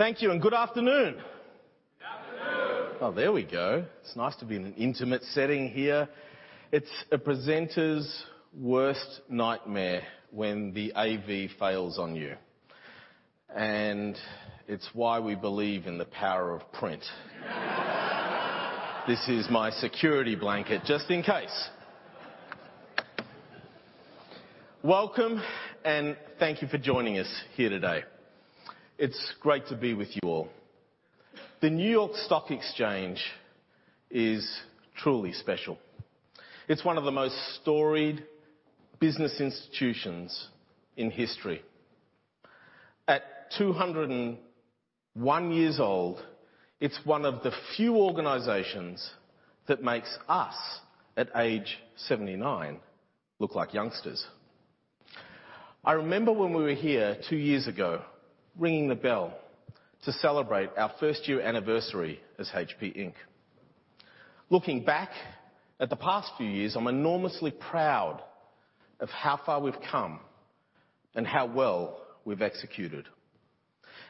Thank you, and good afternoon. Good afternoon. There we go. It's nice to be in an intimate setting here. It's a presenter's worst nightmare when the AV fails on you, and it's why we believe in the power of print. This is my security blanket, just in case. Welcome. Thank you for joining us here today. It's great to be with you all. The New York Stock Exchange is truly special. It's one of the most storied business institutions in history. At 201 years old, it's one of the few organizations that makes us, at age 79, look like youngsters. I remember when we were here two years ago, ringing the bell to celebrate our first-year anniversary as HP Inc. Looking back at the past few years, I'm enormously proud of how far we've come and how well we've executed.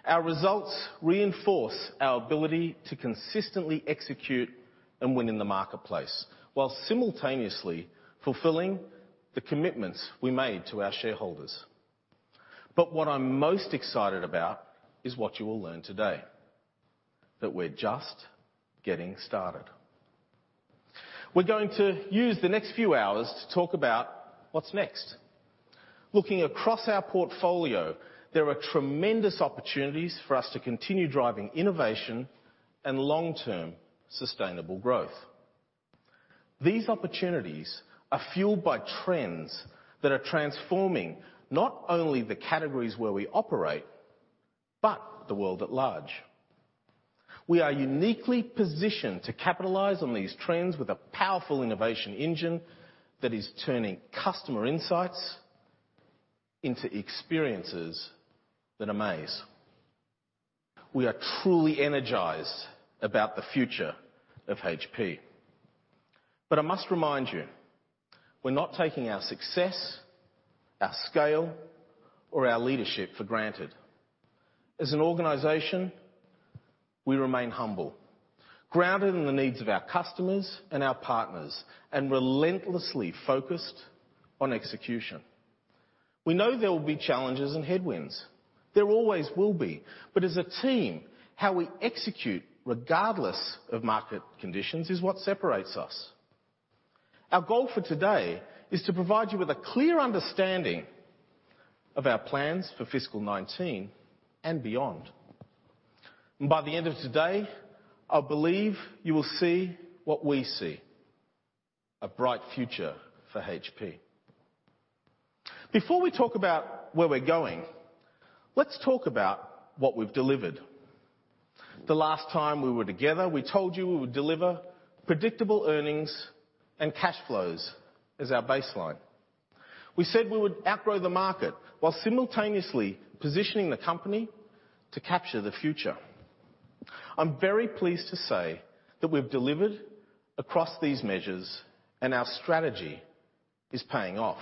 Our results reinforce our ability to consistently execute and win in the marketplace, while simultaneously fulfilling the commitments we made to our shareholders. What I'm most excited about is what you will learn today. That we're just getting started. We're going to use the next few hours to talk about what's next. Looking across our portfolio, there are tremendous opportunities for us to continue driving innovation and long-term sustainable growth. These opportunities are fueled by trends that are transforming not only the categories where we operate, but the world at large. We are uniquely positioned to capitalize on these trends with a powerful innovation engine that is turning customer insights into experiences that amaze. We are truly energized about the future of HP. I must remind you, we're not taking our success, our scale, or our leadership for granted. As an organization, we remain humble, grounded in the needs of our customers and our partners, and relentlessly focused on execution. We know there will be challenges and headwinds. There always will be. As a team, how we execute, regardless of market conditions, is what separates us. Our goal for today is to provide you with a clear understanding of our plans for fiscal 2019 and beyond. By the end of today, I believe you will see what we see. A bright future for HP. Before we talk about where we're going, let's talk about what we've delivered. The last time we were together, we told you we would deliver predictable earnings and cash flows as our baseline. We said we would outgrow the market while simultaneously positioning the company to capture the future. I'm very pleased to say that we've delivered across these measures, and our strategy is paying off.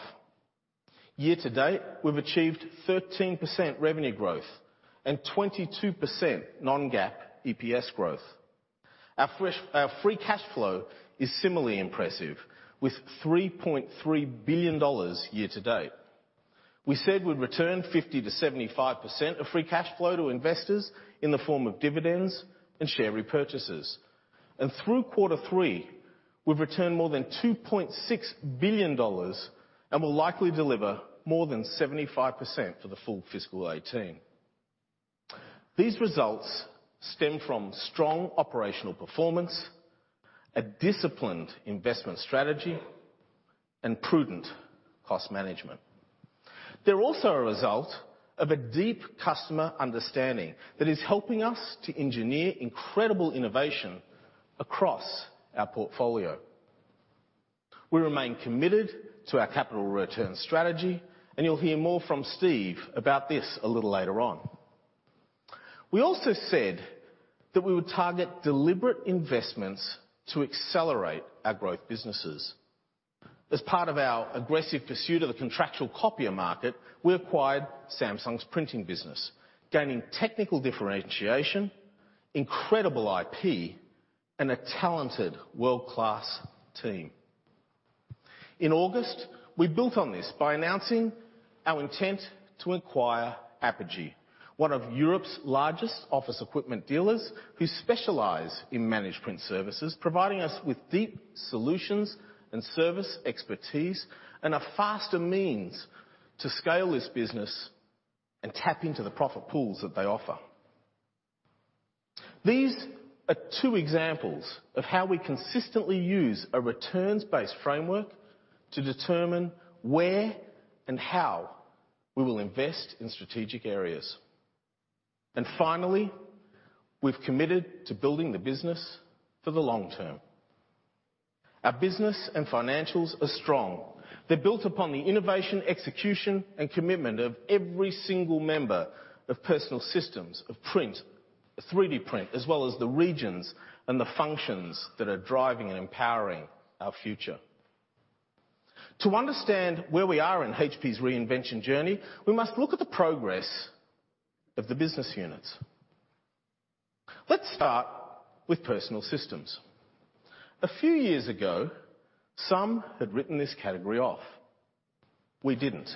Year to date, we've achieved 13% revenue growth and 22% non-GAAP EPS growth. Our free cash flow is similarly impressive, with $3.3 billion year to date. We said we'd return 50% to 75% of free cash flow to investors in the form of dividends and share repurchases. Through quarter three, we've returned more than $2.6 billion and will likely deliver more than 75% for the full fiscal 2018. These results stem from strong operational performance, a disciplined investment strategy, and prudent cost management. They're also a result of a deep customer understanding that is helping us to engineer incredible innovation across our portfolio. We remain committed to our capital return strategy, and you'll hear more from Steve about this a little later on. We also said that we would target deliberate investments to accelerate our growth businesses. As part of our aggressive pursuit of the contractual copier market, we acquired Samsung's printing business, gaining technical differentiation, incredible IP, and a talented world-class team. In August, we built on this by announcing our intent to acquire Apogee, one of Europe's largest office equipment dealers who specialize in Managed Print Services, providing us with deep solutions and service expertise and a faster means to scale this business and tap into the profit pools that they offer. These are two examples of how we consistently use a returns-based framework to determine where and how we will invest in strategic areas. Finally, we've committed to building the business for the long term. Our business and financials are strong. They're built upon the innovation, execution, and commitment of every single member of Personal Systems, of Print, 3D Print, as well as the regions and the functions that are driving and empowering our future. To understand where we are in HP's reinvention journey, we must look at the progress of the business units. Let's start with Personal Systems. A few years ago, some had written this category off. We didn't.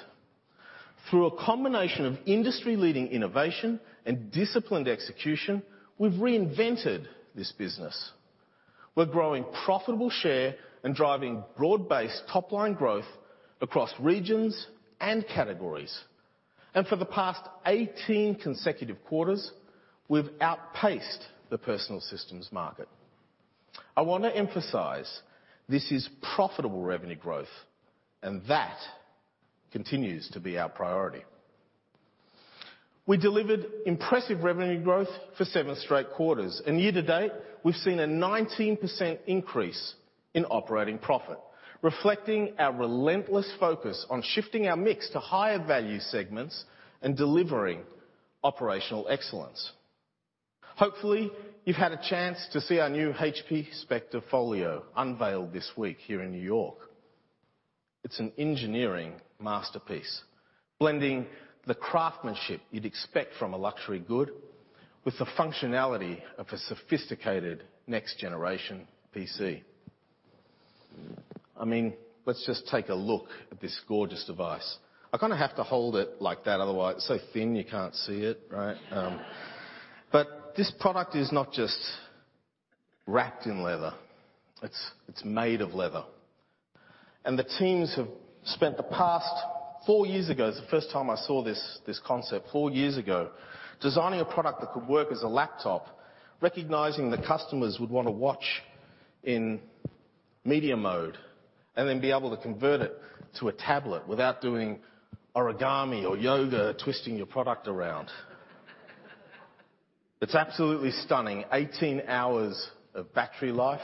Through a combination of industry-leading innovation and disciplined execution, we've reinvented this business. We're growing profitable share and driving broad-based top-line growth across regions and categories. For the past 18 consecutive quarters, we've outpaced the Personal Systems market. I want to emphasize this is profitable revenue growth, and that continues to be our priority. We delivered impressive revenue growth for seven straight quarters. Year-to-date, we've seen a 19% increase in operating profit, reflecting our relentless focus on shifting our mix to higher value segments and delivering operational excellence. Hopefully, you've had a chance to see our new HP Spectre Folio unveiled this week here in New York. It's an engineering masterpiece, blending the craftsmanship you'd expect from a luxury good with the functionality of a sophisticated next-generation PC. Let's just take a look at this gorgeous device. I have to hold it like that, otherwise it's so thin you can't see it, right? This product is not just wrapped in leather, it's made of leather. The teams have spent the past four years ago, it's the first time I saw this concept, four years ago, designing a product that could work as a laptop, recognizing that customers would want to watch in media mode, and then be able to convert it to a tablet without doing origami or yoga, twisting your product around. It's absolutely stunning. 18 hours of battery life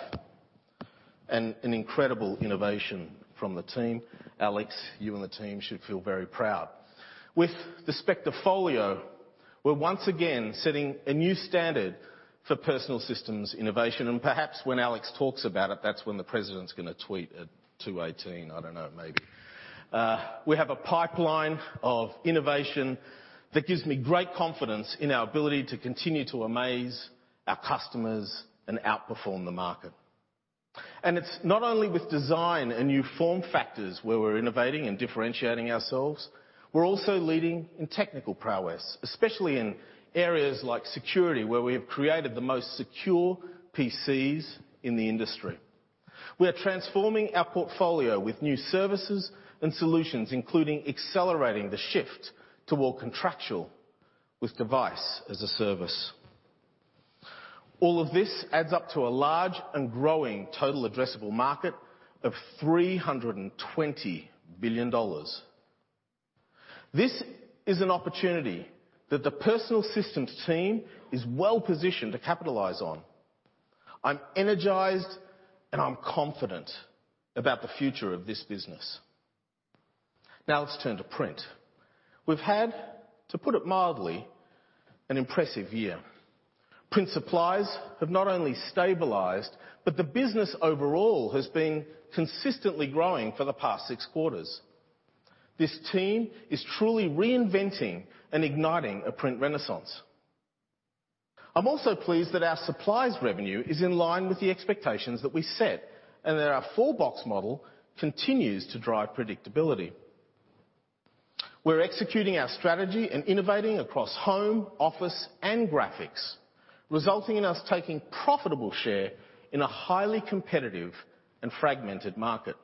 and an incredible innovation from the team. Alex, you and the team should feel very proud. With the Spectre Folio, we're once again setting a new standard for personal systems innovation, and perhaps when Alex talks about it, that's when the president's going to tweet at 2:18. I don't know, maybe. We have a pipeline of innovation that gives me great confidence in our ability to continue to amaze our customers and outperform the market. It's not only with design and new form factors where we're innovating and differentiating ourselves. We're also leading in technical prowess, especially in areas like security, where we have created the most secure PCs in the industry. We are transforming our portfolio with new services and solutions, including accelerating the shift toward contractual with Device as a Service. All of this adds up to a large and growing total addressable market of $320 billion. This is an opportunity that the Personal Systems team is well-positioned to capitalize on. I'm energized, and I'm confident about the future of this business. Now let's turn to print. We've had, to put it mildly, an impressive year. Print supplies have not only stabilized, but the business overall has been consistently growing for the past six quarters. This team is truly reinventing and igniting a Print Renaissance. I'm also pleased that our supplies revenue is in line with the expectations that we set, and that our four-box model continues to drive predictability. We're executing our strategy and innovating across home, office, and graphics, resulting in us taking profitable share in a highly competitive and fragmented market.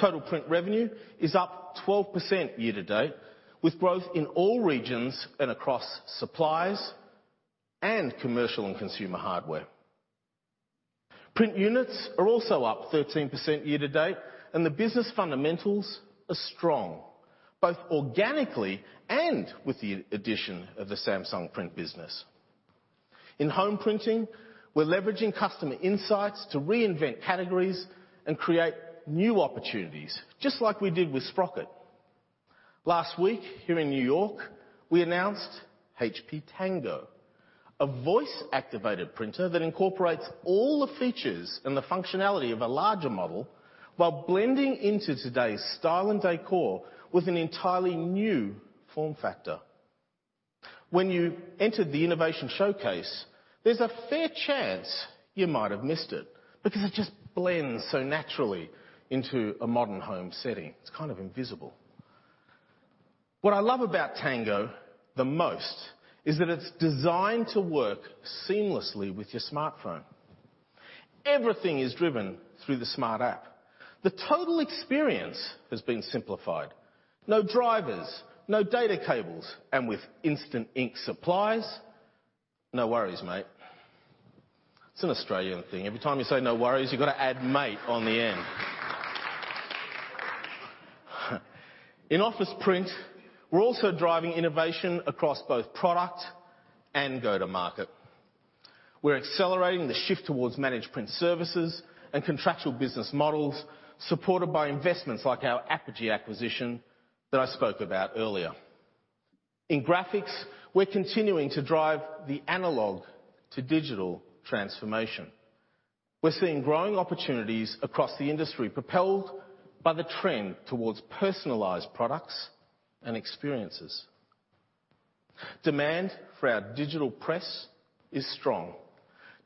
Total print revenue is up 12% year-to-date, with growth in all regions and across supplies and commercial and consumer hardware. Print units are also up 13% year-to-date, and the business fundamentals are strong, both organically and with the addition of the Samsung Print business. In home printing, we're leveraging customer insights to reinvent categories and create new opportunities, just like we did with Sprocket. Last week, here in New York, we announced HP Tango, a voice-activated printer that incorporates all the features and the functionality of a larger model while blending into today's style and decor with an entirely new form factor. When you entered the innovation showcase, there's a fair chance you might have missed it because it just blends so naturally into a modern home setting. It's kind of invisible. What I love about Tango the most is that it's designed to work seamlessly with your smartphone. Everything is driven through the Smart app. The total experience has been simplified. No drivers, no data cables, and with Instant Ink supplies, no worries, mate. It's an Australian thing. Every time you say no worries, you've got to add mate on the end. In office print, we're also driving innovation across both product and go-to-market. We're accelerating the shift towards Managed Print Services and contractual business models supported by investments like our Apogee acquisition that I spoke about earlier. In graphics, we're continuing to drive the analog to digital transformation. We're seeing growing opportunities across the industry, propelled by the trend towards personalized products and experiences. Demand for our digital press is strong.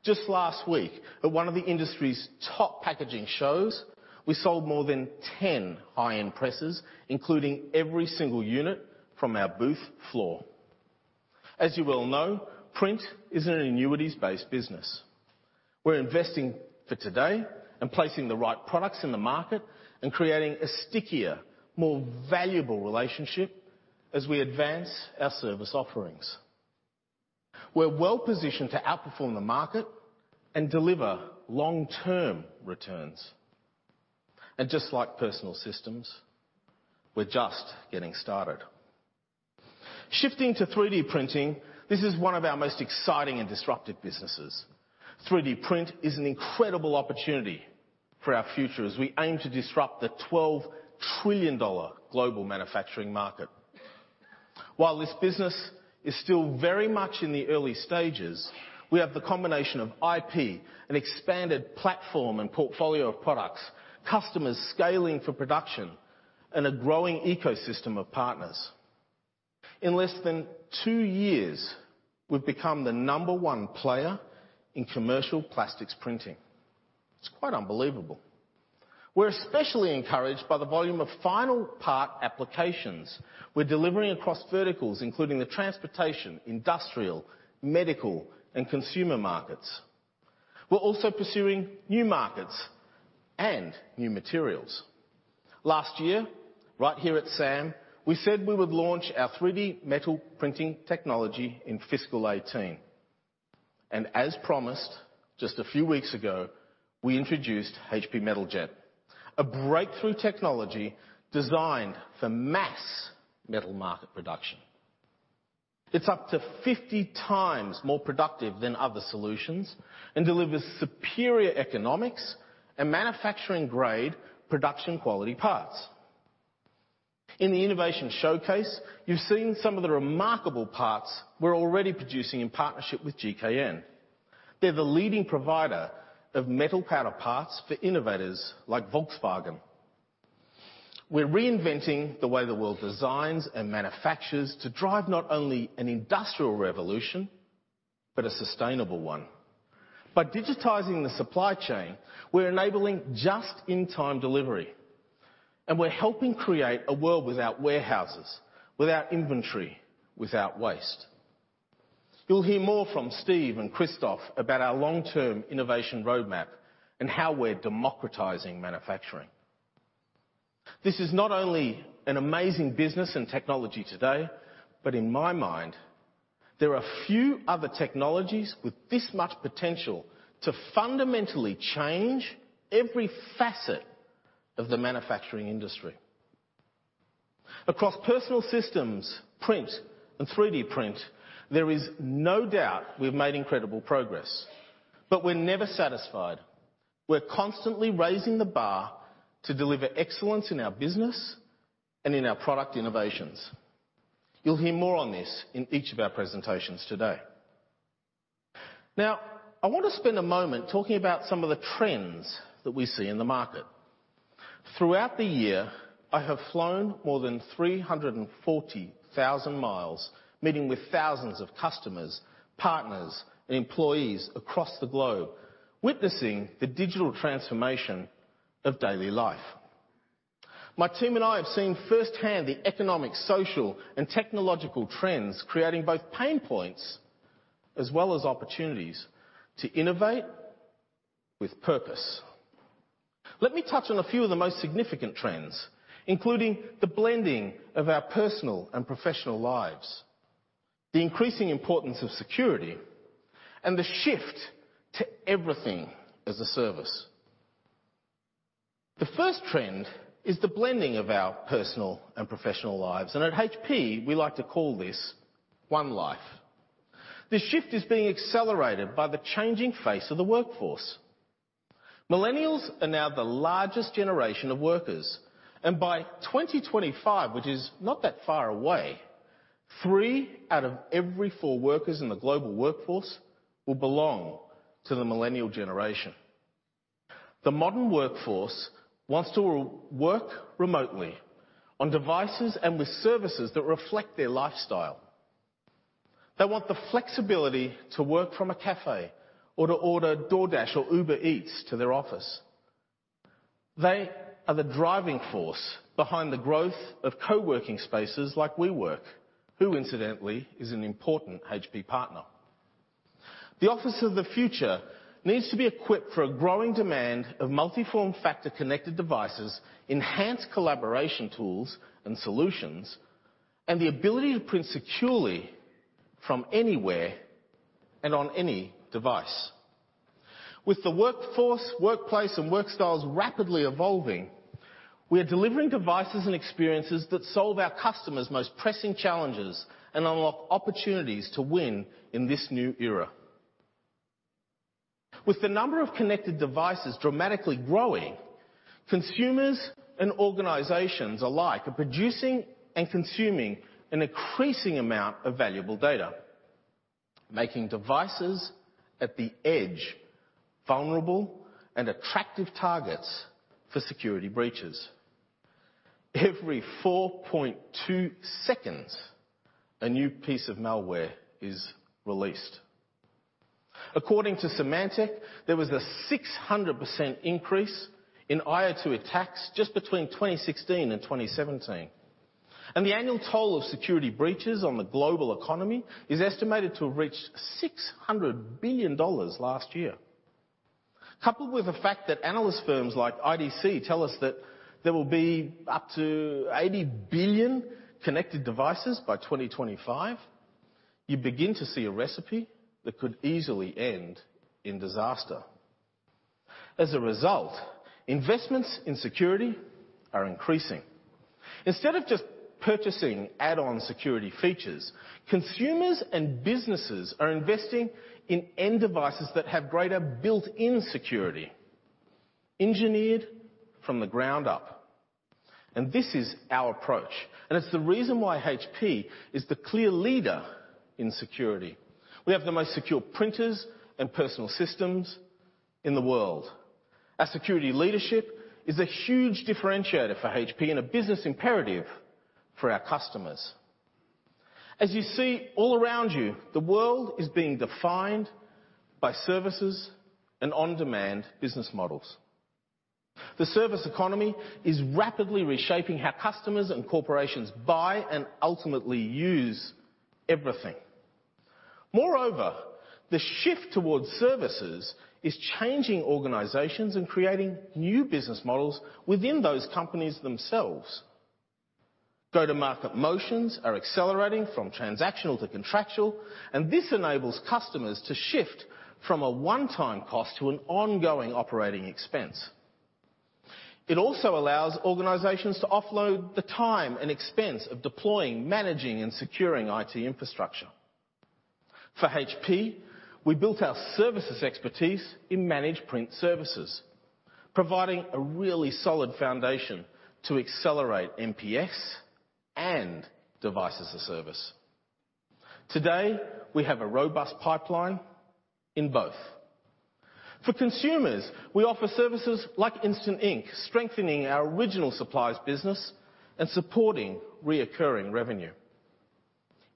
Just last week, at one of the industry's top packaging shows, we sold more than 10 high-end presses, including every single unit from our booth floor. As you well know, print is an annuities-based business. We're investing for today and placing the right products in the market and creating a stickier, more valuable relationship as we advance our service offerings. We're well-positioned to outperform the market and deliver long-term returns. Just like personal systems, we're just getting started. Shifting to 3D Printing, this is one of our most exciting and disruptive businesses. 3D print is an incredible opportunity for our future as we aim to disrupt the $12 trillion global manufacturing market. While this business is still very much in the early stages, we have the combination of IP, an expanded platform and portfolio of products, customers scaling for production, and a growing ecosystem of partners. In less than two years, we've become the number one player in commercial plastics printing. It's quite unbelievable. We're especially encouraged by the volume of final part applications we're delivering across verticals, including the transportation, industrial, medical, and consumer markets. We're also pursuing new markets and new materials. Last year, right here at SAM, we said we would launch our 3D metal printing technology in fiscal 2018. As promised, just a few weeks ago, we introduced HP Metal Jet, a breakthrough technology designed for mass metal market production. It's up to 50 times more productive than other solutions and delivers superior economics and manufacturing-grade, production-quality parts. In the innovation showcase, you've seen some of the remarkable parts we're already producing in partnership with GKN. They're the leading provider of metal powder parts for innovators like Volkswagen. We're reinventing the way the world designs and manufactures to drive not only an industrial revolution, but a sustainable one. By digitizing the supply chain, we're enabling just-in-time delivery, and we're helping create a world without warehouses, without inventory, without waste. You'll hear more from Steve and Christoph about our long-term innovation roadmap and how we're democratizing manufacturing. This is not only an amazing business and technology today, but in my mind, there are few other technologies with this much potential to fundamentally change every facet of the manufacturing industry. Across personal systems, print, and 3D print, there is no doubt we've made incredible progress. We're never satisfied. We're constantly raising the bar to deliver excellence in our business and in our product innovations. You'll hear more on this in each of our presentations today. I want to spend a moment talking about some of the trends that we see in the market. Throughout the year, I have flown more than 340,000 miles, meeting with thousands of customers, partners, and employees across the globe, witnessing the digital transformation of daily life. My team and I have seen firsthand the economic, social, and technological trends creating both pain points as well as opportunities to innovate with purpose. Let me touch on a few of the most significant trends, including the blending of our personal and professional lives, the increasing importance of security, and the shift to everything as a service. The first trend is the blending of our personal and professional lives. At HP, we like to call this One Life. This shift is being accelerated by the changing face of the workforce. Millennials are now the largest generation of workers, and by 2025, which is not that far away, three out of every four workers in the global workforce will belong to the millennial generation. The modern workforce wants to work remotely on devices and with services that reflect their lifestyle. They want the flexibility to work from a cafe or to order DoorDash or Uber Eats to their office. They are the driving force behind the growth of co-working spaces like WeWork, who incidentally, is an important HP partner. The office of the future needs to be equipped for a growing demand of multiform factor connected devices, enhanced collaboration tools and solutions, and the ability to print securely from anywhere and on any device. With the workforce, workplace, and work styles rapidly evolving, we are delivering devices and experiences that solve our customers' most pressing challenges and unlock opportunities to win in this new era. With the number of connected devices dramatically growing, consumers and organizations alike are producing and consuming an increasing amount of valuable data, making devices at the edge vulnerable and attractive targets for security breaches. Every 4.2 seconds, a new piece of malware is released. According to Symantec, there was a 600% increase in IoT attacks just between 2016 and 2017. The annual toll of security breaches on the global economy is estimated to have reached $600 billion last year. Coupled with the fact that analyst firms like IDC tell us that there will be up to 80 billion connected devices by 2025, you begin to see a recipe that could easily end in disaster. As a result, investments in security are increasing. Instead of just purchasing add-on security features, consumers and businesses are investing in end devices that have greater built-in security, engineered from the ground up. This is our approach, and it's the reason why HP is the clear leader in security. We have the most secure printers and personal systems in the world. Our security leadership is a huge differentiator for HP and a business imperative for our customers. As you see all around you, the world is being defined by services and on-demand business models. The service economy is rapidly reshaping how customers and corporations buy and ultimately use everything. Moreover, the shift towards services is changing organizations and creating new business models within those companies themselves. Go-to-market motions are accelerating from transactional to contractual. This enables customers to shift from a one-time cost to an ongoing operating expense. It also allows organizations to offload the time and expense of deploying, managing, and securing IT infrastructure. For HP, we built our services expertise in Managed Print Services, providing a really solid foundation to accelerate MPS and Device as a Service. Today, we have a robust pipeline in both. For consumers, we offer services like HP Instant Ink, strengthening our original supplies business and supporting reoccurring revenue.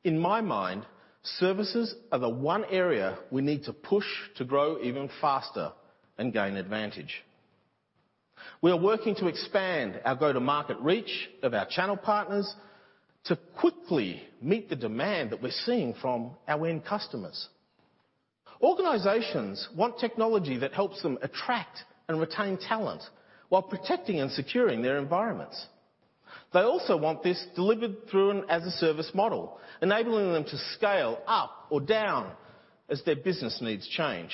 In my mind, services are the one area we need to push to grow even faster and gain advantage. We are working to expand our go-to-market reach of our channel partners to quickly meet the demand that we're seeing from our end customers. Organizations want technology that helps them attract and retain talent while protecting and securing their environments. They also want this delivered through an as a service model, enabling them to scale up or down as their business needs change.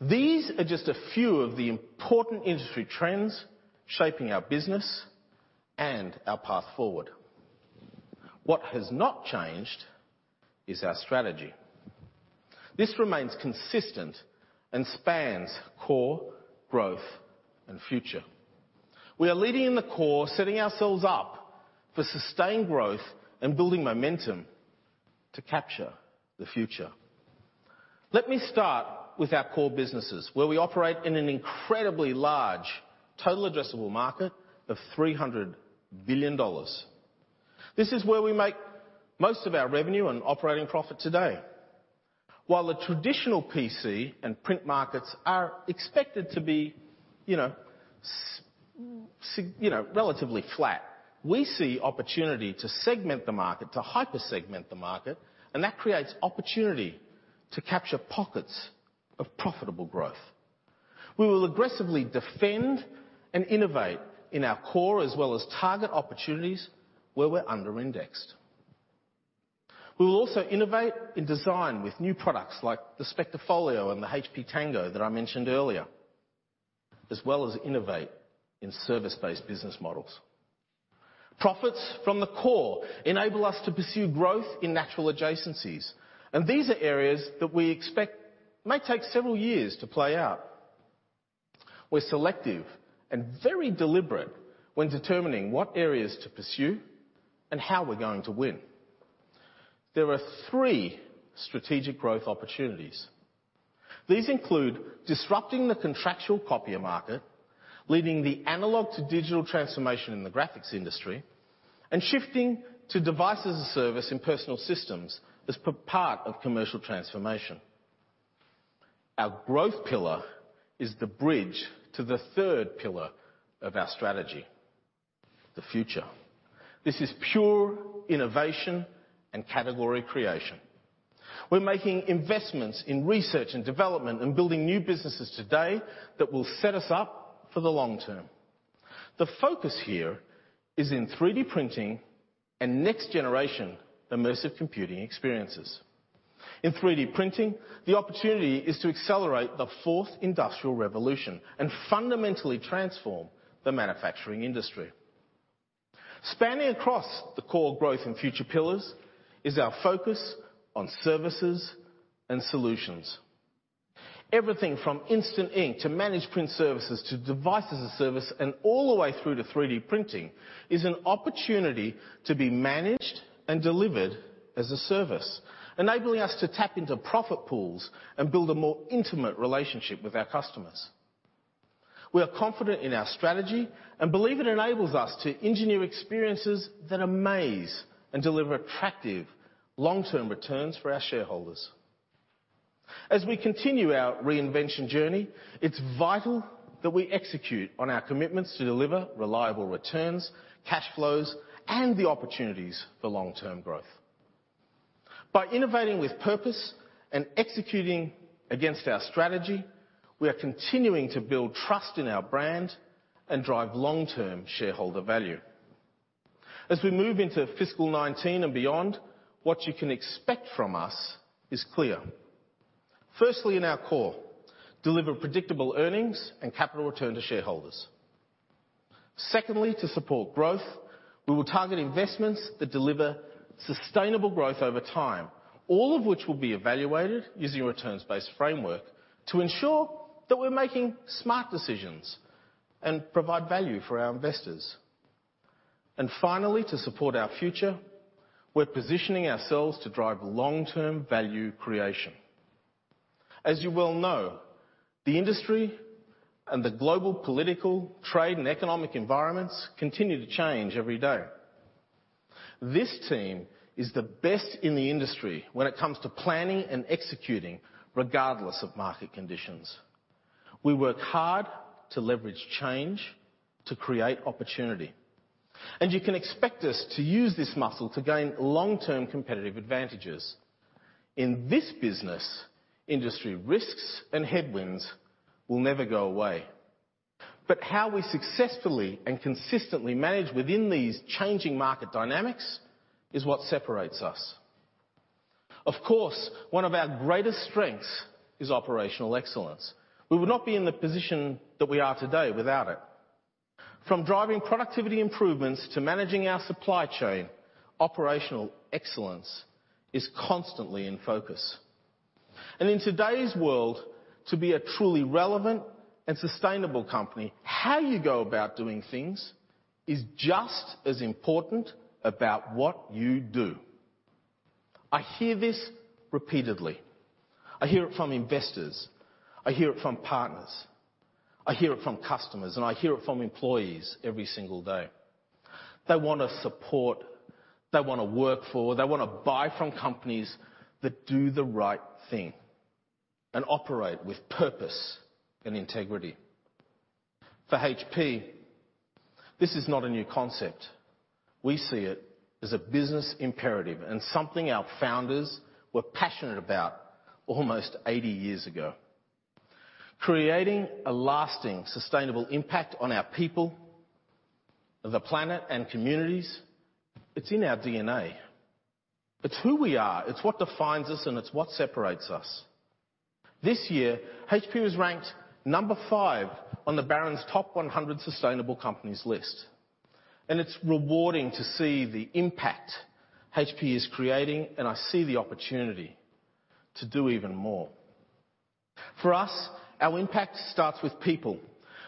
These are just a few of the important industry trends shaping our business and our path forward. What has not changed is our strategy. This remains consistent and spans core, growth, and future. We are leading in the core, setting ourselves up for sustained growth and building momentum to capture the future. Let me start with our core businesses, where we operate in an incredibly large total addressable market of $300 billion. This is where we make most of our revenue and operating profit today. While the traditional PC and print markets are expected to be relatively flat. We see opportunity to segment the market, to hyper-segment the market, and that creates opportunity to capture pockets of profitable growth. We will aggressively defend and innovate in our core, as well as target opportunities where we're under-indexed. We will also innovate in design with new products like the HP Spectre Folio and the HP Tango that I mentioned earlier, as well as innovate in service-based business models. Profits from the core enable us to pursue growth in natural adjacencies, and these are areas that we expect may take several years to play out. We're selective and very deliberate when determining what areas to pursue and how we're going to win. There are three strategic growth opportunities. These include disrupting the contractual copier market, leading the analog-to-digital transformation in the graphics industry, and shifting to Device as a Service in personal systems as part of commercial transformation. Our growth pillar is the bridge to the third pillar of our strategy, the future. This is pure innovation and category creation. We're making investments in research and development and building new businesses today that will set us up for the long term. The focus here is in 3D printing and next-generation immersive computing experiences. In 3D printing, the opportunity is to accelerate the fourth industrial revolution and fundamentally transform the manufacturing industry. Spanning across the core growth and future pillars is our focus on services and solutions. Everything from Instant Ink to Managed Print Services, to Device as a Service, and all the way through to 3D printing, is an opportunity to be managed and delivered as a service, enabling us to tap into profit pools and build a more intimate relationship with our customers. We are confident in our strategy and believe it enables us to engineer experiences that amaze and deliver attractive long-term returns for our shareholders. As we continue our reinvention journey, it's vital that we execute on our commitments to deliver reliable returns, cash flows, and the opportunities for long-term growth. By innovating with purpose and executing against our strategy, we are continuing to build trust in our brand and drive long-term shareholder value. As we move into fiscal 2019 and beyond, what you can expect from us is clear. Firstly, in our core, deliver predictable earnings and capital return to shareholders. Secondly, to support growth, we will target investments that deliver sustainable growth over time, all of which will be evaluated using a returns-based framework to ensure that we're making smart decisions and provide value for our investors. Finally, to support our future, we're positioning ourselves to drive long-term value creation. As you well know, the industry and the global political, trade, and economic environments continue to change every day. This team is the best in the industry when it comes to planning and executing regardless of market conditions. We work hard to leverage change to create opportunity. You can expect us to use this muscle to gain long-term competitive advantages. In this business, industry risks and headwinds will never go away. How we successfully and consistently manage within these changing market dynamics is what separates us. Of course, one of our greatest strengths is operational excellence. We would not be in the position that we are today without it. From driving productivity improvements to managing our supply chain, operational excellence is constantly in focus. In today's world, to be a truly relevant and sustainable company, how you go about doing things is just as important about what you do. I hear this repeatedly. I hear it from investors, I hear it from partners, I hear it from customers, and I hear it from employees every single day. They want to support, they want to work for, they want to buy from companies that do the right thing and operate with purpose and integrity. For HP, this is not a new concept. We see it as a business imperative and something our founders were passionate about almost 80 years ago. Creating a lasting, sustainable impact on our people, the planet, and communities, it's in our DNA. It's who we are, it's what defines us, and it's what separates us. This year, HP was ranked number 5 on the Barron's top 100 sustainable companies list. It's rewarding to see the impact HP is creating, and I see the opportunity to do even more. For us, our impact starts with people,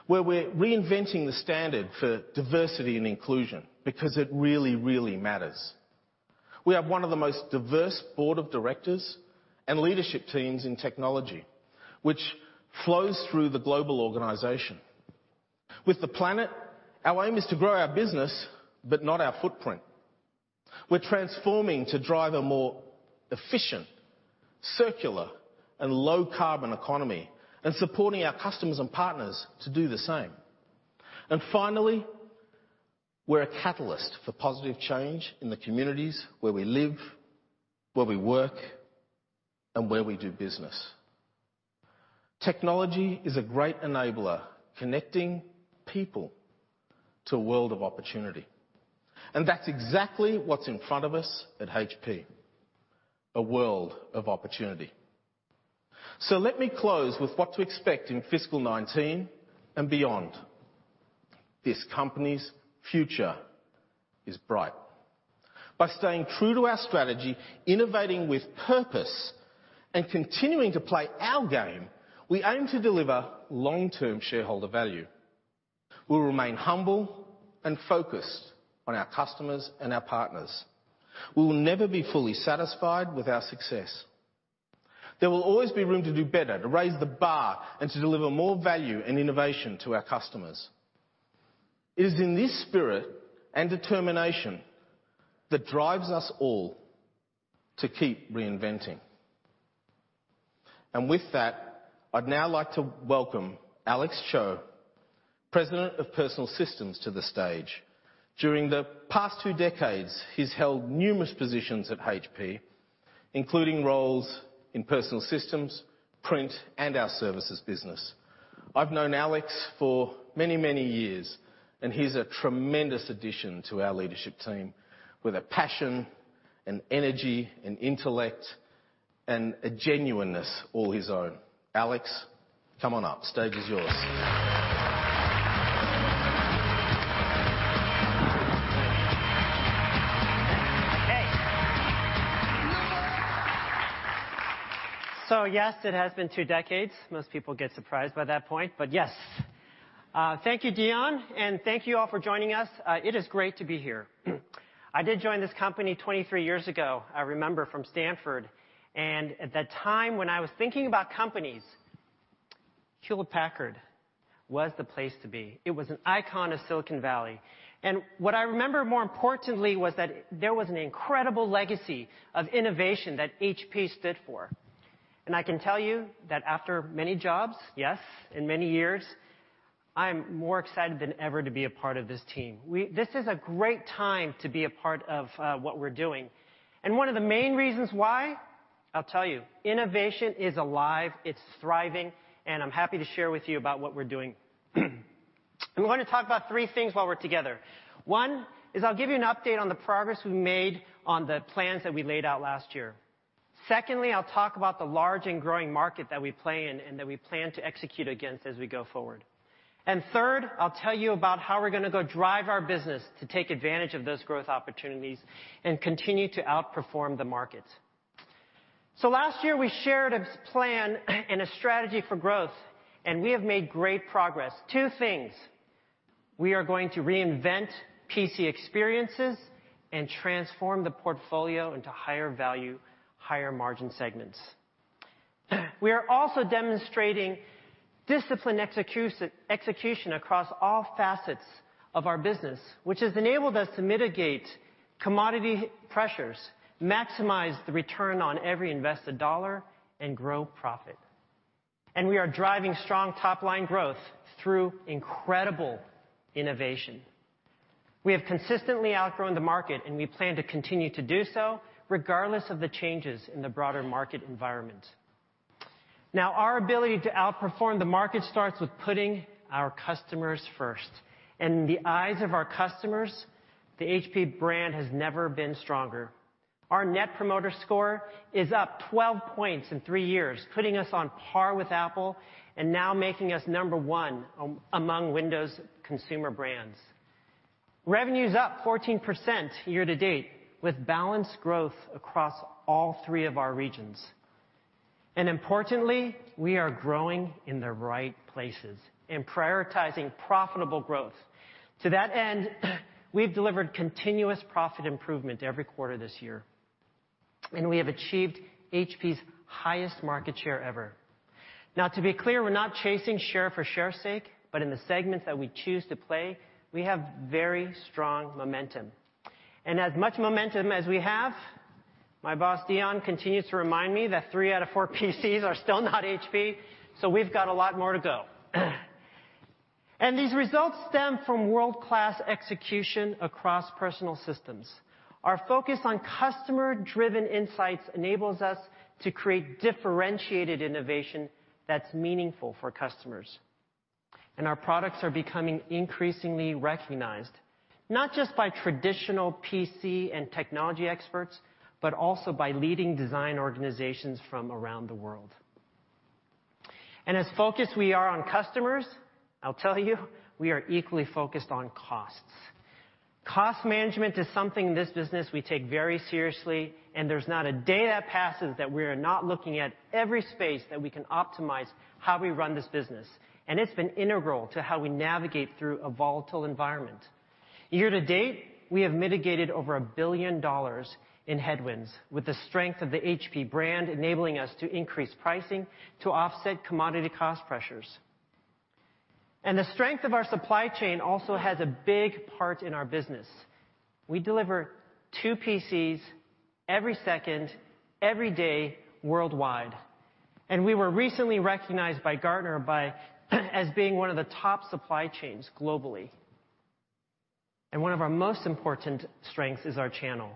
where we're reinventing the standard for diversity and inclusion because it really matters. We have one of the most diverse board of directors and leadership teams in technology, which flows through the global organization. With the planet, our aim is to grow our business, but not our footprint. We're transforming to drive a more efficient, circular, and low-carbon economy and supporting our customers and partners to do the same. Finally, we're a catalyst for positive change in the communities where we live, where we work, and where we do business. Technology is a great enabler, connecting people to a world of opportunity, and that's exactly what's in front of us at HP, a world of opportunity. Let me close with what to expect in fiscal 2019 and beyond. This company's future is bright. By staying true to our strategy, innovating with purpose, and continuing to play our game, we aim to deliver long-term shareholder value. We'll remain humble and focused on our customers and our partners. We will never be fully satisfied with our success. There will always be room to do better, to raise the bar, and to deliver more value and innovation to our customers. It is in this spirit and determination that drives us all to keep reinventing. With that, I'd now like to welcome Alex Cho, President of Personal Systems, to the stage. During the past two decades, he's held numerous positions at HP, including roles in Personal Systems, Print, and our Services business. I've known Alex for many, many years, he's a tremendous addition to our leadership team, with a passion and energy and intellect and a genuineness all his own. Alex, come on up. Stage is yours. Hey. Yes, it has been 2 decades. Most people get surprised by that point, but yes. Thank you, Dion. Thank you all for joining us. It is great to be here. I did join this company 23 years ago, I remember, from Stanford. At the time when I was thinking about companies, Hewlett-Packard was the place to be. It was an icon of Silicon Valley. What I remember more importantly was that there was an incredible legacy of innovation that HP stood for. I can tell you that after many jobs, yes, and many years, I'm more excited than ever to be a part of this team. This is a great time to be a part of what we're doing. One of the main reasons why, I'll tell you. Innovation is alive, it's thriving, and I'm happy to share with you about what we're doing. We're going to talk about three things while we're together. One is I'll give you an update on the progress we've made on the plans that we laid out last year. Secondly, I'll talk about the large and growing market that we play in and that we plan to execute against as we go forward. Third, I'll tell you about how we're going to go drive our business to take advantage of those growth opportunities and continue to outperform the market. Last year, we shared a plan and a strategy for growth, and we have made great progress. Two things: we are going to reinvent PC experiences and transform the portfolio into higher value, higher margin segments. We are also demonstrating disciplined execution across all facets of our business, which has enabled us to mitigate commodity pressures, maximize the return on every invested $, and grow profit. We are driving strong top-line growth through incredible innovation. We have consistently outgrown the market, and we plan to continue to do so regardless of the changes in the broader market environment. Our ability to outperform the market starts with putting our customers first. In the eyes of our customers, the HP brand has never been stronger. Our Net Promoter Score is up 12 points in three years, putting us on par with Apple and now making us number 1 among Windows consumer brands. Revenue's up 14% year-to-date, with balanced growth across all three of our regions. Importantly, we are growing in the right places and prioritizing profitable growth. To that end, we've delivered continuous profit improvement every quarter this year, and we have achieved HP's highest market share ever. Now to be clear, we're not chasing share for share's sake, but in the segments that we choose to play, we have very strong momentum. As much momentum as we have, my boss, Dion, continues to remind me that three out of four PCs are still not HP, so we've got a lot more to go. These results stem from world-class execution across personal systems. Our focus on customer-driven insights enables us to create differentiated innovation that's meaningful for customers. Our products are becoming increasingly recognized, not just by traditional PC and technology experts, but also by leading design organizations from around the world. As focused we are on customers, I'll tell you, we are equally focused on costs. Cost management is something in this business we take very seriously. There's not a day that passes that we are not looking at every space that we can optimize how we run this business. It's been integral to how we navigate through a volatile environment. Year to date, we have mitigated over $1 billion in headwinds with the strength of the HP brand enabling us to increase pricing to offset commodity cost pressures. The strength of our supply chain also has a big part in our business. We deliver two PCs every second, every day, worldwide. We were recently recognized by Gartner as being one of the top supply chains globally. One of our most important strengths is our channel.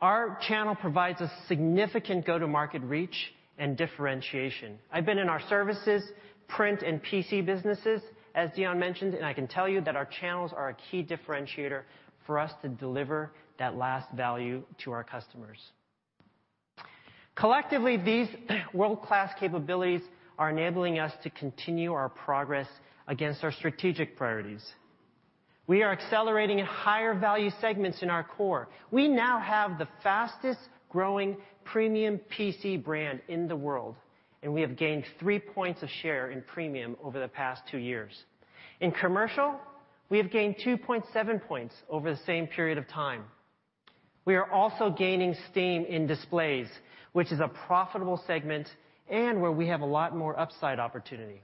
Our channel provides a significant go-to-market reach and differentiation. I've been in our services, print, and PC businesses, as Dion mentioned, I can tell you that our channels are a key differentiator for us to deliver that last value to our customers. Collectively, these world-class capabilities are enabling us to continue our progress against our strategic priorities. We are accelerating in higher value segments in our core. We now have the fastest-growing premium PC brand in the world, we have gained three points of share in premium over the past two years. In commercial, we have gained 2.7 points over the same period of time. We are also gaining steam in displays, which is a profitable segment and where we have a lot more upside opportunity.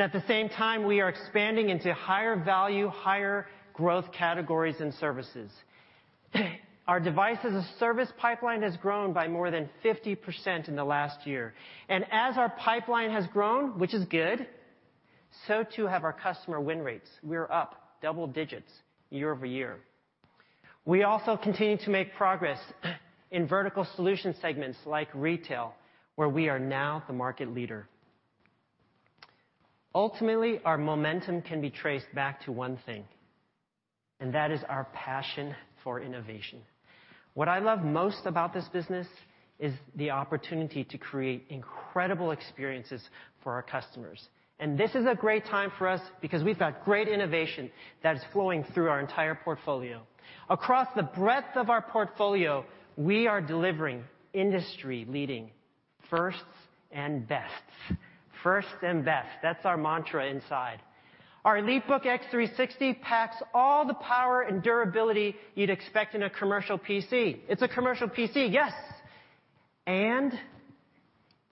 At the same time, we are expanding into higher value, higher growth categories and services. Our Device as a Service pipeline has grown by more than 50% in the last year. As our pipeline has grown, which is good, so too have our customer win rates. We're up double digits year-over-year. We also continue to make progress in vertical solution segments like retail, where we are now the market leader. Ultimately, our momentum can be traced back to one thing, and that is our passion for innovation. What I love most about this business is the opportunity to create incredible experiences for our customers. This is a great time for us because we've got great innovation that is flowing through our entire portfolio. Across the breadth of our portfolio, we are delivering industry-leading firsts and bests. First and best, that's our mantra inside. Our EliteBook x360 packs all the power and durability you'd expect in a commercial PC. It's a commercial PC, yes.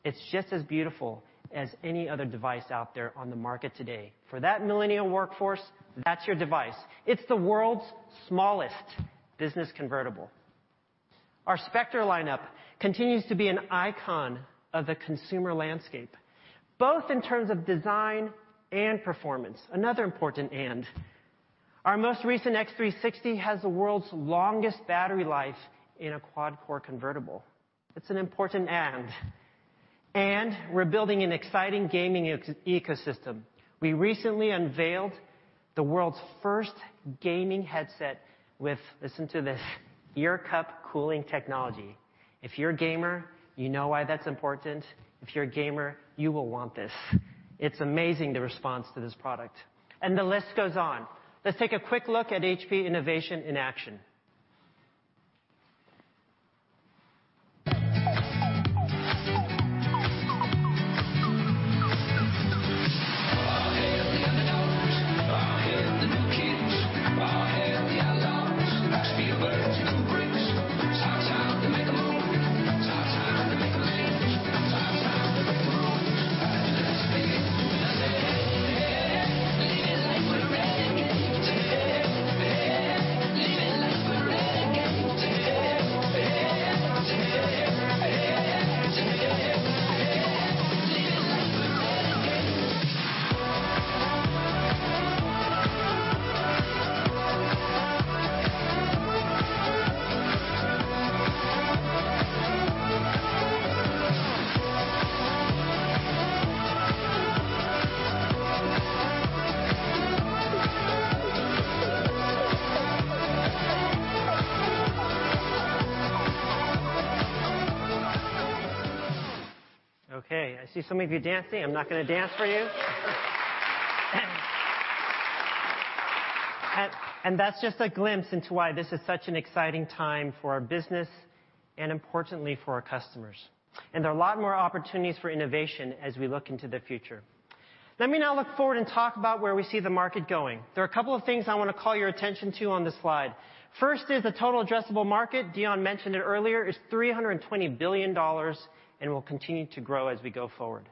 It's just as beautiful as any other device out there on the market today. For that millennial workforce, that's your device. It's the world's smallest business convertible. Our Spectre lineup continues to be an icon of the consumer landscape, both in terms of design and performance. Our most recent x360 has the world's longest battery life in a quad-core convertible. We're building an exciting gaming ecosystem. We recently unveiled the world's first gaming headset with, listen to this, ear cup cooling technology. If you're a gamer, you know why that's important. If you're a gamer, you will want this. It's amazing, the response to this product. The list goes on. Let's take a quick look at HP innovation in action. All hail the underdogs. All hail the new kids. All hail the outlaws. Steel birds and blueprints. It's our time to make a move. It's our time to make amends. It's our time to raise the roof. I say, yeah. Living life we're renegades. Yeah. Yeah. Living life we're renegades. Yeah. Yeah. Yeah. Yeah. Yeah. Yeah. Living life we're renegades. Okay, I see some of you dancing. I'm not going to dance for you. That's just a glimpse into why this is such an exciting time for our business and importantly, for our customers. There are a lot more opportunities for innovation as we look into the future. Let me now look forward and talk about where we see the market going. There are a couple of things I want to call your attention to on this slide. First is the total addressable market, Dion mentioned it earlier, is $320 billion and will continue to grow as we go forward.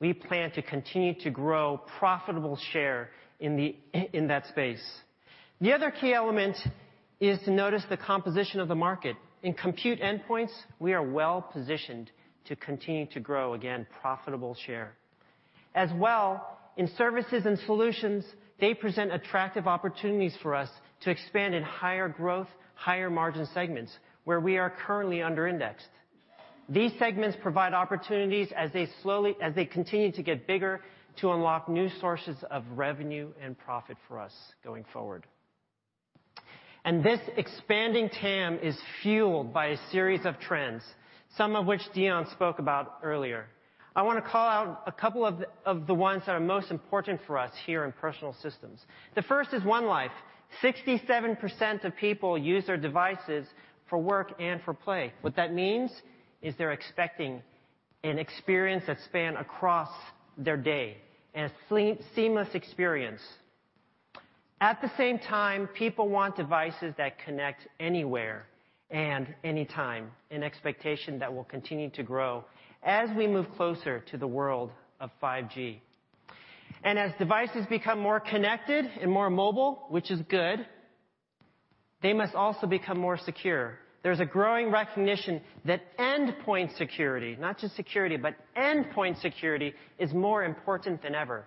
We plan to continue to grow profitable share in that space. The other key element is to notice the composition of the market. In compute endpoints, we are well-positioned to continue to grow, again, profitable share. As well, in services and solutions, they present attractive opportunities for us to expand in higher growth, higher margin segments where we are currently under-indexed. These segments provide opportunities as they continue to get bigger, to unlock new sources of revenue and profit for us going forward. This expanding TAM is fueled by a series of trends, some of which Dion spoke about earlier. I want to call out a couple of the ones that are most important for us here in Personal Systems. The first is One Life. 67% of people use their devices for work and for play. What that means is they're expecting an experience that span across their day, and a seamless experience. At the same time, people want devices that connect anywhere and anytime, an expectation that will continue to grow as we move closer to the world of 5G. As devices become more connected and more mobile, which is good, they must also become more secure. There's a growing recognition that endpoint security, not just security, but endpoint security, is more important than ever.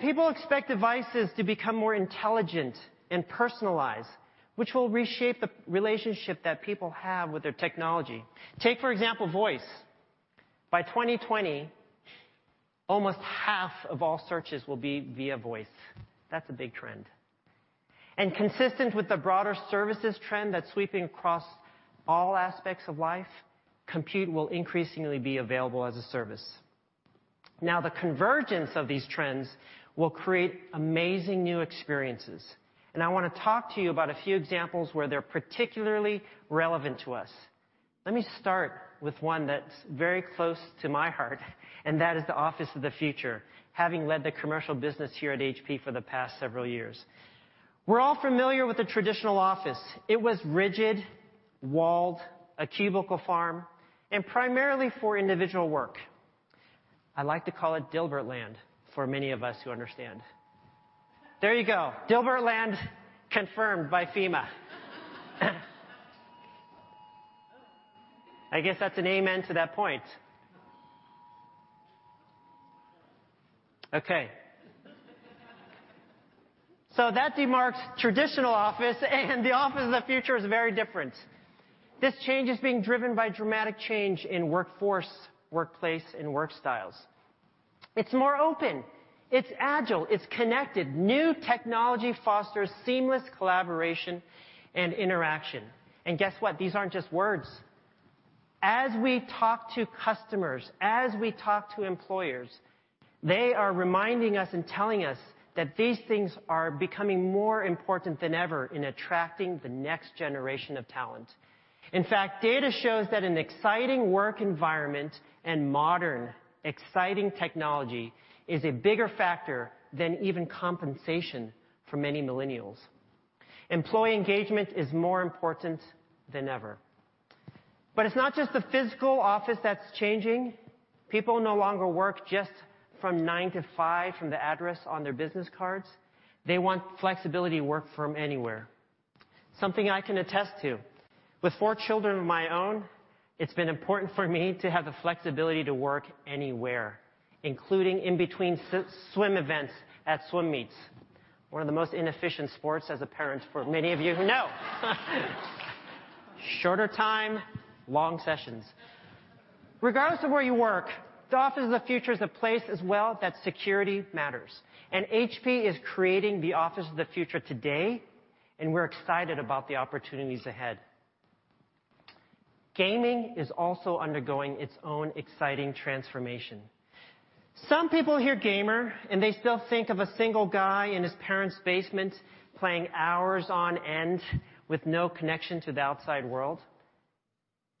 People expect devices to become more intelligent and personalized, which will reshape the relationship that people have with their technology. Take, for example, voice. By 2020, almost half of all searches will be via voice. That's a big trend. Consistent with the broader services trend that's sweeping across all aspects of life, compute will increasingly be available as a service. The convergence of these trends will create amazing new experiences, and I want to talk to you about a few examples where they're particularly relevant to us. Let me start with one that's very close to my heart, and that is the office of the future, having led the commercial business here at HP for the past several years. We're all familiar with the traditional office. It was rigid, walled, a cubicle farm, and primarily for individual work. I like to call it Dilbert land, for many of us who understand. There you go. Dilbert land confirmed by FEMA. I guess that's an amen to that point. That demarks traditional office and the office of the future is very different. This change is being driven by dramatic change in workforce, workplace, and work styles. It's more open, it's agile, it's connected. New technology fosters seamless collaboration and interaction. Guess what? These aren't just words. As we talk to customers, as we talk to employers, they are reminding us and telling us that these things are becoming more important than ever in attracting the next generation of talent. In fact, data shows that an exciting work environment and modern, exciting technology is a bigger factor than even compensation for many millennials. Employee engagement is more important than ever. It's not just the physical office that's changing. People no longer work just from 9:00 to 5:00 from the address on their business cards. They want the flexibility to work from anywhere. Something I can attest to. With four children of my own, it's been important for me to have the flexibility to work anywhere, including in between swim events at swim meets. One of the most inefficient sports as a parent, for many of you who know. Shorter time, long sessions. Regardless of where you work, the office of the future is a place as well that security matters. HP is creating the office of the future today, and we're excited about the opportunities ahead. Gaming is also undergoing its own exciting transformation. Some people hear gamer, and they still think of a single guy in his parents' basement playing hours on end with no connection to the outside world.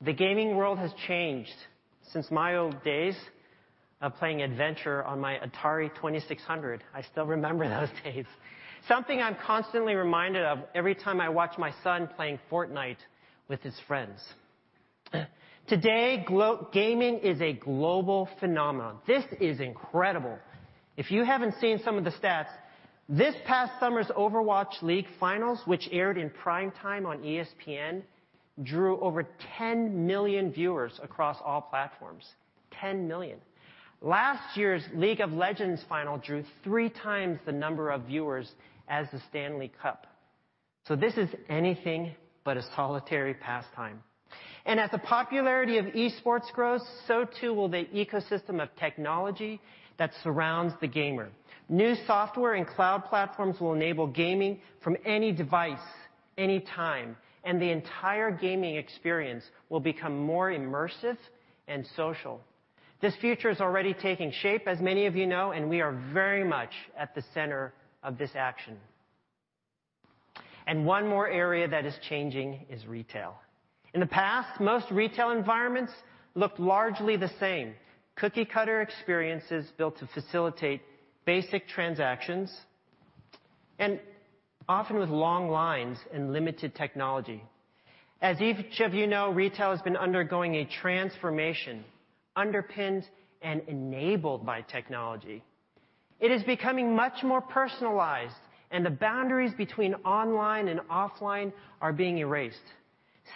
The gaming world has changed since my old days of playing Adventure on my Atari 2600. I still remember those days. Something I'm constantly reminded of every time I watch my son playing Fortnite with his friends. Today, gaming is a global phenomenon. This is incredible. If you haven't seen some of the stats, this past summer's Overwatch League finals, which aired in prime time on ESPN, drew over 10 million viewers across all platforms. 10 million. Last year's League of Legends final drew three times the number of viewers as the Stanley Cup. This is anything but a solitary pastime. As the popularity of esports grows, so too will the ecosystem of technology that surrounds the gamer. New software and cloud platforms will enable gaming from any device, any time, and the entire gaming experience will become more immersive and social. This future is already taking shape, as many of you know, and we are very much at the center of this action. One more area that is changing is retail. In the past, most retail environments looked largely the same. Cookie-cutter experiences built to facilitate basic transactions, and often with long lines and limited technology. As each of you know, retail has been undergoing a transformation underpinned and enabled by technology. It is becoming much more personalized, and the boundaries between online and offline are being erased.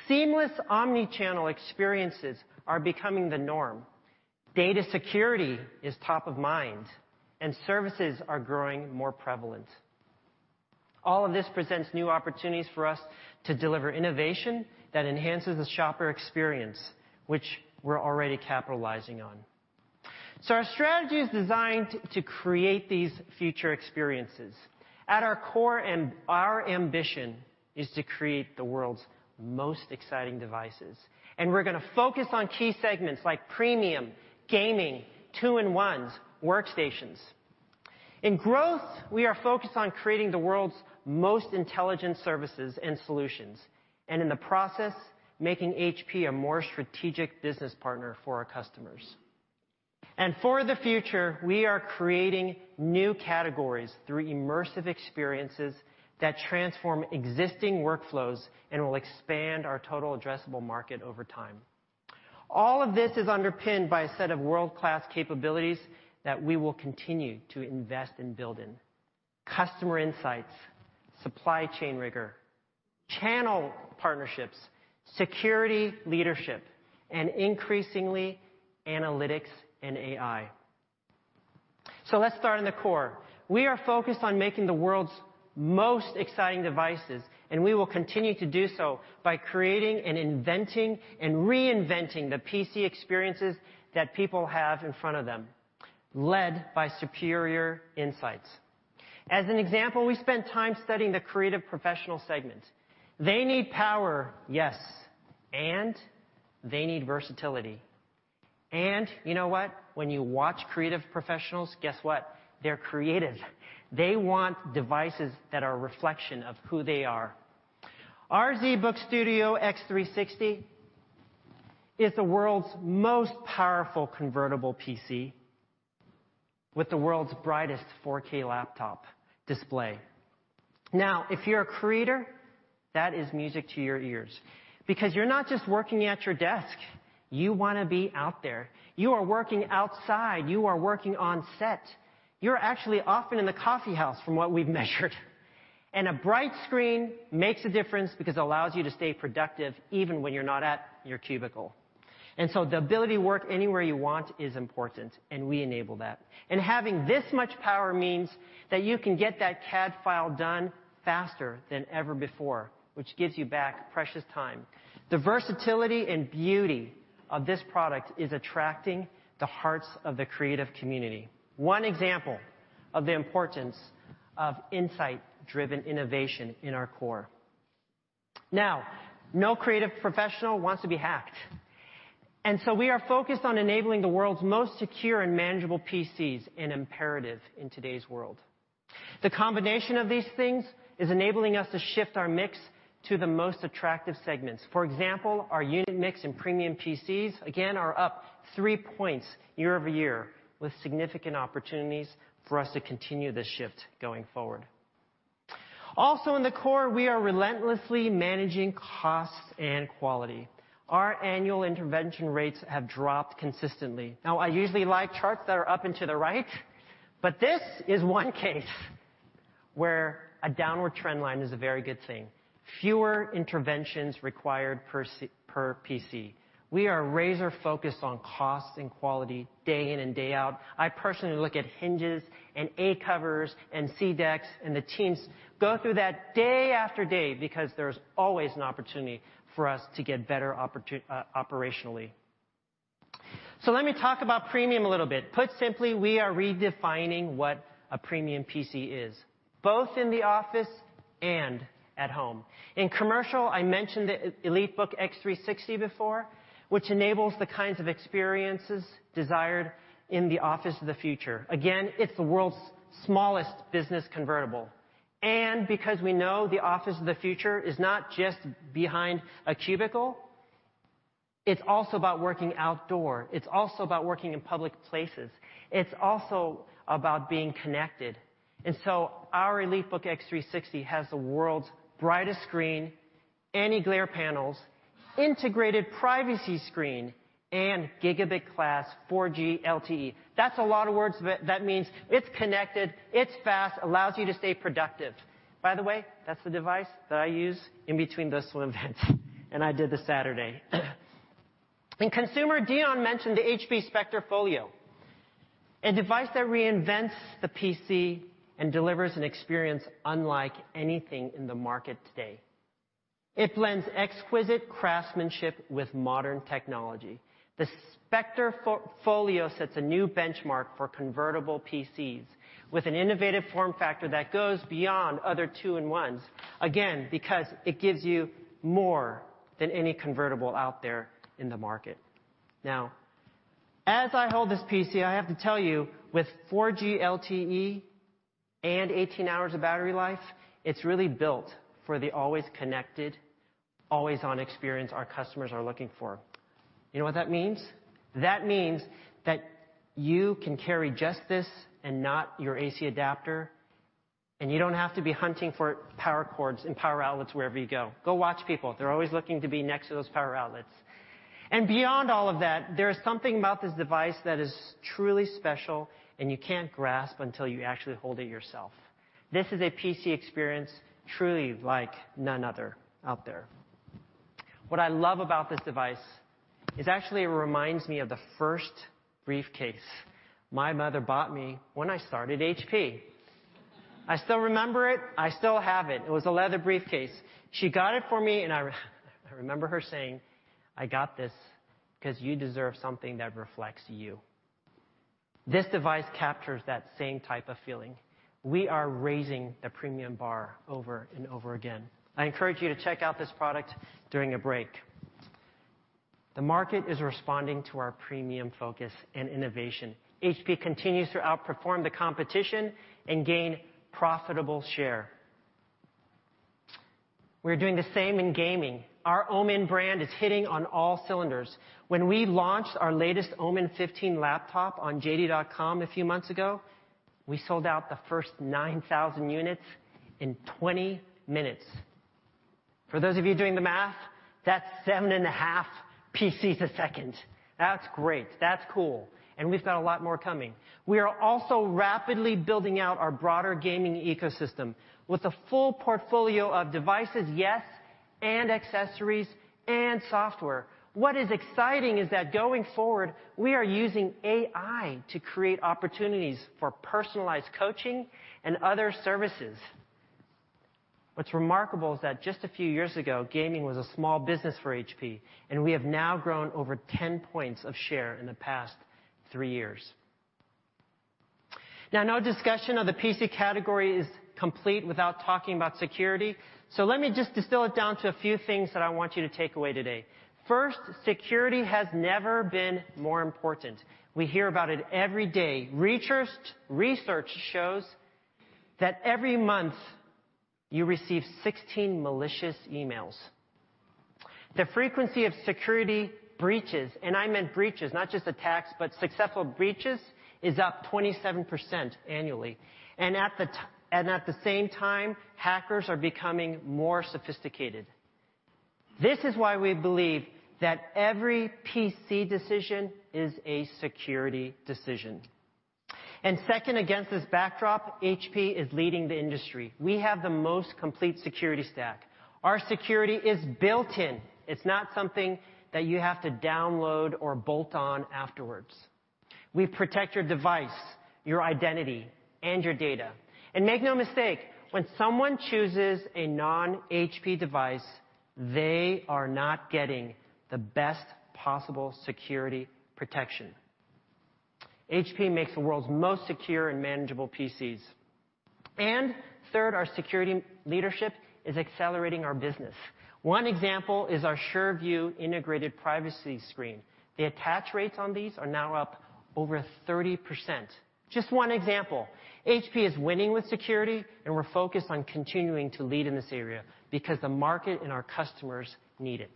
Seamless omni-channel experiences are becoming the norm. Data security is top of mind, and services are growing more prevalent. All of this presents new opportunities for us to deliver innovation that enhances the shopper experience, which we're already capitalizing on. Our strategy is designed to create these future experiences. At our core and our ambition is to create the world's most exciting devices, and we're going to focus on key segments like premium, gaming, two-in-ones, workstations. In growth, we are focused on creating the world's most intelligent services and solutions, and in the process, making HP a more strategic business partner for our customers. For the future, we are creating new categories through immersive experiences that transform existing workflows and will expand our total addressable market over time. All of this is underpinned by a set of world-class capabilities that we will continue to invest in building. Customer insights, supply chain rigor, channel partnerships, security leadership, and increasingly, analytics and AI. Let's start in the core. We are focused on making the world's most exciting devices, and we will continue to do so by creating and inventing and reinventing the PC experiences that people have in front of them, led by superior insights. As an example, we spent time studying the creative professional segment. They need power, yes, and they need versatility. You know what? When you watch creative professionals, guess what? They're creative. They want devices that are a reflection of who they are. Our ZBook Studio x360 is the world's most powerful convertible PC with the world's brightest 4K laptop display. If you're a creator, that is music to your ears because you're not just working at your desk. You want to be out there. You are working outside. You are working on set. You're actually often in the coffee house from what we've measured. A bright screen makes a difference because it allows you to stay productive even when you're not at your cubicle. The ability to work anywhere you want is important, and we enable that. Having this much power means that you can get that CAD file done faster than ever before, which gives you back precious time. The versatility and beauty of this product is attracting the hearts of the creative community. One example of the importance of insight-driven innovation in our core. No creative professional wants to be hacked, and so we are focused on enabling the world's most secure and manageable PCs, an imperative in today's world. The combination of these things is enabling us to shift our mix to the most attractive segments. For example, our unit mix in premium PCs, again, are up three points year-over-year, with significant opportunities for us to continue this shift going forward. In the core, we are relentlessly managing costs and quality. Our annual intervention rates have dropped consistently. I usually like charts that are up and to the right, but this is one case where a downward trend line is a very good thing. Fewer interventions required per PC. We are razor-focused on cost and quality day in and day out. I personally look at hinges and A covers and C decks, and the teams go through that day after day because there's always an opportunity for us to get better operationally. Let me talk about premium a little bit. Put simply, we are redefining what a premium PC is, both in the office and at home. In commercial, I mentioned the EliteBook x360 before, which enables the kinds of experiences desired in the office of the future. Again, it's the world's smallest business convertible. Because we know the office of the future is not just behind a cubicle, it's also about working outdoor. It's also about working in public places. It's also about being connected. Our EliteBook x360 has the world's brightest screen, anti-glare panels, integrated privacy screen, and Gigabit-class 4G LTE. That means it's connected, it's fast, allows you to stay productive. By the way, that's the device that I use in between the swim events, and I did this Saturday. In consumer, Dion mentioned the HP Spectre Folio, a device that reinvents the PC and delivers an experience unlike anything in the market today. It blends exquisite craftsmanship with modern technology. The Spectre Folio sets a new benchmark for convertible PCs with an innovative form factor that goes beyond other two-in-ones, again, because it gives you more than any convertible out there in the market. As I hold this PC, I have to tell you, with 4G LTE and 18 hours of battery life, it's really built for the always connected, always-on experience our customers are looking for. You know what that means? That means that you can carry just this and not your AC adapter, and you don't have to be hunting for power cords and power outlets wherever you go. Go watch people. They're always looking to be next to those power outlets. Beyond all of that, there is something about this device that is truly special, and you can't grasp until you actually hold it yourself. This is a PC experience truly like none other out there. What I love about this device is actually it reminds me of the first briefcase my mother bought me when I started HP. I still remember it. I still have it. It was a leather briefcase. She got it for me, and I remember her saying, "I got this because you deserve something that reflects you." This device captures that same type of feeling. We are raising the premium bar over and over again. I encourage you to check out this product during a break. The market is responding to our premium focus and innovation. HP continues to outperform the competition and gain profitable share. We're doing the same in gaming. Our OMEN brand is hitting on all cylinders. When we launched our latest OMEN 15 laptop on JD.com a few months ago, we sold out the first 9,000 units in 20 minutes. For those of you doing the math, that's seven and a half PCs a second. That's great. That's cool. We've got a lot more coming. We are also rapidly building out our broader gaming ecosystem with a full portfolio of devices, yes, and accessories and software. What is exciting is that going forward, we are using AI to create opportunities for personalized coaching and other services. What's remarkable is that just a few years ago, gaming was a small business for HP, and we have now grown over 10 points of share in the past three years. No discussion of the PC category is complete without talking about security. Let me just distill it down to a few things that I want you to take away today. First, security has never been more important. We hear about it every day. Research shows that every month you receive 16 malicious emails. The frequency of security breaches, and I meant breaches, not just attacks, but successful breaches, is up 27% annually. At the same time, hackers are becoming more sophisticated. This is why we believe that every PC decision is a security decision. Second, against this backdrop, HP is leading the industry. We have the most complete security stack. Our security is built in. It's not something that you have to download or bolt on afterwards. We protect your device, your identity, and your data. Make no mistake, when someone chooses a non-HP device, they are not getting the best possible security protection. HP makes the world's most secure and manageable PCs. Third, our security leadership is accelerating our business. One example is our Sure View integrated privacy screen. The attach rates on these are now up over 30%. Just one example. HP is winning with security, and we're focused on continuing to lead in this area because the market and our customers need it.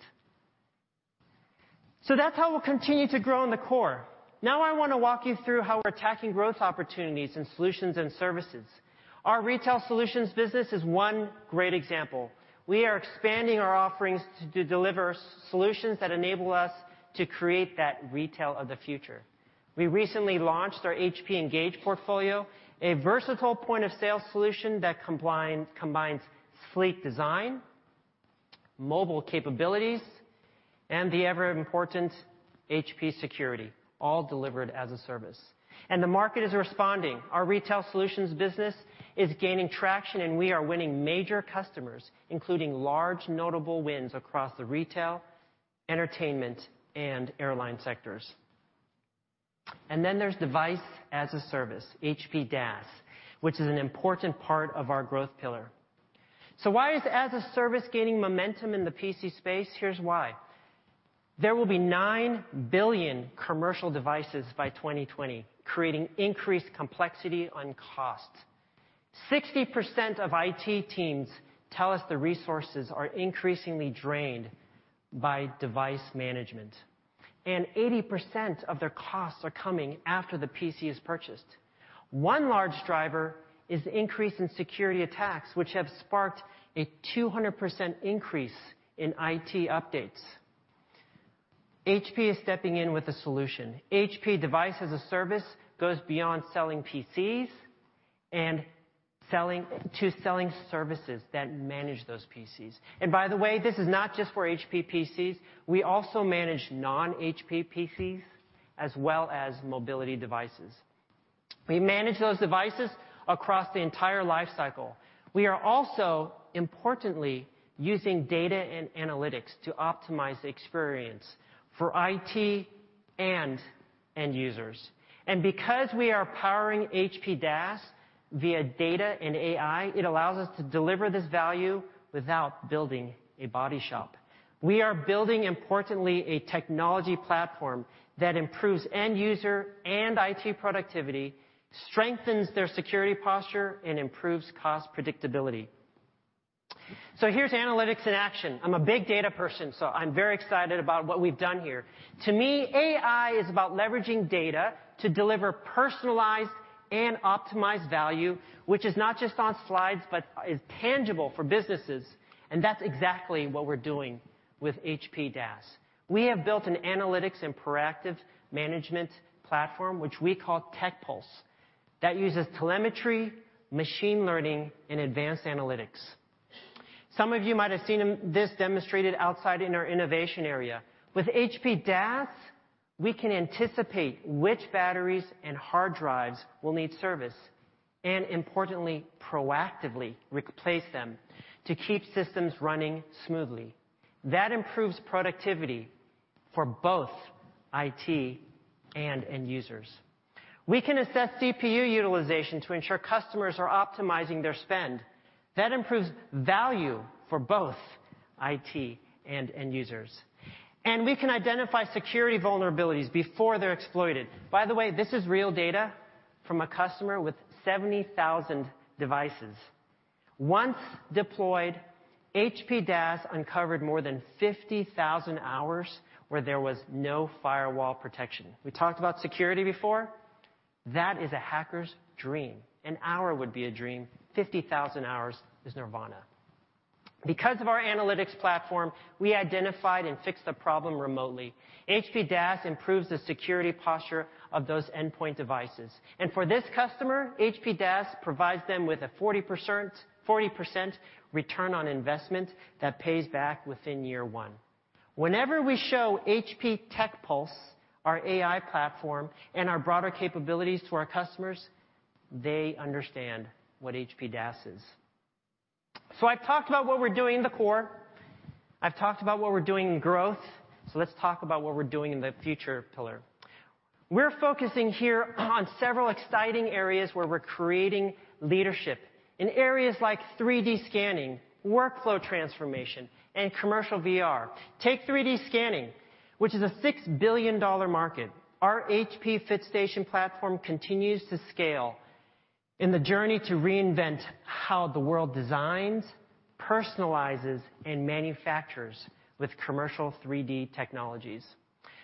That's how we'll continue to grow in the core. Now I want to walk you through how we're attacking growth opportunities in solutions and services. Our retail solutions business is one great example. We are expanding our offerings to deliver solutions that enable us to create that retail of the future. We recently launched our HP Engage portfolio, a versatile point-of-sale solution that combines sleek design, mobile capabilities, and the ever-important HP security, all delivered as a service. The market is responding. Our retail solutions business is gaining traction, and we are winning major customers, including large notable wins across the retail, entertainment, and airline sectors. There's Device as a Service, HP DaaS, which is an important part of our growth pillar. Why is as-a-service gaining momentum in the PC space? Here's why. There will be nine billion commercial devices by 2020, creating increased complexity on cost. 60% of IT teams tell us the resources are increasingly drained by device management, and 80% of their costs are coming after the PC is purchased. One large driver is the increase in security attacks, which have sparked a 200% increase in IT updates. HP is stepping in with a solution. HP Device as a Service goes beyond selling PCs to selling services that manage those PCs. By the way, this is not just for HP PCs. We also manage non-HP PCs as well as mobility devices. We manage those devices across the entire life cycle. We are also, importantly, using data and analytics to optimize the experience for IT and end users. Because we are powering HP DaaS via data and AI, it allows us to deliver this value without building a body shop. We are building, importantly, a technology platform that improves end-user and IT productivity, strengthens their security posture, and improves cost predictability. Here's analytics in action. I'm a big data person. I'm very excited about what we've done here. To me, AI is about leveraging data to deliver personalized and optimized value, which is not just on slides but is tangible for businesses. That's exactly what we're doing with HP DaaS. We have built an analytics and proactive management platform, which we call TechPulse, that uses telemetry, machine learning, and advanced analytics. Some of you might've seen this demonstrated outside in our innovation area. With HP DaaS, we can anticipate which batteries and hard drives will need service and, importantly, proactively replace them to keep systems running smoothly. That improves productivity for both IT and end users. We can assess CPU utilization to ensure customers are optimizing their spend. That improves value for both IT and end users. We can identify security vulnerabilities before they're exploited. This is real data from a customer with 70,000 devices. Once deployed, HP DaaS uncovered more than 50,000 hours where there was no firewall protection. We talked about security before. That is a hacker's dream. An hour would be a dream. 50,000 hours is nirvana. Our analytics platform, we identified and fixed the problem remotely. HP DaaS improves the security posture of those endpoint devices. For this customer, HP DaaS provides them with a 40% return on investment that pays back within year one. Whenever we show HP TechPulse, our AI platform, and our broader capabilities to our customers, they understand what HP DaaS is. I've talked about what we're doing in the core. I've talked about what we're doing in growth. Let's talk about what we're doing in the future pillar. We're focusing here on several exciting areas where we're creating leadership in areas like 3D scanning, workflow transformation, and commercial VR. Take 3D scanning, which is a $6 billion market. Our HP FitStation platform continues to scale in the journey to reinvent how the world designs, personalizes, and manufactures with commercial 3D technologies.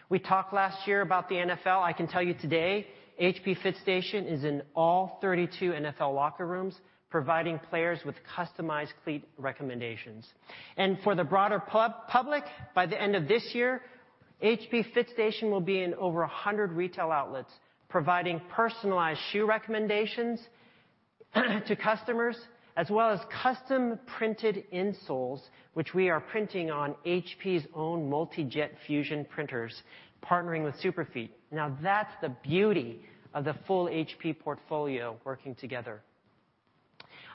We talked last year about the NFL. I can tell you today, HP FitStation is in all 32 NFL locker rooms, providing players with customized cleat recommendations. For the broader public, by the end of this year, HP FitStation will be in over 100 retail outlets providing personalized shoe recommendations to customers, as well as custom-printed insoles, which we are printing on HP's own Multi Jet Fusion printers, partnering with Superfeet. That's the beauty of the full HP portfolio working together.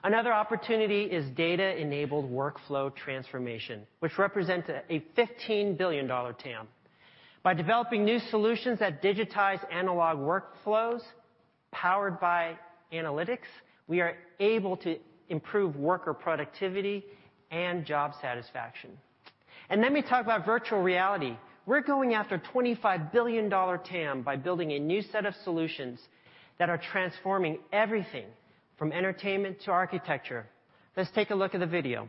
Another opportunity is data-enabled workflow transformation, which represents a $15 billion TAM. By developing new solutions that digitize analog workflows powered by analytics, we are able to improve worker productivity and job satisfaction. Let me talk about virtual reality. We're going after a $25 billion TAM by building a new set of solutions that are transforming everything from entertainment to architecture. Let's take a look at the video.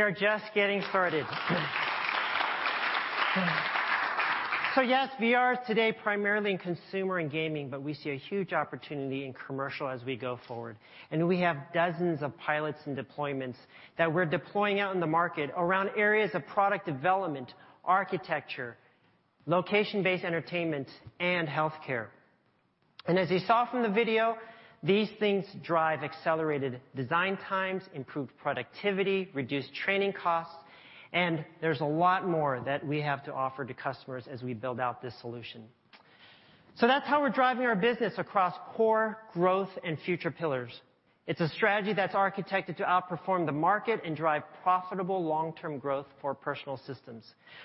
are just getting started. Yes, VR is today primarily in consumer and gaming, but we see a huge opportunity in commercial as we go forward. We have dozens of pilots and deployments that we're deploying out in the market around areas of product development, architecture, location-based entertainment, and healthcare. As you saw from the video, these things drive accelerated design times, improved productivity, reduced training costs, and there's a lot more that we have to offer to customers as we build out this solution. That's how we're driving our business across core growth and future pillars. It's a strategy that's architected to outperform the market and drive profitable long-term growth for personal systems.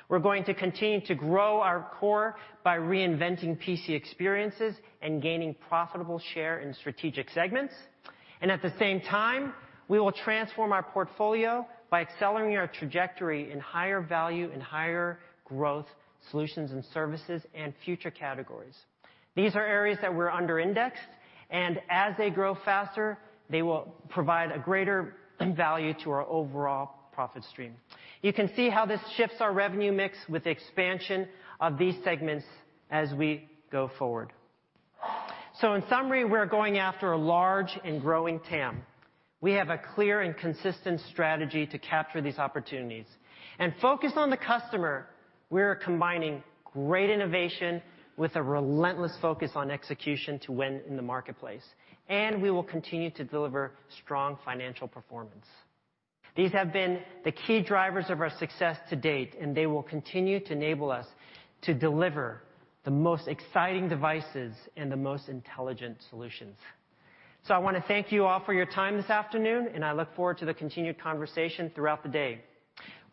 We're going to continue to grow our core by reinventing PC experiences and gaining profitable share in strategic segments. At the same time, we will transform our portfolio by accelerating our trajectory in higher value and higher growth solutions and services and future categories. These are areas that we're under indexed, and as they grow faster, they will provide a greater value to our overall profit stream. You can see how this shifts our revenue mix with the expansion of these segments as we go forward. In summary, we're going after a large and growing TAM. We have a clear and consistent strategy to capture these opportunities. Focused on the customer, we're combining great innovation with a relentless focus on execution to win in the marketplace. We will continue to deliver strong financial performance. These have been the key drivers of our success to date, and they will continue to enable us to deliver the most exciting devices and the most intelligent solutions. I want to thank you all for your time this afternoon, and I look forward to the continued conversation throughout the day.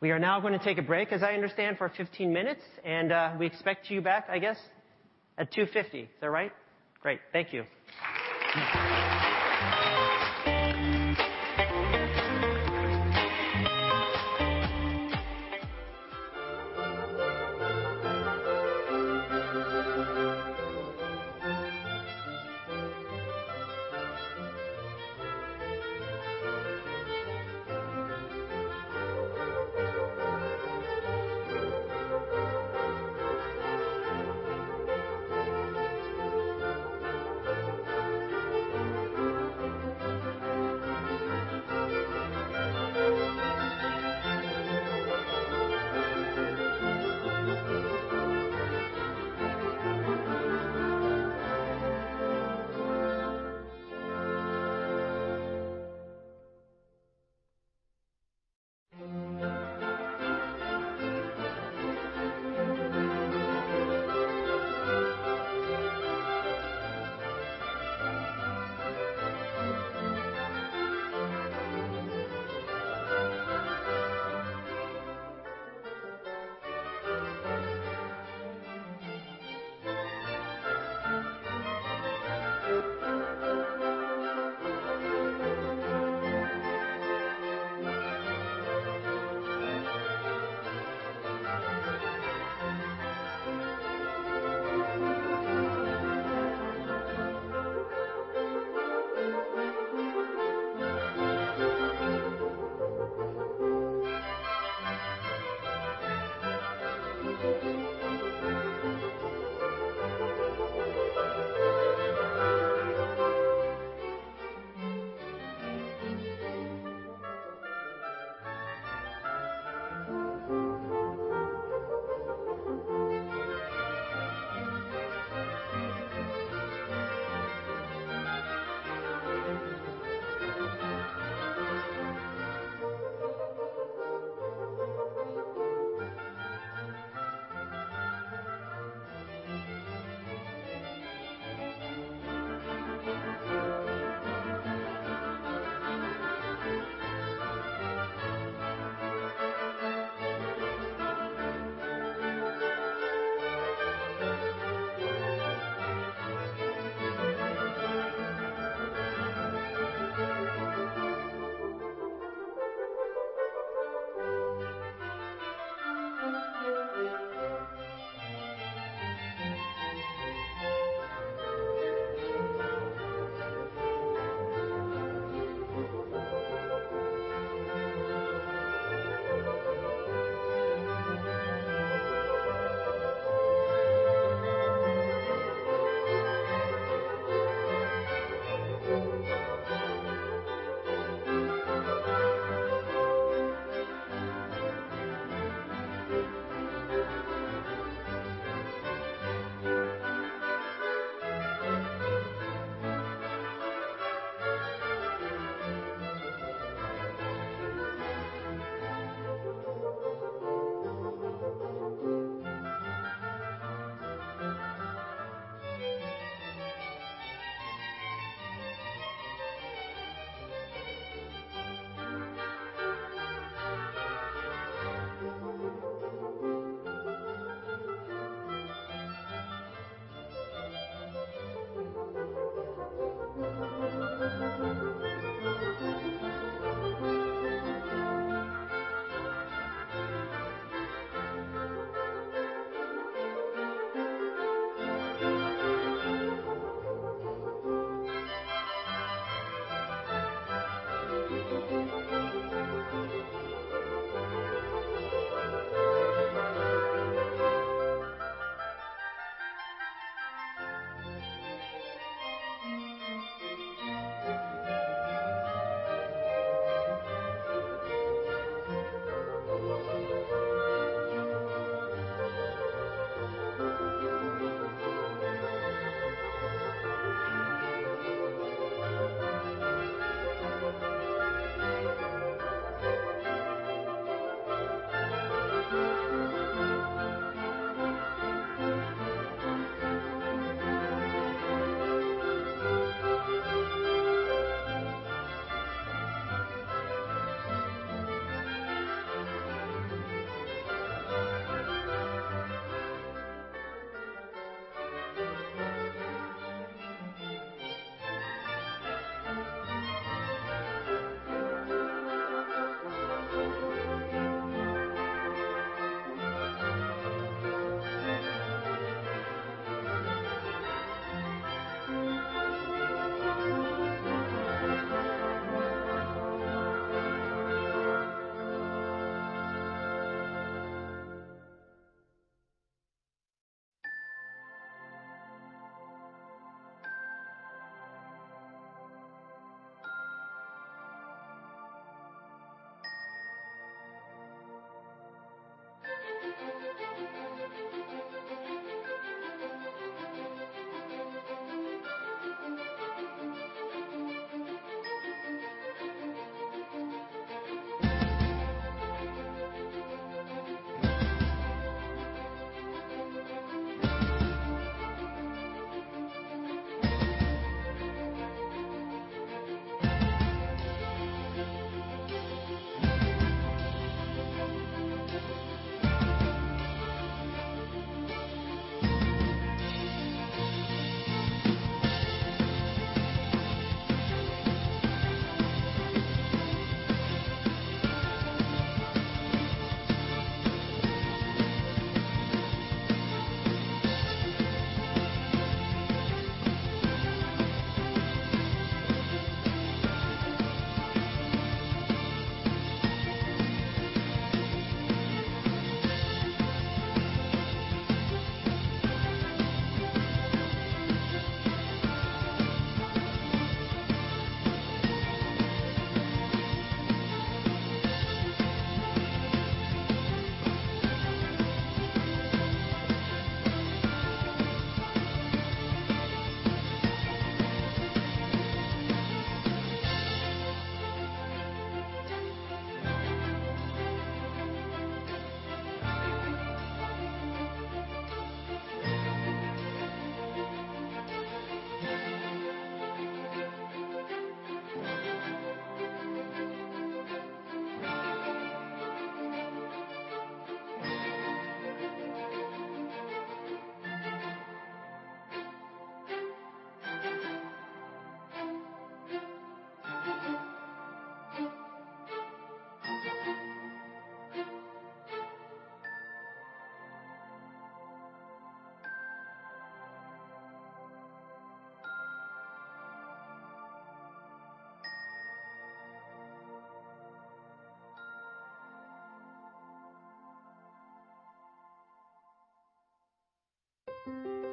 We are now going to take a break, as I understand, for 15 minutes, and we expect you back, I guess, at 2:50. Is that right? Great. Thank you.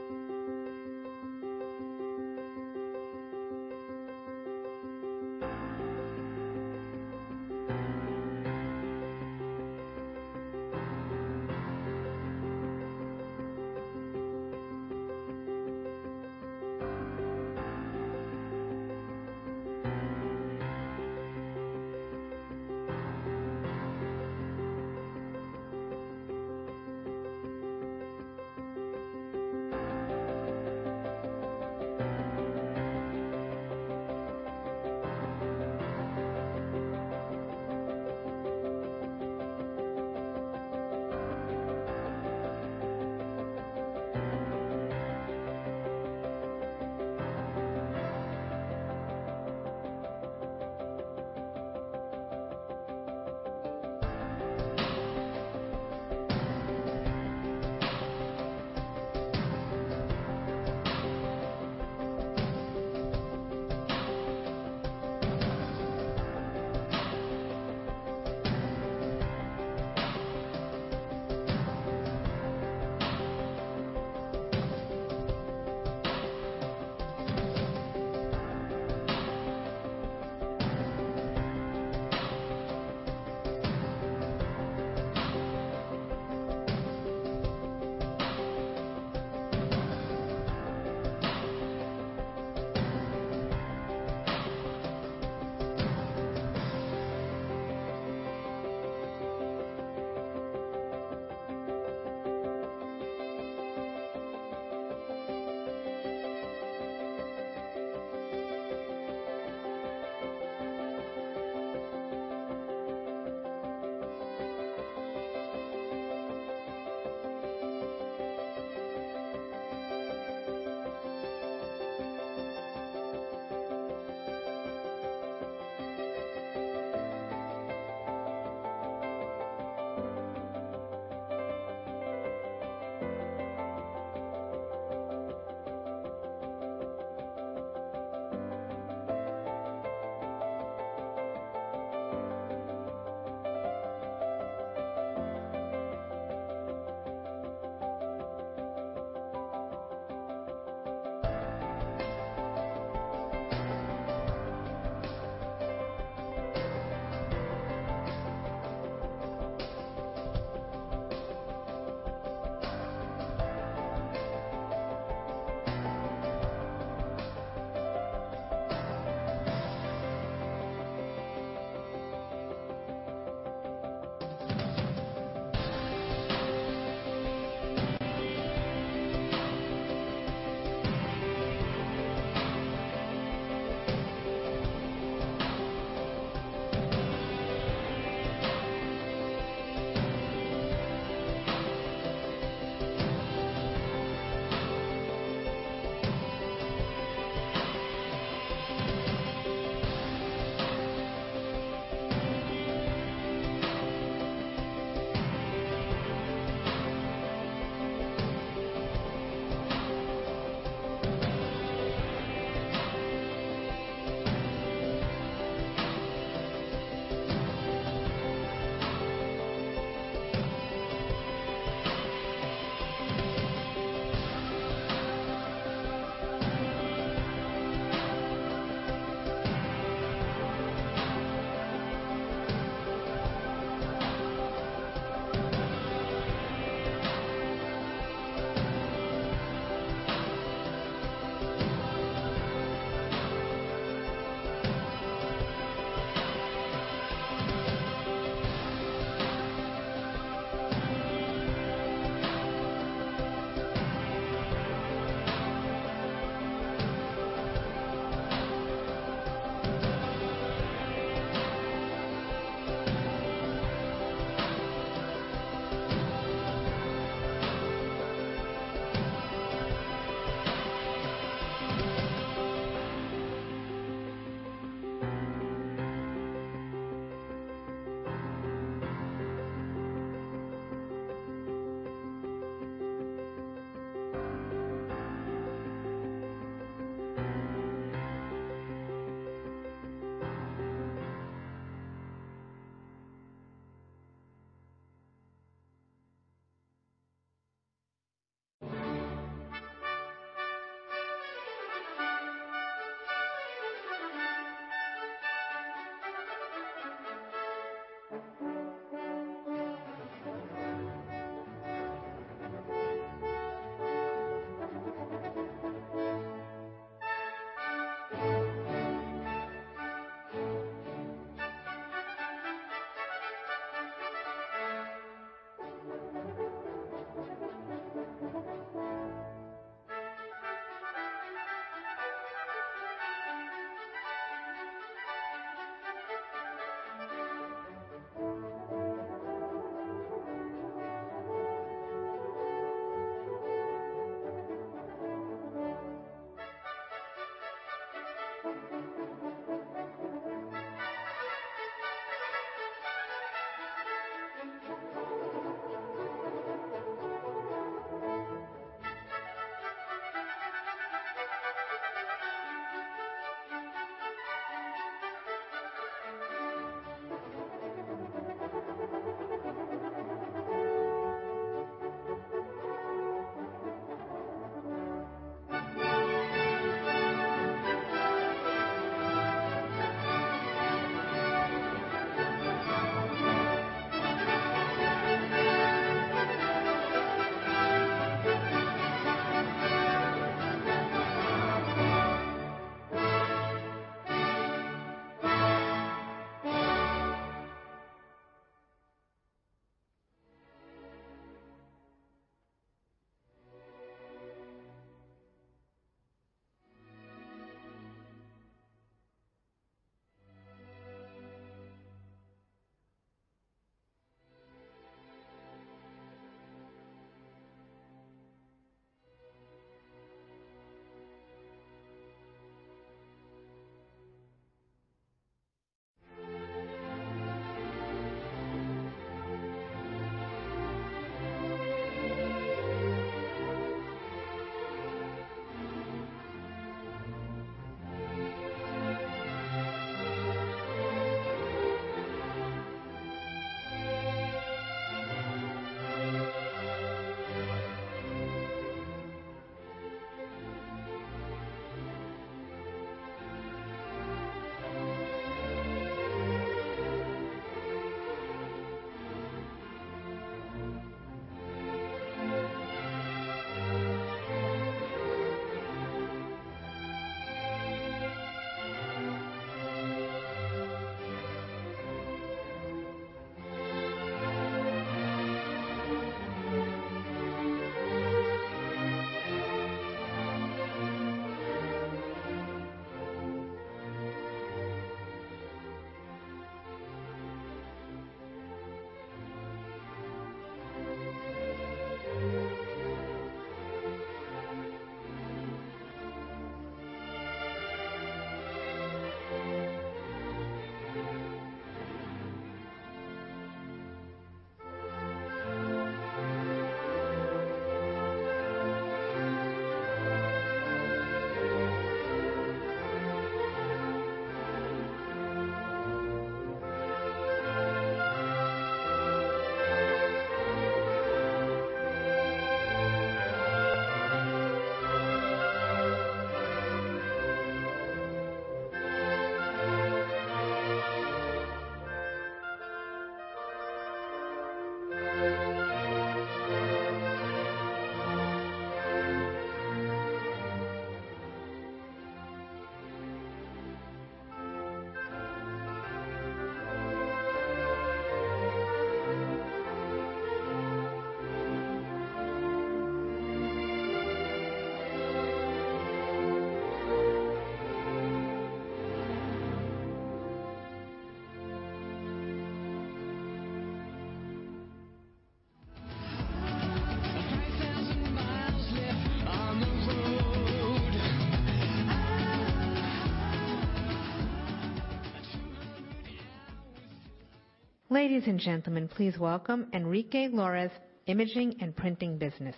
Ladies and gentlemen, please welcome Enrique Lores, Imaging and Printing Business.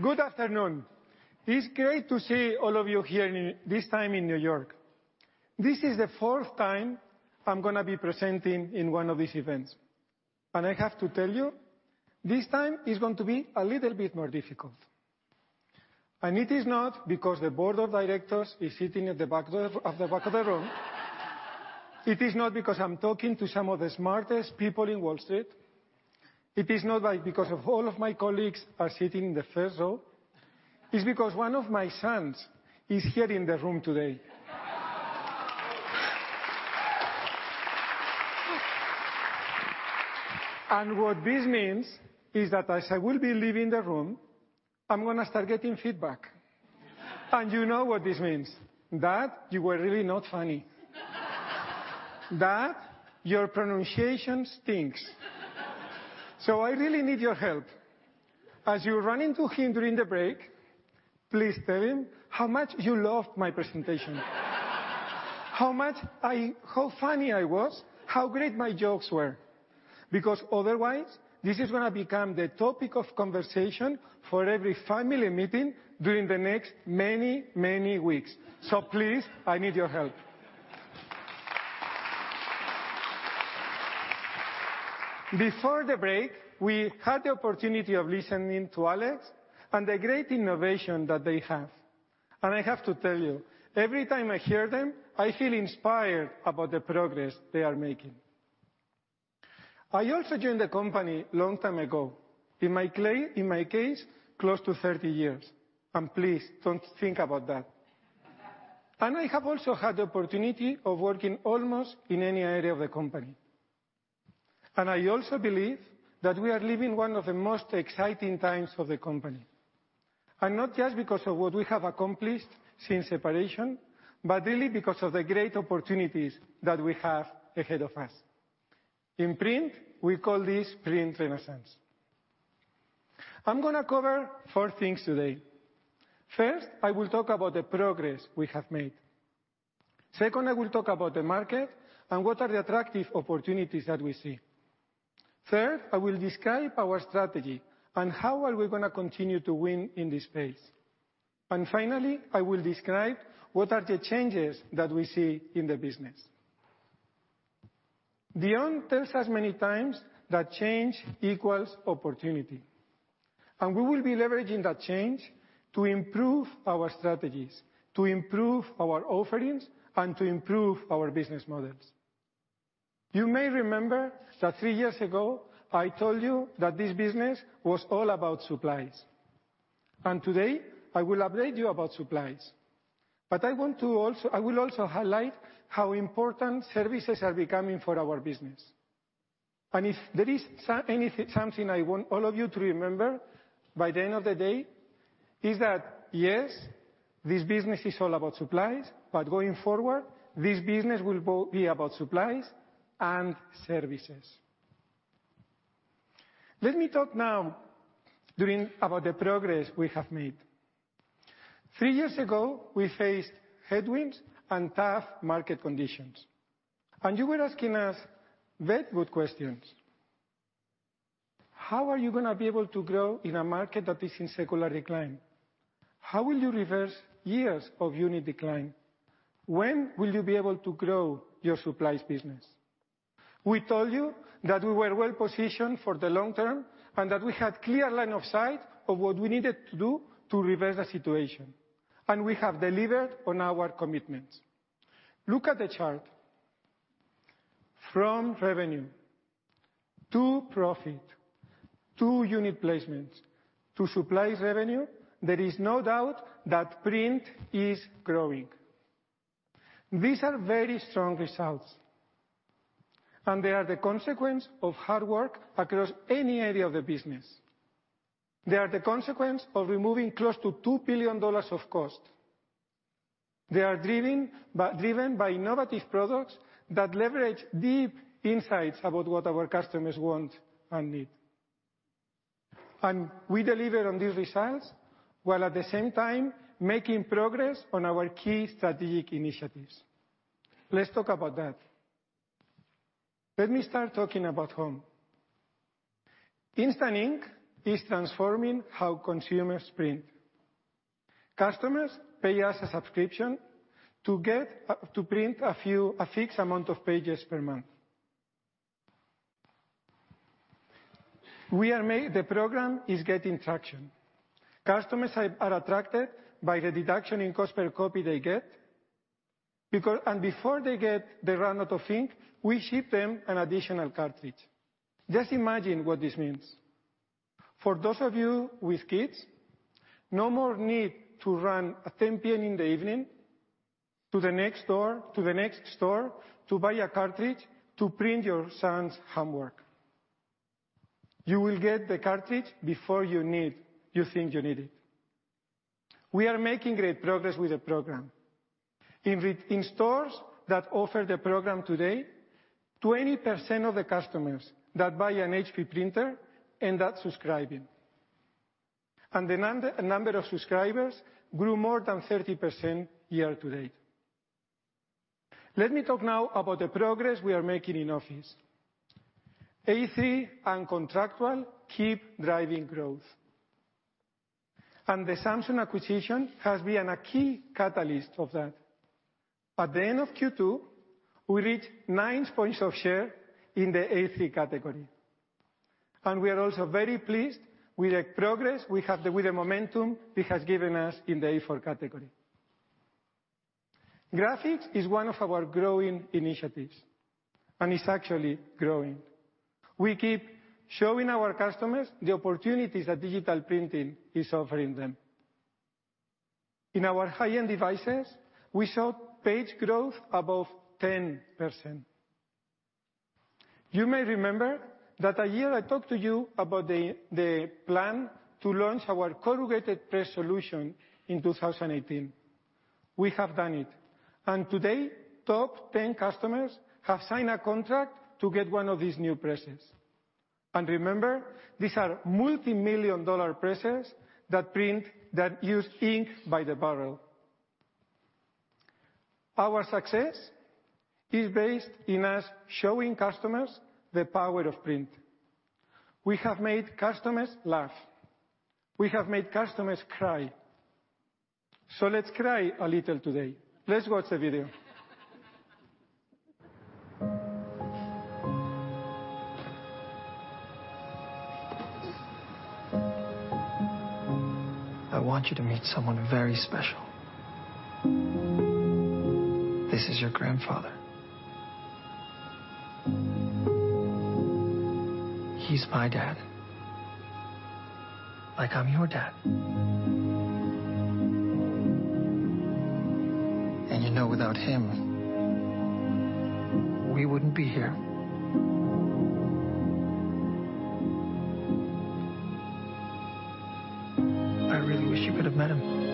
Good afternoon. It's great to see all of you here this time in New York. This is the fourth time I'm going to be presenting in one of these events. I have to tell you, this time is going to be a little bit more difficult. It is not because the board of directors is sitting at the back of the room. It is not because I'm talking to some of the smartest people in Wall Street. It is not because of all of my colleagues are sitting in the first row. It's because one of my sons is here in the room today. What this means is that as I will be leaving the room, I'm going to start getting feedback. You know what this means. Dad, you were really not funny. Dad, your pronunciation stinks. I really need your help. As you run into him during the break, please tell him how much you loved my presentation. How funny I was, how great my jokes were. Otherwise, this is going to become the topic of conversation for every family meeting during the next many, many weeks. Please, I need your help. Before the break, we had the opportunity of listening to Alex and the great innovation that they have. I have to tell you, every time I hear them, I feel inspired about the progress they are making. I also joined the company long time ago. In my case, close to 30 years, and please don't think about that. I have also had the opportunity of working almost in any area of the company. I also believe that we are living one of the most exciting times of the company. Not just because of what we have accomplished since separation, but really because of the great opportunities that we have ahead of us. In print, we call this Print Renaissance. I'm going to cover four things today. First, I will talk about the progress we have made. Second, I will talk about the market and what are the attractive opportunities that we see. Third, I will describe our strategy and how are we going to continue to win in this space. Finally, I will describe what are the changes that we see in the business. Dion tells us many times that change equals opportunity. We will be leveraging that change to improve our strategies, to improve our offerings, and to improve our business models. You may remember that three years ago, I told you that this business was all about supplies. Today, I will update you about supplies, but I will also highlight how important services are becoming for our business. If there is something I want all of you to remember by the end of the day, it's that, yes, this business is all about supplies, but going forward, this business will be about supplies and services. Let me talk now about the progress we have made. Three years ago, we faced headwinds and tough market conditions. You were asking us very good questions. How are you going to be able to grow in a market that is in secular decline? How will you reverse years of unit decline? When will you be able to grow your supplies business? We told you that we were well-positioned for the long term, and that we had clear line of sight of what we needed to do to reverse the situation. We have delivered on our commitments. Look at the chart. From revenue to profit, to unit placements, to supplies revenue, there is no doubt that Print is growing. These are very strong results, and they are the consequence of hard work across any area of the business. They are the consequence of removing close to $2 billion of cost. They are driven by innovative products that leverage deep insights about what our customers want and need. We deliver on these results, while at the same time, making progress on our key strategic initiatives. Let's talk about that. Let me start talking about Home. Instant Ink is transforming how consumers print. Customers pay us a subscription to print a fixed amount of pages per month. The program is getting traction. Customers are attracted by the deduction in cost per copy they get, and before they run out of ink, we ship them an additional cartridge. Just imagine what this means. For those of you with kids, no more need to run at 10:00 P.M. in the evening to the next store to buy a cartridge to print your son's homework. You will get the cartridge before you think you need it. We are making great progress with the program. In stores that offer the program today, 20% of the customers that buy an HP printer end up subscribing. The number of subscribers grew more than 30% year-to-date. Let me talk now about the progress we are making in Office. A3 and contractual keep driving growth. The Samsung acquisition has been a key catalyst of that. At the end of Q2, we reached nine points of share in the A3 category. We are also very pleased with the progress we have with the momentum it has given us in the A4 category. Graphics is one of our growing initiatives, and it's actually growing. We keep showing our customers the opportunities that digital printing is offering them. In our high-end devices, we saw page growth above 10%. You may remember that a year I talked to you about the plan to launch our corrugated press solution in 2018. We have done it, and today, top 10 customers have signed a contract to get one of these new presses. Remember, these are multimillion-dollar presses that use ink by the barrel. Our success is based in us showing customers the power of print. We have made customers laugh. We have made customers cry. Let's cry a little today. Let's watch the video. I want you to meet someone very special. This is your grandfather. He's my dad, like I'm your dad. You know without him, we wouldn't be here. I really wish you could have met him.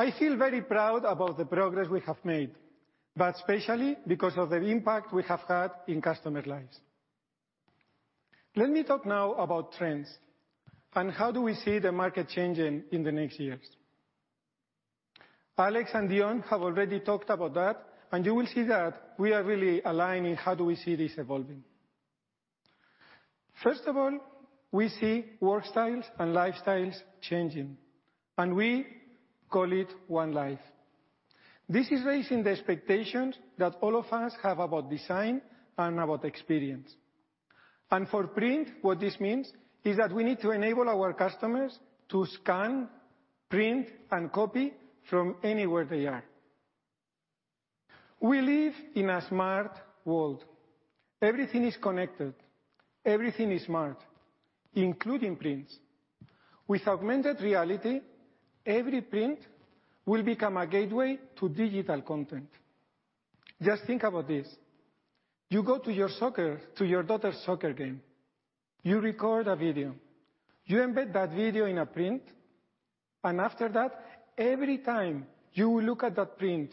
I feel very proud about the progress we have made, but especially because of the impact we have had in customer lives. Let me talk now about trends and how do we see the market changing in the next years. Alex and Dion have already talked about that. You will see that we are really aligned in how do we see this evolving. First of all, we see work styles and lifestyles changing. We call it One Life. This is raising the expectations that all of us have about design and about experience. For print, what this means is that we need to enable our customers to scan, print, and copy from anywhere they are. We live in a smart world. Everything is connected, everything is smart, including prints. With augmented reality, every print will become a gateway to digital content. Just think about this. You go to your daughter's soccer game. You record a video. You embed that video in a print. After that, every time you look at that print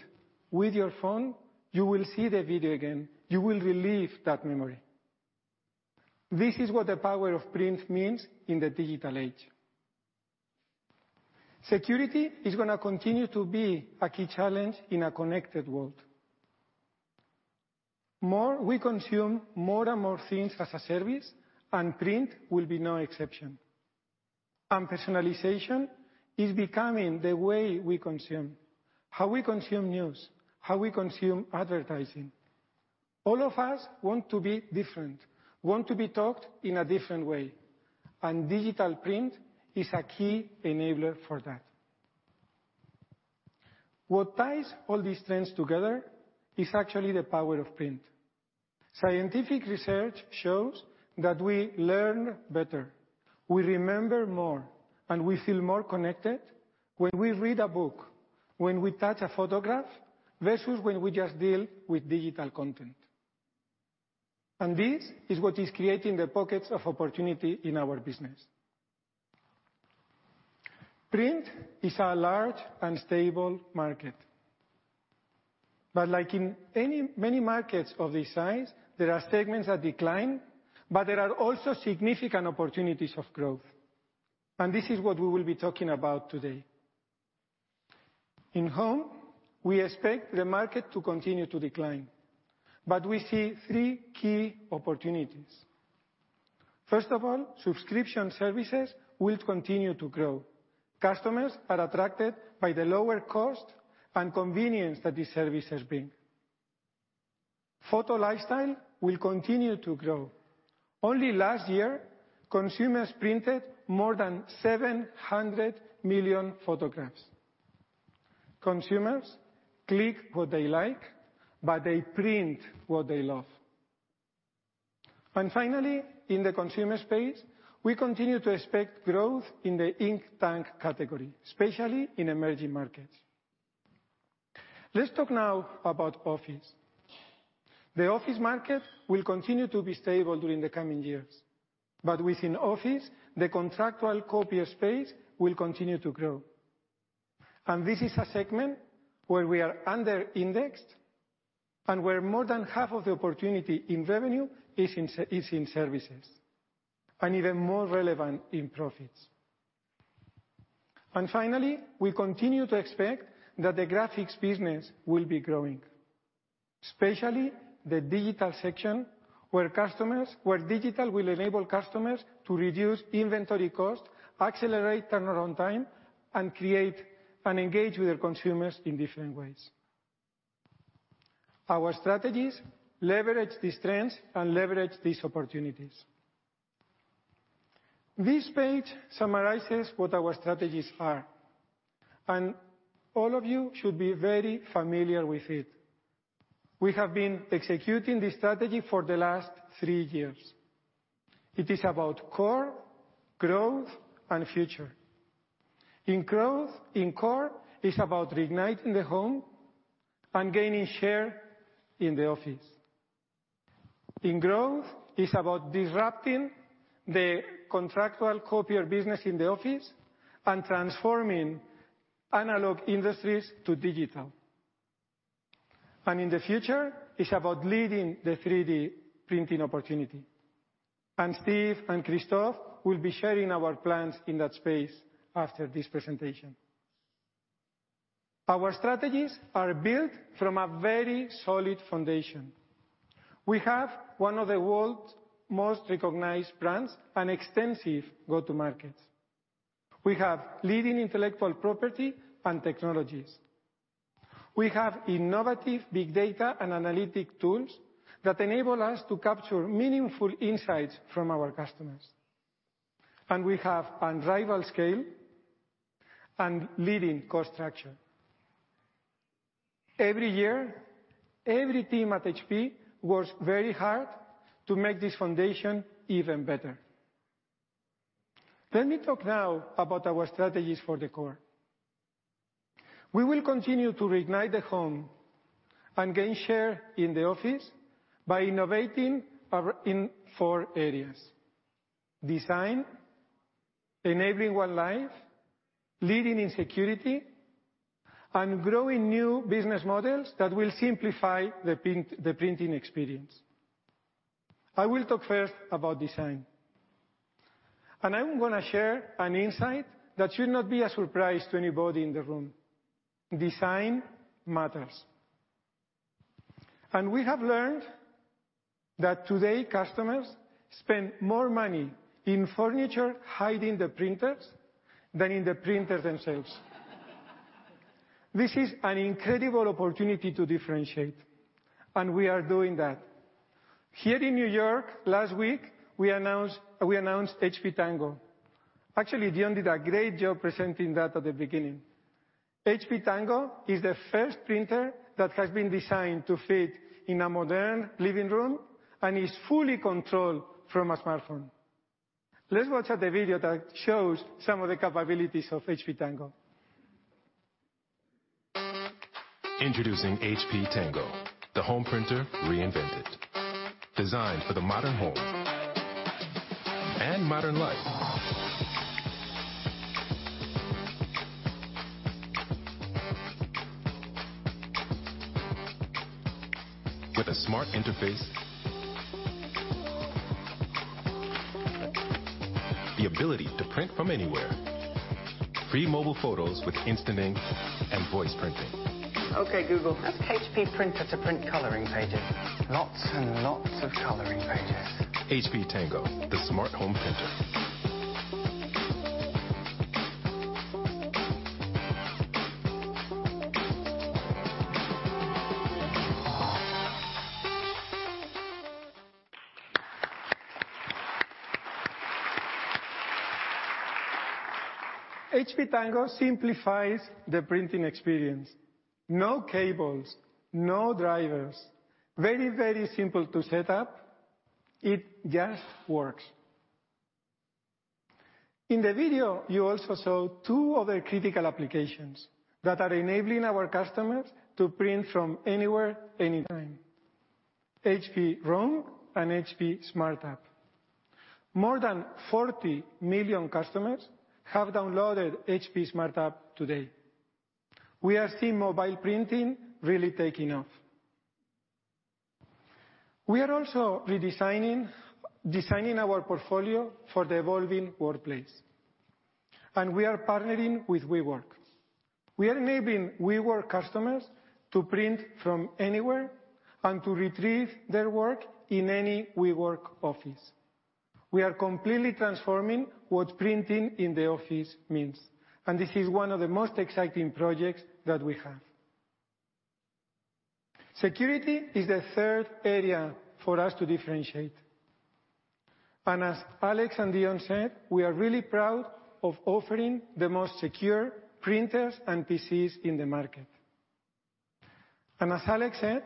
with your phone, you will see the video again. You will relive that memory. This is what the power of print means in the digital age. Security is going to continue to be a key challenge in a connected world. We consume more and more things as a service. Print will be no exception. Personalization is becoming the way we consume. How we consume news, how we consume advertising. All of us want to be different, want to be talked in a different way. Digital print is a key enabler for that. What ties all these trends together is actually the power of print. Scientific research shows that we learn better, we remember more, and we feel more connected when we read a book, when we touch a photograph, versus when we just deal with digital content. This is what is creating the pockets of opportunity in our business. Print is a large and stable market. Like in many markets of this size, there are segments that decline, but there are also significant opportunities of growth. This is what we will be talking about today. In home, we expect the market to continue to decline, but we see three key opportunities. First of all, subscription services will continue to grow. Customers are attracted by the lower cost and convenience that these services bring. Photo lifestyle will continue to grow. Only last year, consumers printed more than 700 million photographs. Consumers click what they like, but they print what they love. Finally, in the consumer space, we continue to expect growth in the ink tank category, especially in emerging markets. Let's talk now about Office. The Office market will continue to be stable during the coming years. Within Office, the contractual copier space will continue to grow. This is a segment where we are under indexed and where more than half of the opportunity in revenue is in services, and even more relevant in profits. Finally, we continue to expect that the graphics business will be growing, especially the digital section, where digital will enable customers to reduce inventory cost, accelerate turnaround time, and create and engage with their consumers in different ways. Our strategies leverage these trends and leverage these opportunities. This page summarizes what our strategies are, and all of you should be very familiar with it. We have been executing this strategy for the last three years. It is about core, growth, and future. In core, it's about reigniting the home and gaining share in the office. In growth, it's about disrupting the contractual copier business in the office and transforming analog industries to digital. In the future, it's about leading the 3D printing opportunity. Steve and Christoph will be sharing our plans in that space after this presentation. Our strategies are built from a very solid foundation. We have one of the world's most recognized brands and extensive go-to markets. We have leading intellectual property and technologies. We have innovative big data and analytic tools that enable us to capture meaningful insights from our customers. We have unrivaled scale and leading cost structure. Every year, every team at HP works very hard to make this foundation even better. Let me talk now about our strategies for the core. We will continue to reignite the home and gain share in the office by innovating in four areas. Design, enabling One Life, leading in security, and growing new business models that will simplify the printing experience. I will talk first about design. I'm going to share an insight that should not be a surprise to anybody in the room. Design matters. We have learned that today customers spend more money in furniture hiding the printers, than in the printers themselves. This is an incredible opportunity to differentiate, and we are doing that. Here in New York, last week, we announced HP Tango. Actually, Dion did a great job presenting that at the beginning. HP Tango is the first printer that has been designed to fit in a modern living room and is fully controlled from a smartphone. Let's watch the video that shows some of the capabilities of HP Tango. Introducing HP Tango, the home printer reinvented. Designed for the modern home and modern life. With a smart interface. The ability to print from anywhere. Free mobile photos with Instant Ink and voice printing. Okay, Google. Ask HP printer to print coloring pages, lots and lots of coloring pages. HP Tango, the smart home printer. HP Tango simplifies the printing experience. No cables, no drivers. Very, very simple to set up. It just works. In the video, you also saw two other critical applications that are enabling our customers to print from anywhere, anytime. HP Roam and HP Smart app. More than 40 million customers have downloaded HP Smart app today. We are seeing mobile printing really taking off. We are also redesigning our portfolio for the evolving workplace, and we are partnering with WeWork. We are enabling WeWork customers to print from anywhere and to retrieve their work in any WeWork office. We are completely transforming what printing in the office means, and this is one of the most exciting projects that we have. Security is the third area for us to differentiate. As Alex and Dion said, we are really proud of offering the most secure printers and PCs in the market. As Alex said,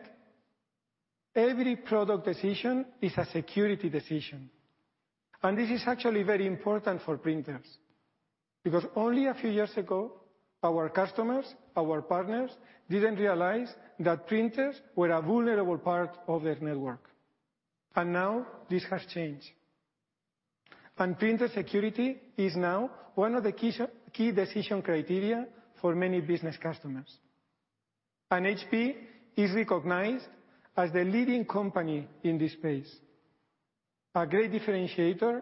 every product decision is a security decision, and this is actually very important for printers because only a few years ago, our customers, our partners, didn't realize that printers were a vulnerable part of their network. Now this has changed. Printer security is now one of the key decision criteria for many business customers. HP is recognized as the leading company in this space. A great differentiator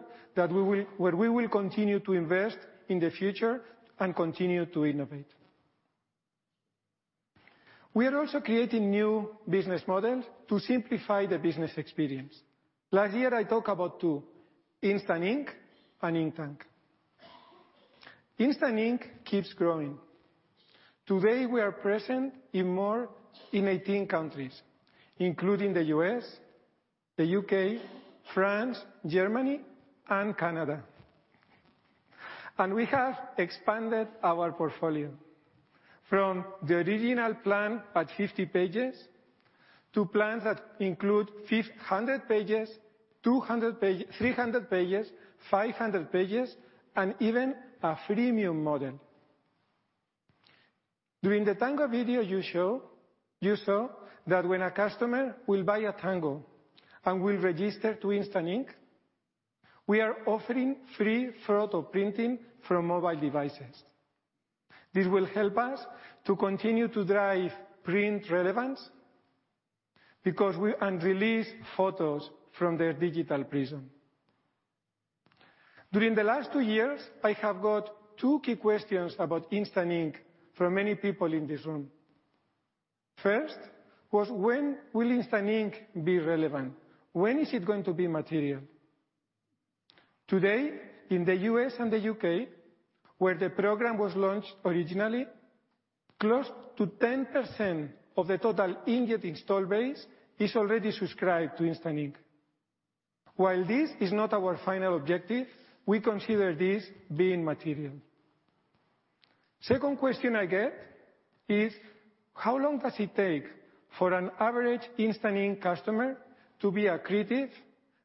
where we will continue to invest in the future and continue to innovate. We are also creating new business models to simplify the business experience. Last year I talk about two, Instant Ink and Ink Tank. Instant Ink keeps growing. Today we are present in 18 countries, including the U.S., the U.K., France, Germany, and Canada. We have expanded our portfolio from the original plan at 50 pages to plans that include 500 pages, 300 pages, 500 pages, and even a freemium model. During the Tango video you saw that when a customer will buy a Tango and will register to Instant Ink, we are offering free photo printing from mobile devices. This will help us to continue to drive print relevance and release photos from their digital prison. During the last two years, I have got two key questions about Instant Ink from many people in this room. First was, when will Instant Ink be relevant? When is it going to be material? Today, in the U.S. and the U.K., where the program was launched originally, close to 10% of the total inkjet install base is already subscribed to Instant Ink. While this is not our final objective, we consider this being material. Second question I get is, how long does it take for an average Instant Ink customer to be accretive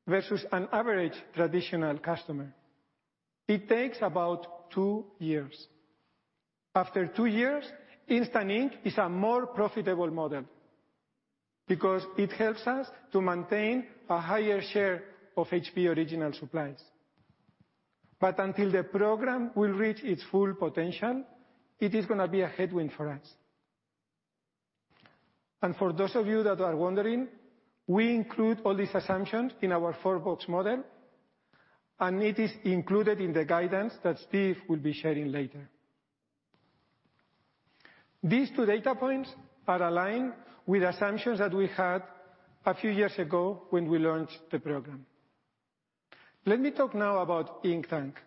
versus an average traditional customer? It takes about two years. After two years, Instant Ink is a more profitable model. It helps us to maintain a higher share of HP original supplies. Until the program will reach its full potential, it is going to be a headwind for us. For those of you that are wondering, we include all these assumptions in our four-box model, and it is included in the guidance that Steve will be sharing later. These two data points are aligned with assumptions that we had a few years ago when we launched the program. Let me talk now about Ink Tank.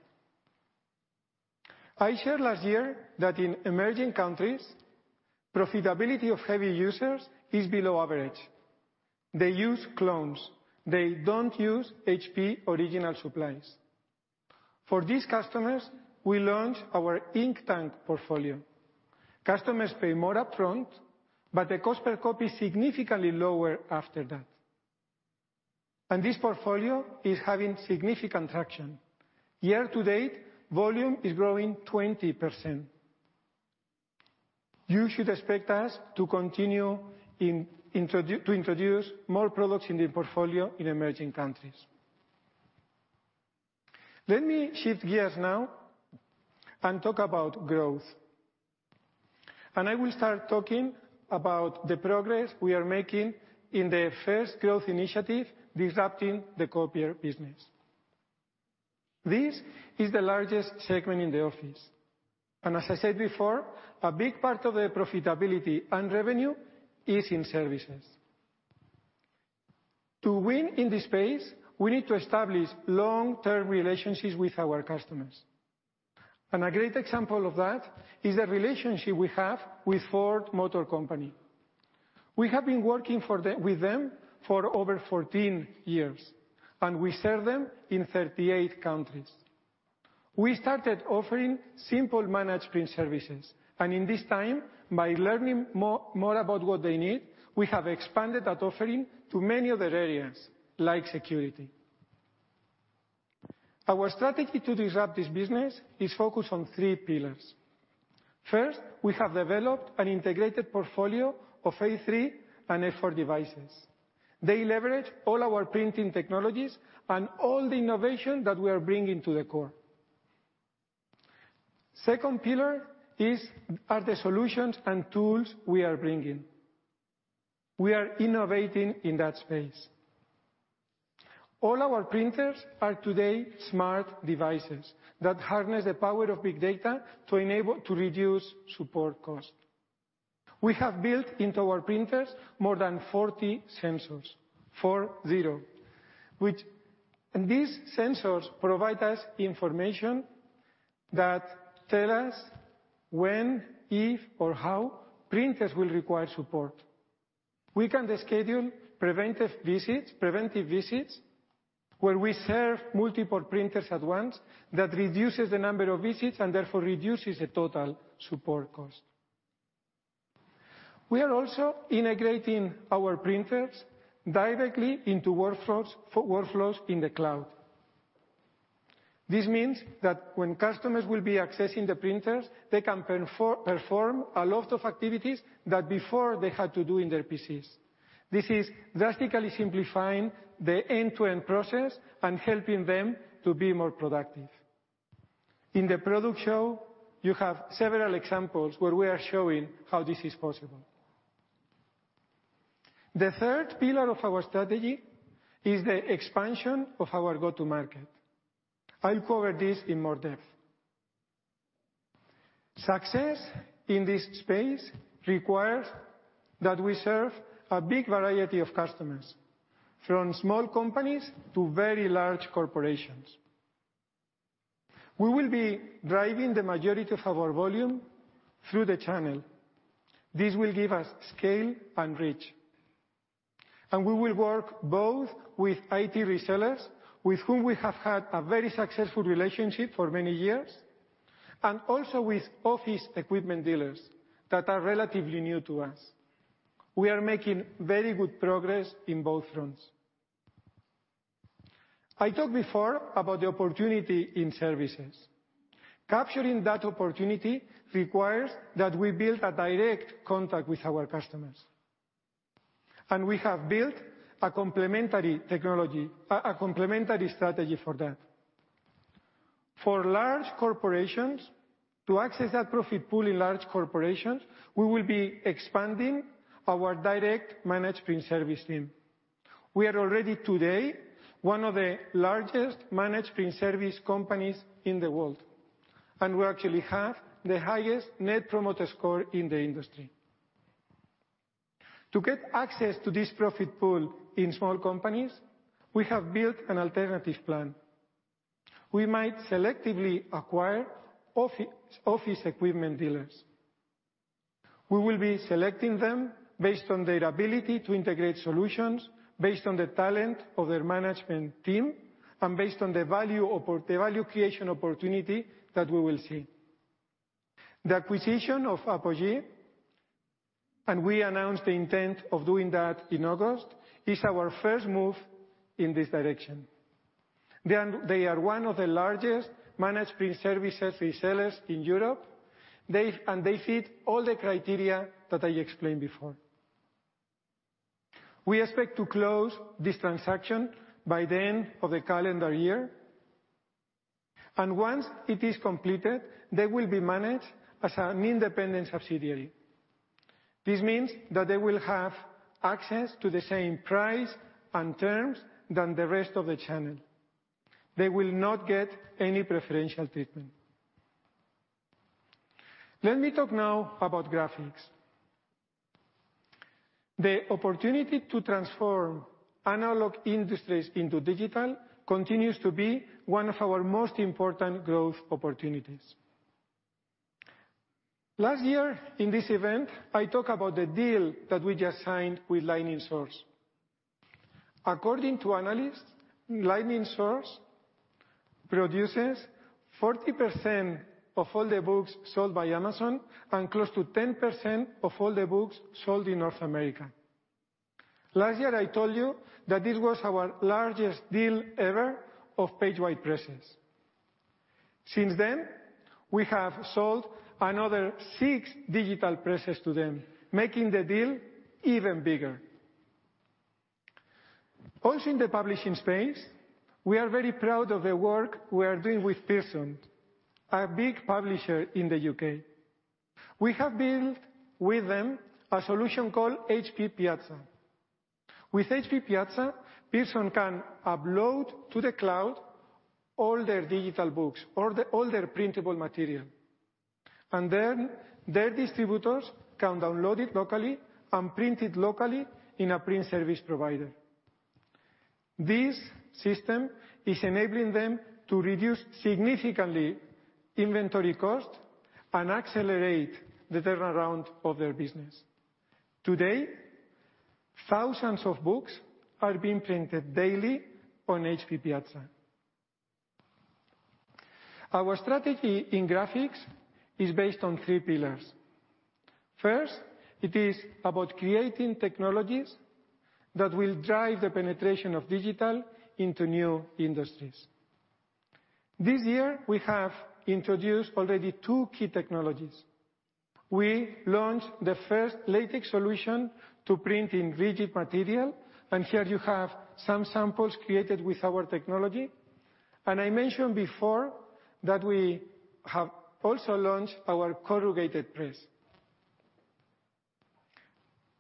I shared last year that in emerging countries, profitability of heavy users is below average. They use clones. They don't use HP original supplies. For these customers, we launched our Ink Tank portfolio. Customers pay more upfront, but the cost per copy is significantly lower after that. This portfolio is having significant traction. Year to date, volume is growing 20%. You should expect us to continue to introduce more products in the portfolio in emerging countries. Let me shift gears now and talk about growth. I will start talking about the progress we are making in the first growth initiative, disrupting the copier business. This is the largest segment in the office, and as I said before, a big part of the profitability and revenue is in services. To win in this space, we need to establish long-term relationships with our customers. A great example of that is the relationship we have with Ford Motor Company. We have been working with them for over 14 years, and we serve them in 38 countries. We started offering simple Managed Print Services, and in this time, by learning more about what they need, we have expanded that offering to many other areas, like security. Our strategy to disrupt this business is focused on three pillars. First, we have developed an integrated portfolio of A3 and A4 devices. They leverage all our printing technologies and all the innovation that we are bringing to the core. Second pillar are the solutions and tools we are bringing. We are innovating in that space. All our printers are today smart devices that harness the power of big data to reduce support cost. We have built into our printers more than 40 sensors, four zero. These sensors provide us information that tell us when, if, or how printers will require support. We can schedule preventive visits where we serve multiple printers at once that reduces the number of visits and therefore reduces the total support cost. We are also integrating our printers directly into workflows in the cloud. This means that when customers will be accessing the printers, they can perform a lot of activities that before they had to do in their PCs. This is drastically simplifying the end-to-end process and helping them to be more productive. In the product show, you have several examples where we are showing how this is possible. The third pillar of our strategy is the expansion of our go-to market. I'll cover this in more depth. Success in this space requires that we serve a big variety of customers, from small companies to very large corporations. We will be driving the majority of our volume through the channel. This will give us scale and reach. We will work both with IT resellers, with whom we have had a very successful relationship for many years, and also with office equipment dealers that are relatively new to us. We are making very good progress in both fronts. I talked before about the opportunity in services. Capturing that opportunity requires that we build a direct contact with our customers. We have built a complementary strategy for that. For large corporations, to access that profit pool in large corporations, we will be expanding our direct Managed Print Services team. We are already today one of the largest Managed Print Services companies in the world, and we actually have the highest Net Promoter Score in the industry. To get access to this profit pool in small companies, we have built an alternative plan. We might selectively acquire office equipment dealers. We will be selecting them based on their ability to integrate solutions, based on the talent of their management team, and based on the value creation opportunity that we will see. The acquisition of Apogee, and we announced the intent of doing that in August, is our first move in this direction. They are one of the largest Managed Print Services resellers in Europe, and they fit all the criteria that I explained before. We expect to close this transaction by the end of the calendar year, and once it is completed, they will be managed as an independent subsidiary. This means that they will have access to the same price and terms than the rest of the channel. They will not get any preferential treatment. Let me talk now about graphics. The opportunity to transform analog industries into digital continues to be one of our most important growth opportunities. Last year in this event, I talk about the deal that we just signed with Lightning Source. According to analysts, Lightning Source produces 40% of all the books sold by Amazon and close to 10% of all the books sold in North America. Last year, I told you that this was our largest deal ever of PageWide presses. Since then, we have sold another six digital presses to them, making the deal even bigger. In the publishing space, we are very proud of the work we are doing with Pearson, a big publisher in the U.K. We have built with them a solution called HP Piazza. With HP Piazza, Pearson can upload to the cloud all their digital books, all their printable material, and then their distributors can download it locally and print it locally in a print service provider. This system is enabling them to reduce significantly inventory cost and accelerate the turnaround of their business. Today, thousands of books are being printed daily on HP Piazza. Our strategy in graphics is based on three pillars. It is about creating technologies that will drive the penetration of digital into new industries. This year, we have introduced already two key technologies. We launched the first latex solution to print in rigid material, and here you have some samples created with our technology. I mentioned before that we have also launched our corrugated press.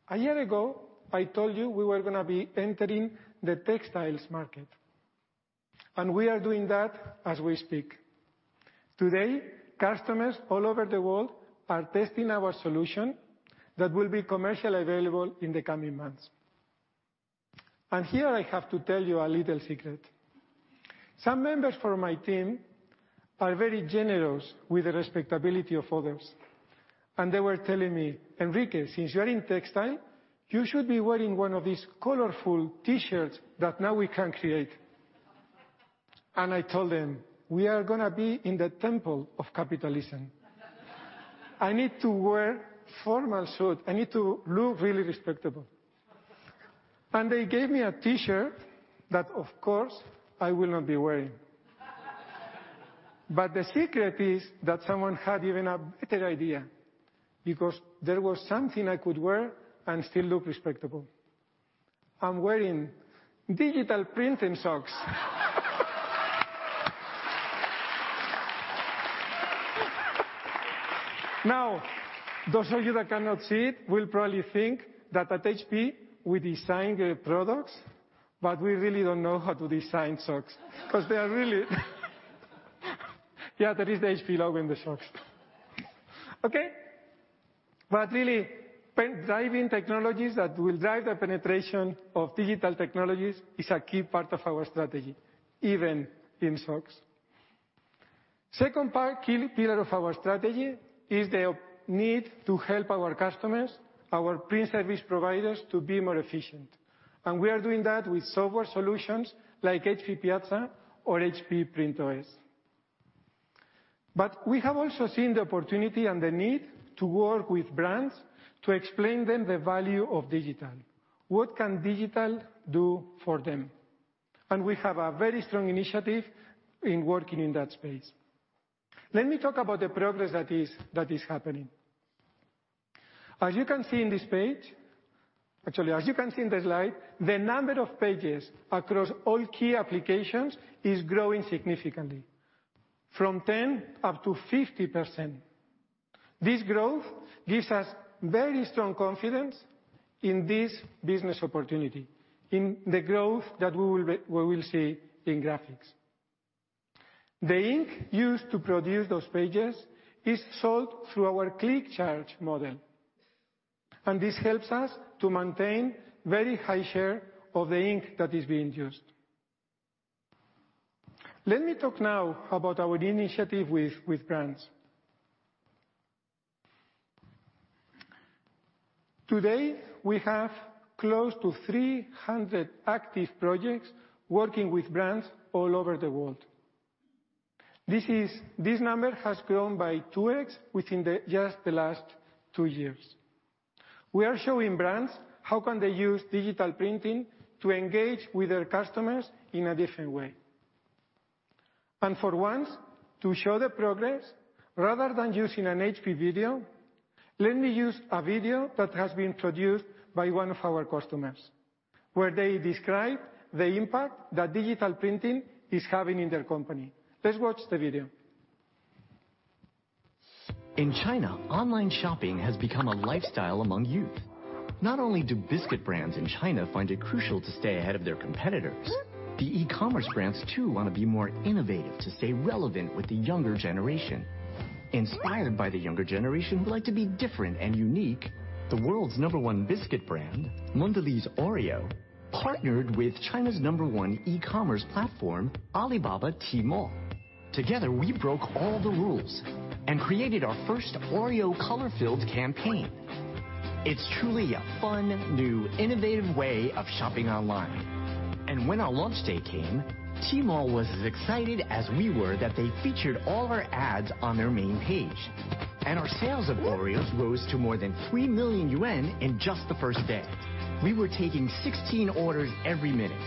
A year ago, I told you we were going to be entering the textiles market, and we are doing that as we speak. Today, customers all over the world are testing our solution that will be commercially available in the coming months. Here I have to tell you a little secret. Some members from my team are very generous with the respectability of others. They were telling me, "Enrique, since you're in textile, you should be wearing one of these colorful T-shirts that now we can create." I told them, "We are going to be in the temple of capitalism. I need to wear formal suit. I need to look really respectable." They gave me a T-shirt that, of course, I will not be wearing. The secret is that someone had even a better idea because there was something I could wear and still look respectable. I'm wearing digital printing socks. Now, those of you that cannot see it will probably think that at HP, we design great products, but we really don't know how to design socks because they are really Yeah, there is the HP logo in the socks. Okay? Really, driving technologies that will drive the penetration of digital technologies is a key part of our strategy, even in socks. Second part, key pillar of our strategy is the need to help our customers, our print service providers, to be more efficient. We are doing that with software solutions like HP Piazza or HP PrintOS. We have also seen the opportunity and the need to work with brands to explain them the value of digital, what can digital do for them. We have a very strong initiative in working in that space. Let me talk about the progress that is happening. Actually, as you can see in the slide, the number of pages across all key applications is growing significantly from 10 up to 50%. This growth gives us very strong confidence in this business opportunity, in the growth that we will see in graphics. The ink used to produce those pages is sold through our Click Charge model, and this helps us to maintain very high share of the ink that is being used. Let me talk now about our initiative with brands. Today, we have close to 300 active projects working with brands all over the world. This number has grown by 2X within just the last two years. We are showing brands how they can use digital printing to engage with their customers in a different way. For once, to show the progress, rather than using an HP video, let me use a video that has been produced by one of our customers, where they describe the impact that digital printing is having in their company. Let's watch the video. In China, online shopping has become a lifestyle among youth. Not only do biscuit brands in China find it crucial to stay ahead of their competitors, the e-commerce brands too want to be more innovative to stay relevant with the younger generation. Inspired by the younger generation, who like to be different and unique, the world's number one biscuit brand, Mondelēz Oreo, partnered with China's number one e-commerce platform, Alibaba Tmall. Together, we broke all the rules and created our first Oreo color filled campaign. It's truly a fun, new, innovative way of shopping online. When our launch day came, Tmall was as excited as we were that they featured all our ads on their main page. Our sales of Oreos rose to more than 3 million yuan in just the first day. We were taking 16 orders every minute.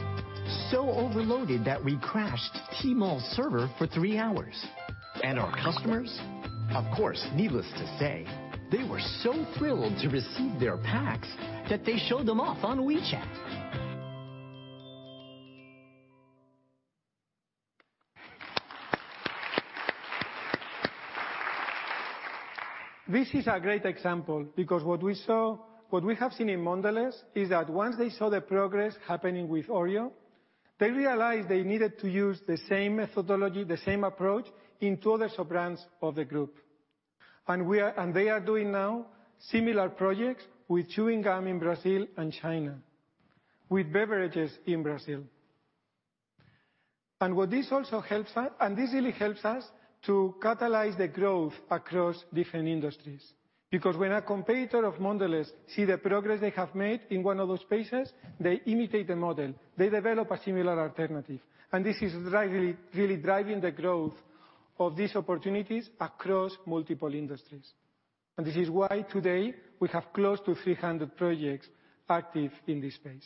overloaded that we crashed Tmall's server for three hours. Our customers, of course, needless to say, they were so thrilled to receive their packs that they showed them off on WeChat. This is a great example, because what we have seen in Mondelez is that once they saw the progress happening with Oreo, they realized they needed to use the same methodology, the same approach, in two other sub-brands of the group. They are doing now similar projects with chewing gum in Brazil and China, with beverages in Brazil. This really helps us to catalyze the growth across different industries. When a competitor of Mondelez sees the progress they have made in one of those spaces, they imitate the model. They develop a similar alternative. This is really driving the growth of these opportunities across multiple industries. This is why today we have close to 300 projects active in this space.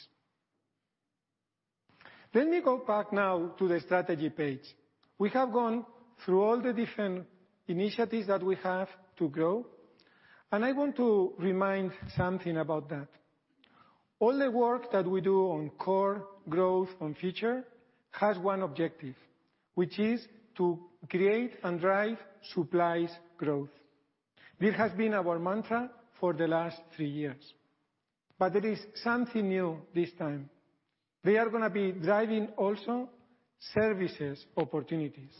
Let me go back now to the strategy page. We have gone through all the different initiatives that we have to grow, and I want to remind something about that. All the work that we do on core growth, on future, has one objective, which is to create and drive supplies growth. This has been our mantra for the last three years. There is something new this time. We are going to be driving also services opportunities.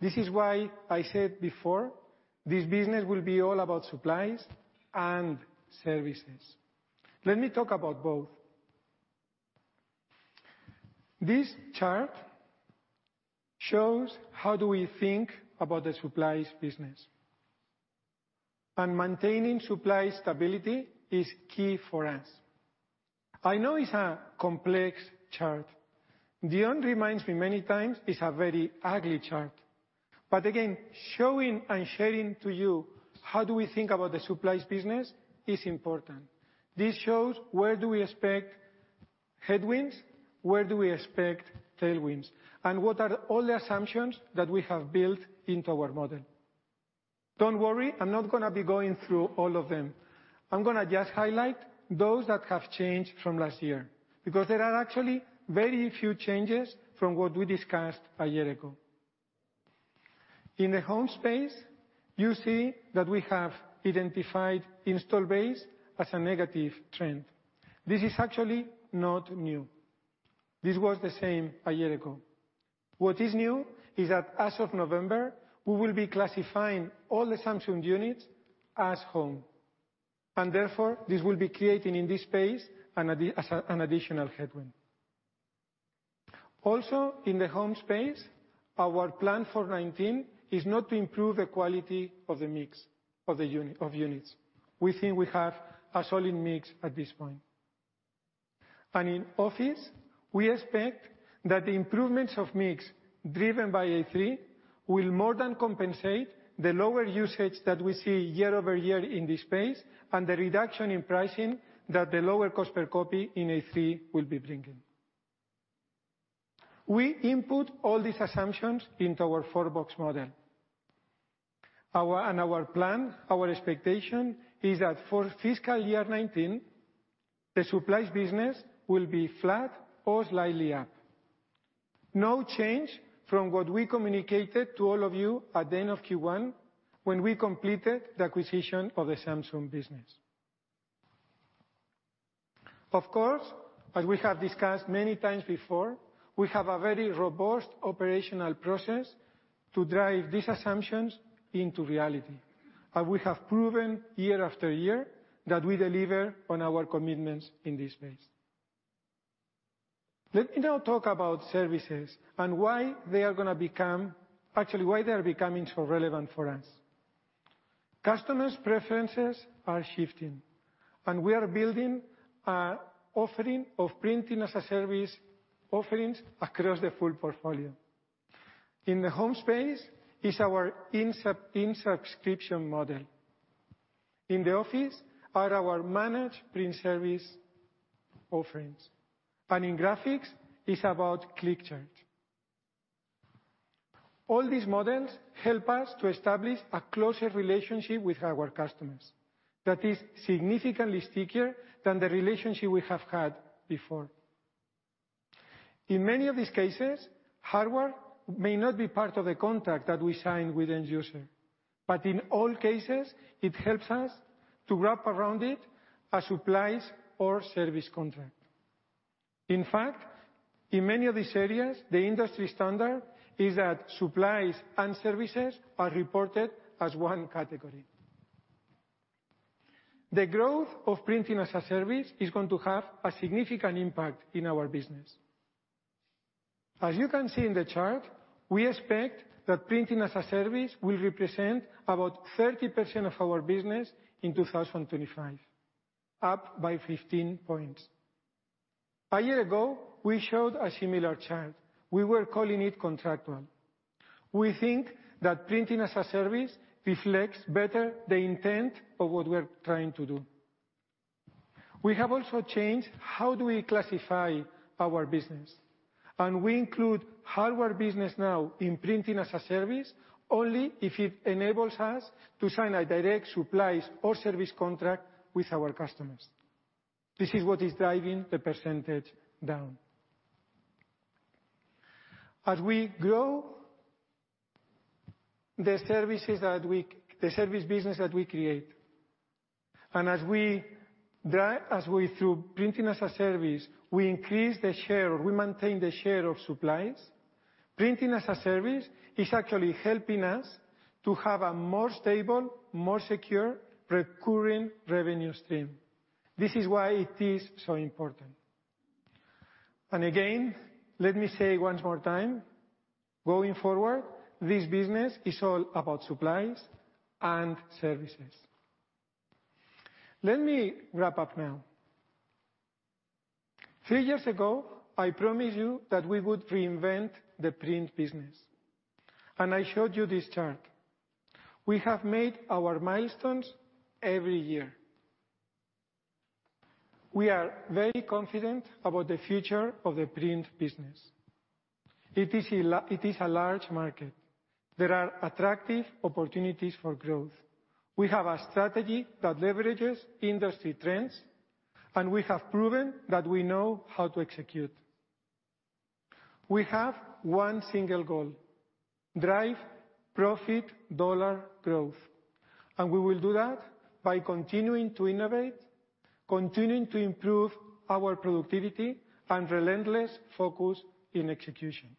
This is why I said before, this business will be all about supplies and services. Let me talk about both. This chart shows how do we think about the supplies business. Maintaining supply stability is key for us. I know it's a complex chart. Dion reminds me many times it's a very ugly chart. Again, showing and sharing to you how do we think about the supplies business is important. This shows where do we expect headwinds, where do we expect tailwinds, and what are all the assumptions that we have built into our model. Don't worry, I'm not going to be going through all of them. I'm going to just highlight those that have changed from last year, because there are actually very few changes from what we discussed a year ago. In the home space, you see that we have identified install base as a negative trend. This is actually not new. This was the same a year ago. What is new is that as of November, we will be classifying all the Samsung units as home. Therefore, this will be creating in this space an additional headwind. Also, in the home space, our plan for FY 2019 is not to improve the quality of the mix of units. We think we have a solid mix at this point. In office, we expect that the improvements of mix driven by A3 will more than compensate the lower usage that we see year-over-year in this space, and the reduction in pricing that the lower cost per copy in A3 will be bringing. We input all these assumptions into our four-box model. Our plan, our expectation, is that for fiscal year 2019, the supplies business will be flat or slightly up. No change from what we communicated to all of you at the end of Q1, when we completed the acquisition of the Samsung business. Of course, as we have discussed many times before, we have a very robust operational process to drive these assumptions into reality. We have proven year after year that we deliver on our commitments in this space. Let me now talk about services and why they are becoming so relevant for us. Customers' preferences are shifting, and we are building an offering of Printing as a Service offerings across the full portfolio. In the home space is our in subscription model. In the office are our Managed Print Service offerings. In graphics, it's about Click Charge. All these models help us to establish a closer relationship with our customers that is significantly stickier than the relationship we have had before. In many of these cases, hardware may not be part of the contract that we sign with the end user. In all cases, it helps us to wrap around it a supplies or service contract. In fact, in many of these areas, the industry standard is that supplies and services are reported as one category. The growth of Printing as a Service is going to have a significant impact on our business. As you can see in the chart, we expect that Printing as a Service will represent about 30% of our business in 2025, up by 15 points. A year ago, we showed a similar chart. We were calling it contractual. We think that Printing as a Service reflects better the intent of what we're trying to do. We have also changed how do we classify our business. We include hardware business now in Printing as a Service only if it enables us to sign a direct supplies or service contract with our customers. This is what is driving the percentage down. As we grow the service business that we create, and as we, through Printing as a Service, we increase the share, we maintain the share of supplies, Printing as a Service is actually helping us to have a more stable, more secure recurring revenue stream. This is why it is so important. Again, let me say one more time, going forward, this business is all about supplies and services. Let me wrap up now. Three years ago, I promised you that we would reinvent the print business, and I showed you this chart. We have made our milestones every year. We are very confident about the future of the print business. It is a large market. There are attractive opportunities for growth. We have a strategy that leverages industry trends, and we have proven that we know how to execute. We have one single goal, drive profit dollar growth. We will do that by continuing to innovate, continuing to improve our productivity, and relentless focus in execution.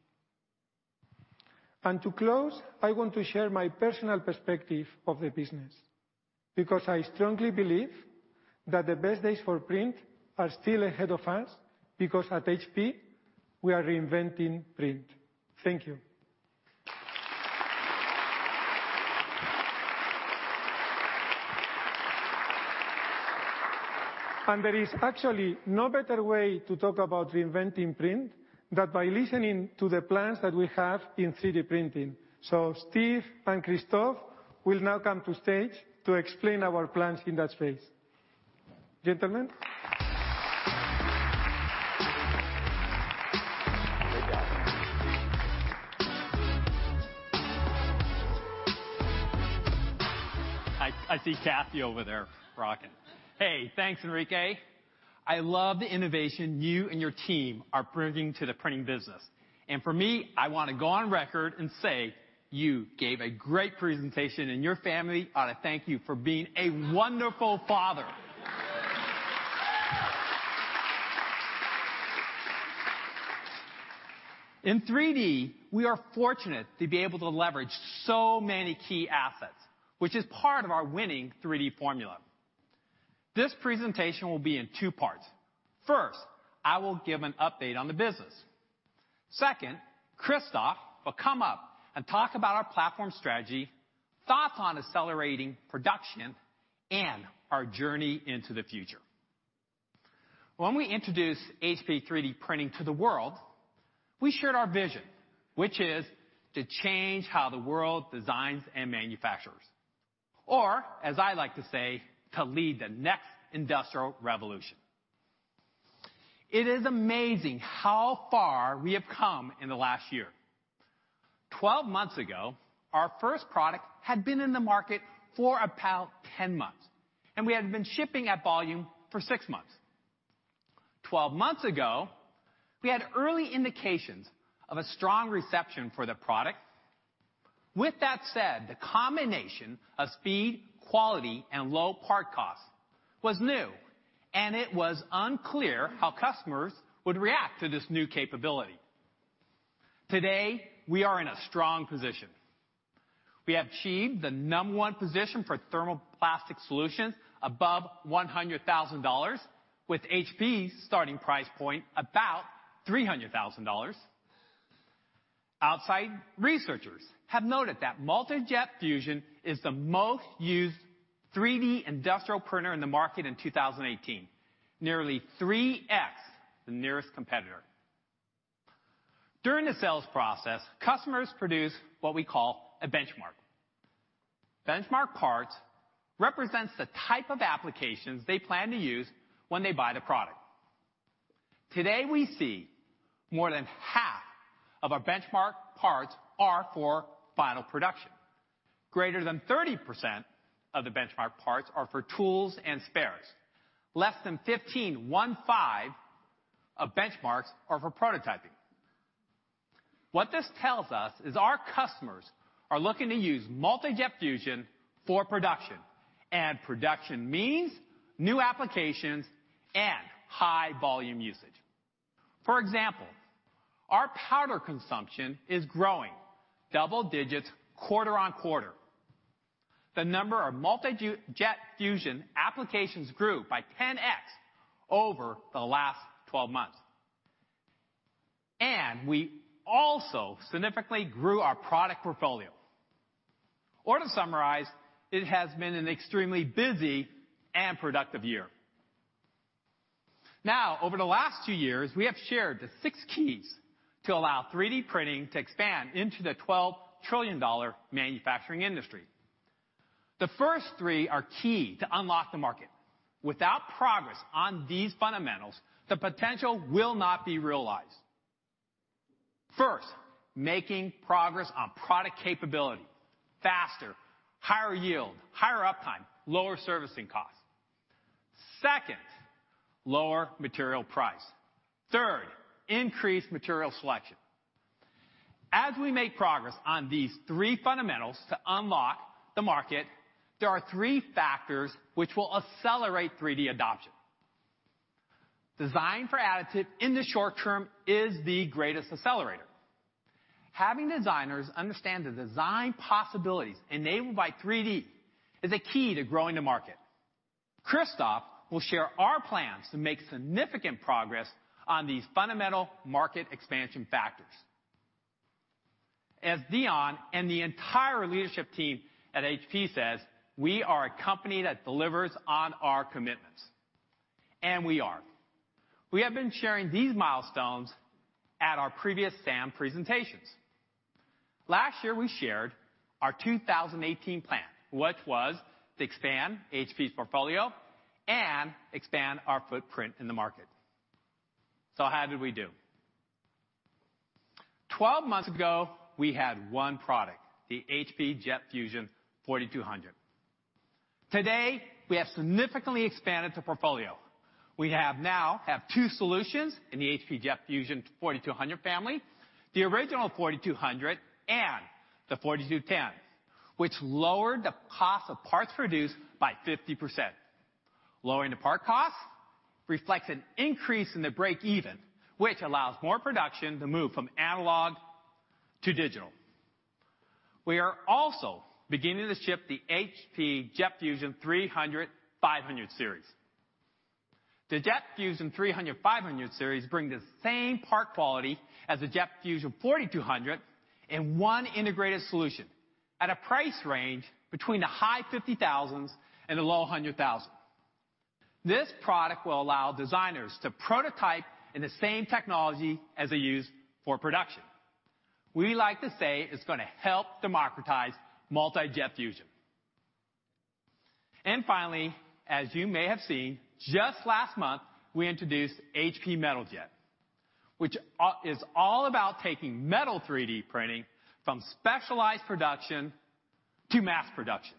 To close, I want to share my personal perspective of the business, because I strongly believe that the best days for print are still ahead of us because at HP, we are reinventing print. Thank you. There is actually no better way to talk about reinventing print than by listening to the plans that we have in 3D printing. Steve and Christoph will now come to stage to explain our plans in that space. Gentlemen? I see Cathy over there rocking. Hey, thanks, Enrique. I love the innovation you and your team are bringing to the printing business. For me, I want to go on record and say you gave a great presentation, and your family ought to thank you for being a wonderful father. In 3D, we are fortunate to be able to leverage so many key assets, which is part of our winning 3D formula. This presentation will be in two parts. First, I will give an update on the business. Second, Christoph will come up and talk about our platform strategy, thoughts on accelerating production, and our journey into the future. When we introduced HP 3D printing to the world, we shared our vision, which is to change how the world designs and manufactures. As I like to say, to lead the next industrial revolution. It is amazing how far we have come in the last year. 12 months ago, our first product had been in the market for about 10 months, and we had been shipping at volume for six months. 12 months ago, we had early indications of a strong reception for the product. With that said, the combination of speed, quality, and low part cost was new, and it was unclear how customers would react to this new capability. Today, we are in a strong position. We have achieved the number one position for thermoplastic solutions above $100,000 with HP's starting price point about $300,000. Outside researchers have noted that Multi Jet Fusion is the most used 3D industrial printer in the market in 2018, nearly 3x the nearest competitor. During the sales process, customers produce what we call a benchmark. Benchmark parts represents the type of applications they plan to use when they buy the product. Today, we see more than half of our benchmark parts are for final production. Greater than 30% of the benchmark parts are for tools and spares. Less than 15 of benchmarks are for prototyping. What this tells us is our customers are looking to use Multi Jet Fusion for production. Production means new applications and high volume usage. For example, our powder consumption is growing double digits quarter-on-quarter. The number of Multi Jet Fusion applications grew by 10X over the last 12 months. We also significantly grew our product portfolio. To summarize, it has been an extremely busy and productive year. Now, over the last two years, we have shared the six keys to allow 3D printing to expand into the $12 trillion manufacturing industry. The first three are key to unlock the market. Without progress on these fundamentals, the potential will not be realized. First, making progress on product capability. Faster, higher yield, higher uptime, lower servicing costs. Second, lower material price. Third, increased material selection. We make progress on these three fundamentals to unlock the market, there are three factors which will accelerate 3D adoption. Design for Additive in the short term is the greatest accelerator. Having designers understand the design possibilities enabled by 3D is a key to growing the market. Christoph will share our plans to make significant progress on these fundamental market expansion factors. Dion and the entire leadership team at HP says, "We are a company that delivers on our commitments," and we are. We have been sharing these milestones at our previous SAM presentations. Last year, we shared our 2018 plan, which was to expand HP's portfolio and expand our footprint in the market. How did we do? 12 months ago, we had one product, the HP Jet Fusion 4200. Today, we have significantly expanded the portfolio. We now have two solutions in the HP Jet Fusion 4200 family, the original 4200 and the 4210, which lowered the cost of parts produced by 50%. Lowering the part cost reflects an increase in the break even, which allows more production to move from analog to digital. We are also beginning to ship the HP Jet Fusion 300, 500 series. The Jet Fusion 300, 500 series bring the same part quality as the Jet Fusion 4200 in one integrated solution at a price range between the high $50,000s and the low $100,000. This product will allow designers to prototype in the same technology as they use for production. We like to say it's going to help democratize Multi Jet Fusion. Finally, as you may have seen, just last month, we introduced HP Metal Jet, which is all about taking metal 3D printing from specialized production to mass production.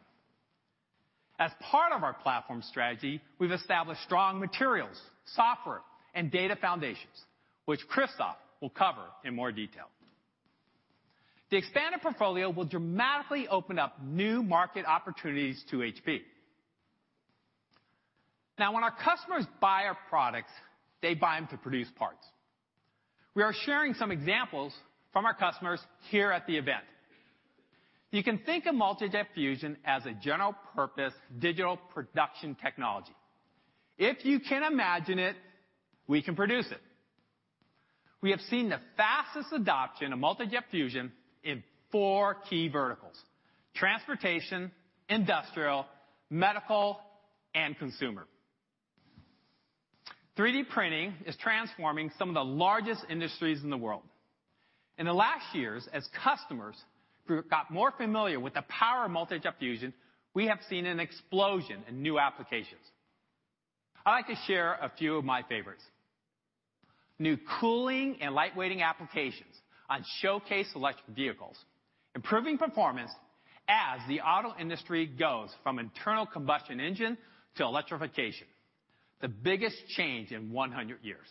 As part of our platform strategy, we've established strong materials, software, and data foundations, which Christoph will cover in more detail. The expanded portfolio will dramatically open up new market opportunities to HP. When our customers buy our products, they buy them to produce parts. We are sharing some examples from our customers here at the event. You can think of Multi Jet Fusion as a general purpose digital production technology. If you can imagine it, we can produce it. We have seen the fastest adoption of Multi Jet Fusion in four key verticals: transportation, industrial, medical, and consumer. 3D printing is transforming some of the largest industries in the world. In the last years, as customers got more familiar with the power of Multi Jet Fusion, we have seen an explosion in new applications. I'd like to share a few of my favorites. New cooling and lightweighting applications on showcase electric vehicles, improving performance as the auto industry goes from internal combustion engine to electrification. The biggest change in 100 years.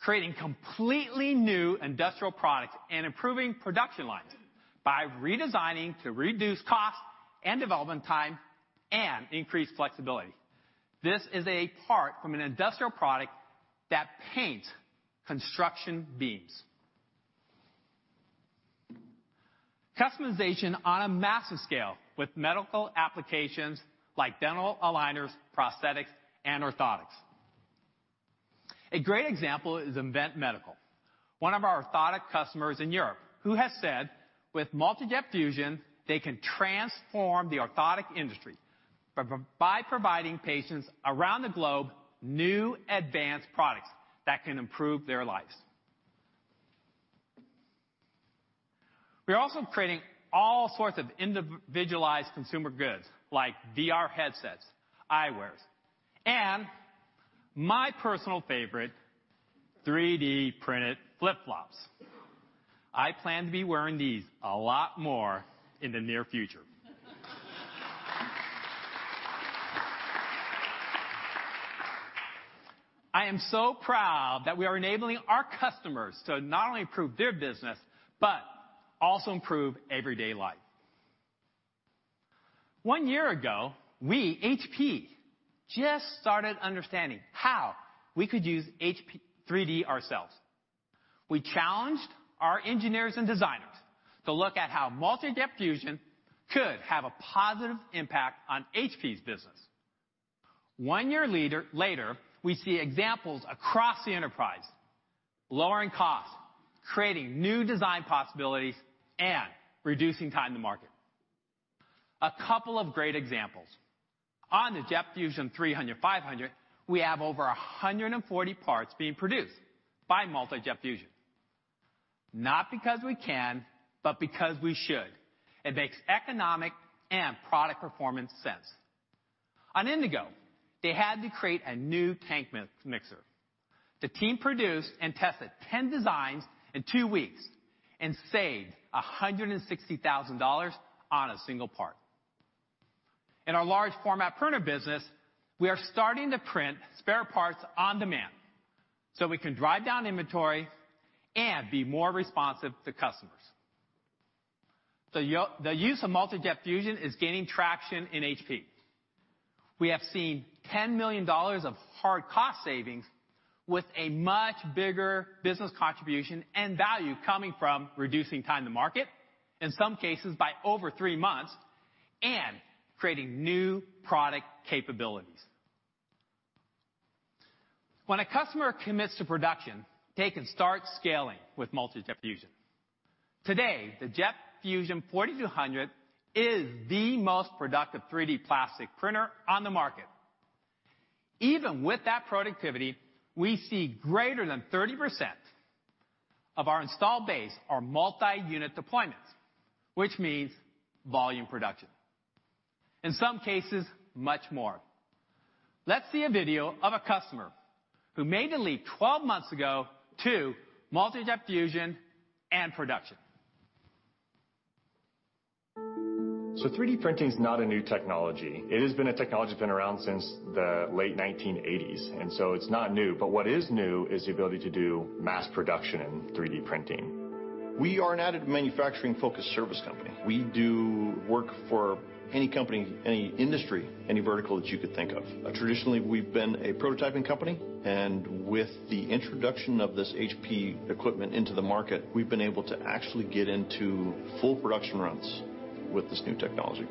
Creating completely new industrial products and improving production lines by redesigning to reduce cost and development time and increase flexibility. This is a part from an industrial product that paint construction beams. Customization on a massive scale with medical applications like dental aligners, prosthetics, and orthotics. A great example is Invent Medical, one of our orthotic customers in Europe, who has said, with Multi Jet Fusion, they can transform the orthotic industry by providing patients around the globe new advanced products that can improve their lives. We're also creating all sorts of individualized consumer goods, like VR headsets, eye wears, and my personal favorite, 3D-printed flip-flops. I plan to be wearing these a lot more in the near future. I am so proud that we are enabling our customers to not only improve their business but also improve everyday life. One year ago, we, HP, just started understanding how we could use 3D ourselves. We challenged our engineers and designers to look at how Multi Jet Fusion could have a positive impact on HP's business. One year later, we see examples across the enterprise, lowering costs, creating new design possibilities, and reducing time to market. A couple of great examples. On the Jet Fusion 300/500, we have over 140 parts being produced by Multi Jet Fusion. Not because we can, but because we should. It makes economic and product performance sense. On Indigo, they had to create a new tank mixer. The team produced and tested 10 designs in two weeks and saved $160,000 on a single part. In our large format printer business, we are starting to print spare parts on demand so we can drive down inventory and be more responsive to customers. The use of Multi Jet Fusion is gaining traction in HP. We have seen $10 million of hard cost savings with a much bigger business contribution and value coming from reducing time to market, in some cases by over three months, and creating new product capabilities. When a customer commits to production, they can start scaling with Multi Jet Fusion. Today, the Jet Fusion 4200 is the most productive 3D plastic printer on the market. Even with that productivity, we see greater than 30% of our installed base are multi-unit deployments, which means volume production. In some cases, much more. Let's see a video of a customer who made the leap 12 months ago to Multi Jet Fusion and production. 3D printing's not a new technology. It has been a technology that's been around since the late 1980s, it's not new. What is new is the ability to do mass production in 3D printing. We are an additive manufacturing-focused service company. We do work for any company, any industry, any vertical that you could think of. Traditionally, we've been a prototyping company, and with the introduction of this HP equipment into the market, we've been able to actually get into full production runs with this new technology.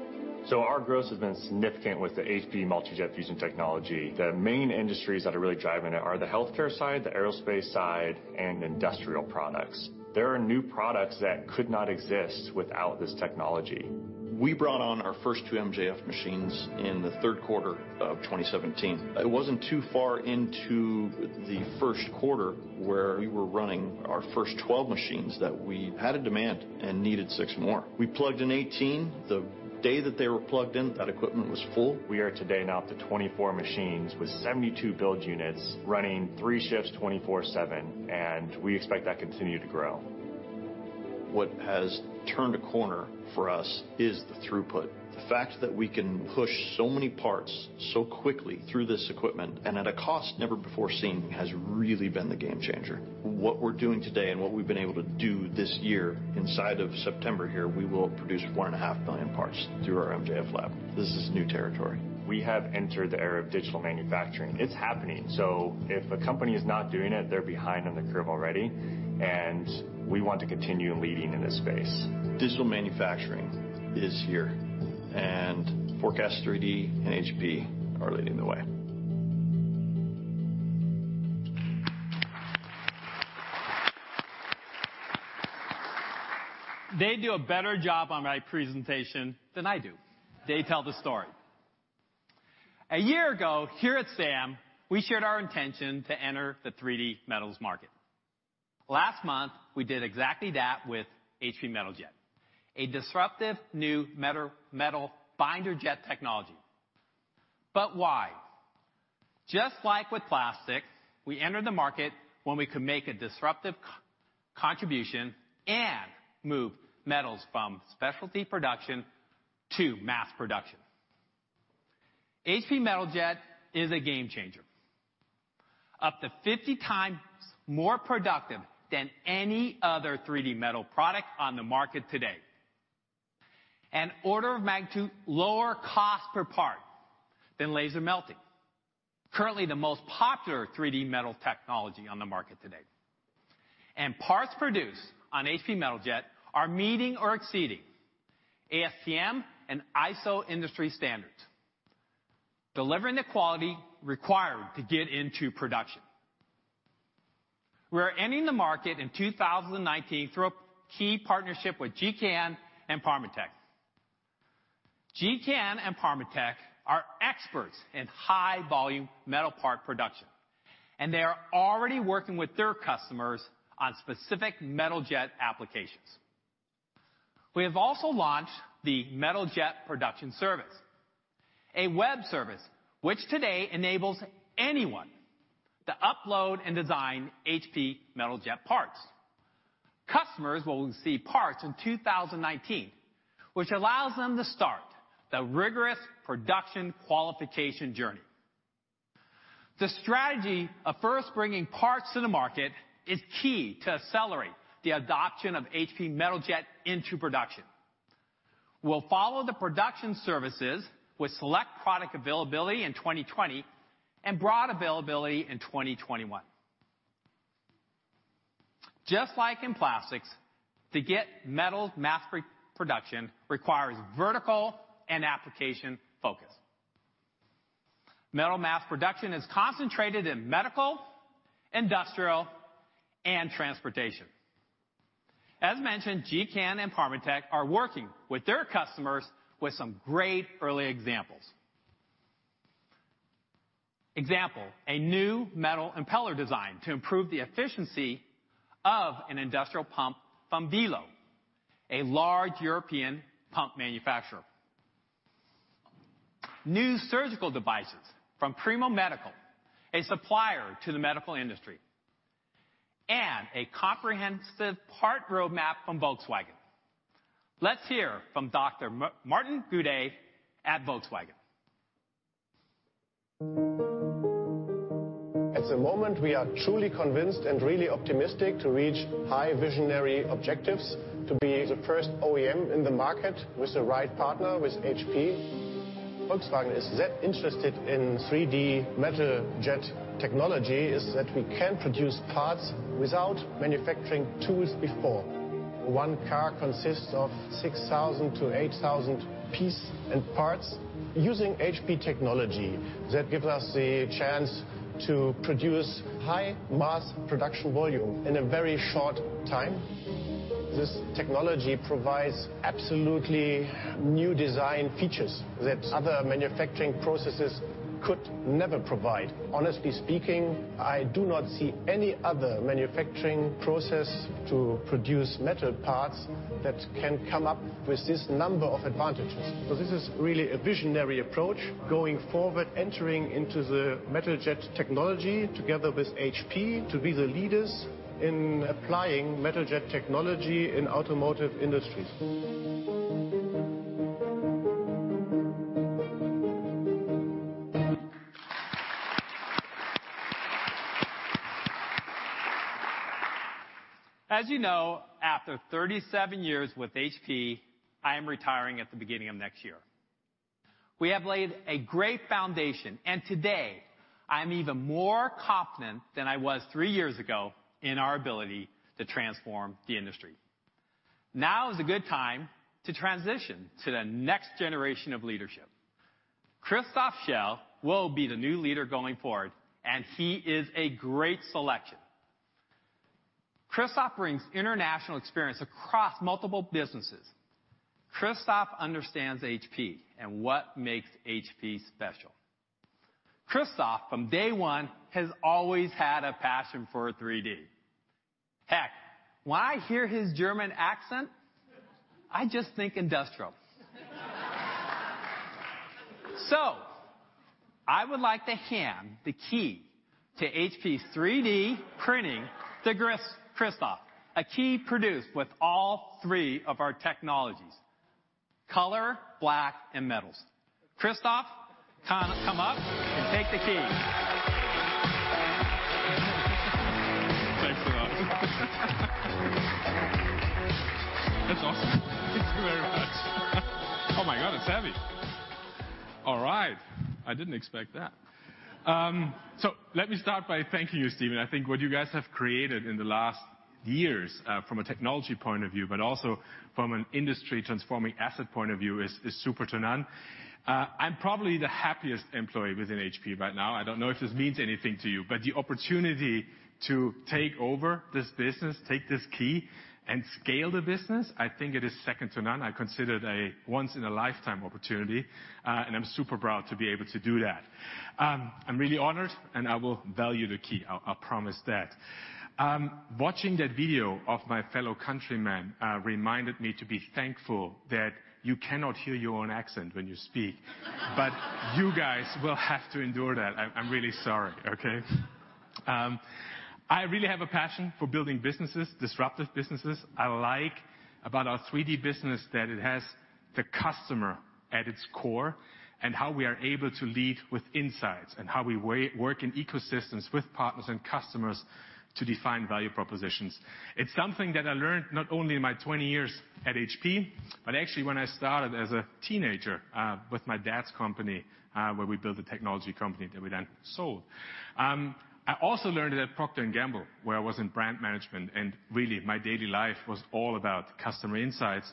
Our growth has been significant with the HP Multi Jet Fusion technology. The main industries that are really driving it are the healthcare side, the aerospace side, and industrial products. There are new products that could not exist without this technology. We brought on our first two MJF machines in the third quarter of 2017. It wasn't too far into the first quarter where we were running our first 12 machines that we had a demand and needed six more. We plugged in 18. The day that they were plugged in, that equipment was full. We are today now up to 24 machines with 72 build units running three shifts, 24/7, and we expect that to continue to grow. What has turned a corner for us is the throughput. The fact that we can push so many parts so quickly through this equipment and at a cost never before seen has really been the game changer. What we're doing today and what we've been able to do this year, inside of September here, we will produce 4.5 million parts through our MJF lab. This is new territory. We have entered the era of digital manufacturing. It's happening. If a company is not doing it, they're behind on the curve already, and we want to continue leading in this space. Digital manufacturing is here, and Forecast 3D and HP are leading the way. They do a better job on my presentation than I do. They tell the story. A year ago, here at SAM, we shared our intention to enter the 3D metals market. Last month, we did exactly that with HP Metal Jet, a disruptive new metal binder jet technology. Why? Just like with plastics, we entered the market when we could make a disruptive contribution and move metals from specialty production to mass production. HP Metal Jet is a game changer. Up to 50 times more productive than any other 3D metal product on the market today. An order of magnitude lower cost per part than laser melting. Currently, the most popular 3D metal technology on the market today. Parts produced on HP Metal Jet are meeting or exceeding ASTM and ISO industry standards, delivering the quality required to get into production. We're entering the market in 2019 through a key partnership with GKN and Parmatech. GKN and Parmatech are experts in high volume metal part production, and they are already working with their customers on specific Metal Jet applications. We have also launched the Metal Jet Production Service, a web service which today enables anyone to upload and design HP Metal Jet parts. Customers will receive parts in 2019, which allows them to start the rigorous production qualification journey. The strategy of first bringing parts to the market is key to accelerate the adoption of HP Metal Jet into production. We'll follow the production services with select product availability in 2020 and broad availability in 2021. Just like in plastics, to get metal mass production requires vertical and application focus. Metal mass production is concentrated in medical, industrial, and transportation. As mentioned, GKN and Parmatech are working with their customers with some great early examples. Example, a new metal impeller design to improve the efficiency of an industrial pump from Wilo, a large European pump manufacturer. New surgical devices from Primo Medical, a supplier to the medical industry. A comprehensive part roadmap from Volkswagen. Let's hear from Dr. Martin Goede at Volkswagen. At the moment, we are truly convinced and really optimistic to reach high visionary objectives to be the first OEM in the market with the right partner, with HP. Volkswagen is that interested in 3D Metal Jet technology is that we can produce parts without manufacturing tools before. One car consists of 6,000 to 8,000 piece and parts. Using HP technology, that give us the chance to produce high mass production volume in a very short time. This technology provides absolutely new design features that other manufacturing processes could never provide. Honestly speaking, I do not see any other manufacturing process to produce metal parts that can come up with this number of advantages. This is really a visionary approach going forward, entering into the Metal Jet technology together with HP to be the leaders in applying Metal Jet technology in automotive industries. As you know, after 37 years with HP, I am retiring at the beginning of next year. Today I'm even more confident than I was three years ago in our ability to transform the industry. Now is a good time to transition to the next generation of leadership. Christoph Schell will be the new leader going forward. He is a great selection. Christoph brings international experience across multiple businesses. Christoph understands HP and what makes HP special. Christoph, from day one, has always had a passion for 3D. Heck, when I hear his German accent, I just think industrial. I would like to hand the key to HP 3D printing to Christoph, a key produced with all three of our technologies, color, black, and metals. Christoph, come up and take the key. Thanks a lot. That's awesome. Thank you very much. Oh, my God, it's heavy. All right. I didn't expect that. Let me start by thanking you, Steve. I think what you guys have created in the last years, from a technology point of view, but also from an industry transforming asset point of view, is second to none. I'm probably the happiest employee within HP right now. I don't know if this means anything to you, the opportunity to take over this business, take this key, and scale the business, I think it is second to none. I consider it a once in a lifetime opportunity, I'm super proud to be able to do that. I'm really honored, I will value the key, I'll promise that. Watching that video of my fellow countryman reminded me to be thankful that you cannot hear your own accent when you speak. You guys will have to endure that. I'm really sorry. Okay. I really have a passion for building businesses, disruptive businesses. I like about our 3D business that it has the customer at its core, and how we are able to lead with insights, and how we work in ecosystems with partners and customers to define value propositions. It's something that I learned not only in my 20 years at HP, but actually when I started as a teenager with my dad's company, where we built a technology company that we then sold. I also learned it at Procter & Gamble, where I was in brand management, and really my daily life was all about customer insights.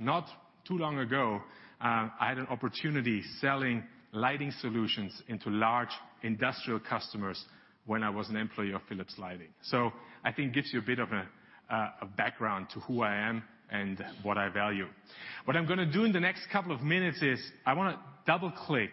Not too long ago, I had an opportunity selling lighting solutions into large industrial customers when I was an employee of Philips Lighting. I think gives you a bit of a background to who I am and what I value. What I'm going to do in the next couple of minutes is, I want to double-click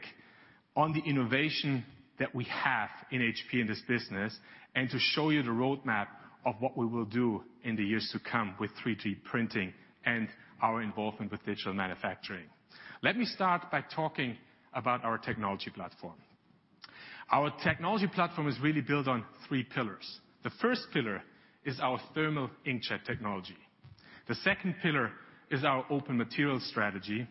on the innovation that we have in HP in this business, and to show you the roadmap of what we will do in the years to come with 3D printing and our involvement with digital manufacturing. Let me start by talking about our technology platform. Our technology platform is really built on three pillars. The first pillar is our thermal inkjet technology. The second pillar is our open material strategy.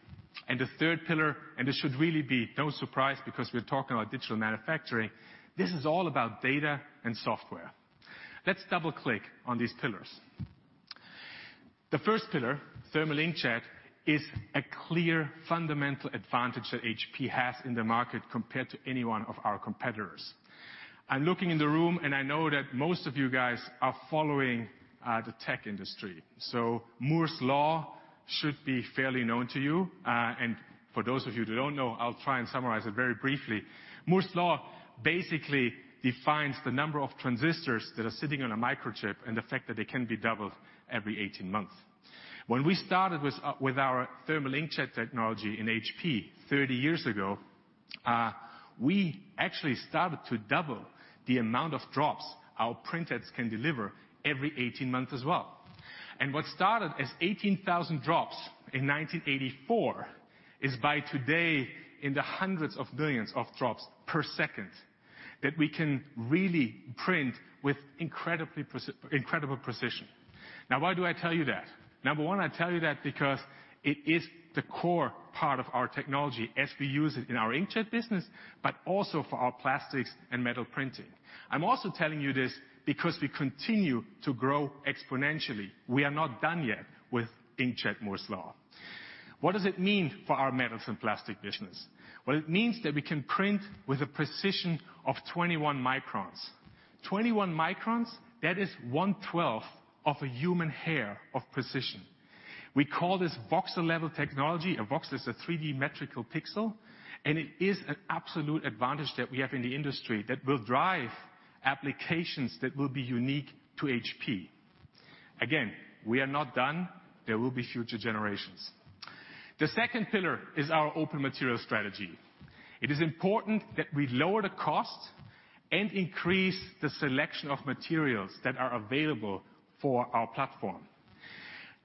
The third pillar, and this should really be no surprise because we're talking about digital manufacturing, this is all about data and software. Let's double-click on these pillars. The first pillar, thermal inkjet, is a clear fundamental advantage that HP has in the market compared to any one of our competitors. I'm looking in the room, I know that most of you guys are following the tech industry. Moore's Law should be fairly known to you. For those of you that don't know, I'll try and summarize it very briefly. Moore's Law basically defines the number of transistors that are sitting on a microchip and the fact that they can be doubled every 18 months. When we started with our thermal inkjet technology in HP 30 years ago, we actually started to double the amount of drops our printheads can deliver every 18 months as well. What started as 18,000 drops in 1984 is by today in the hundreds of millions of drops per second, that we can really print with incredible precision. Why do I tell you that? Number one, I tell you that because it is the core part of our technology as we use it in our inkjet business, but also for our plastics and metal printing. I'm also telling you this because we continue to grow exponentially. We are not done yet with inkjet Moore's Law. What does it mean for our metals and plastic business? It means that we can print with a precision of 21 microns. 21 microns, that is one twelfth of a human hair of precision. We call this voxel-level technology. A voxel is a 3D metrical pixel. It is an absolute advantage that we have in the industry that will drive applications that will be unique to HP. Again, we are not done. There will be future generations. The second pillar is our open material strategy. It is important that we lower the cost and increase the selection of materials that are available for our platform.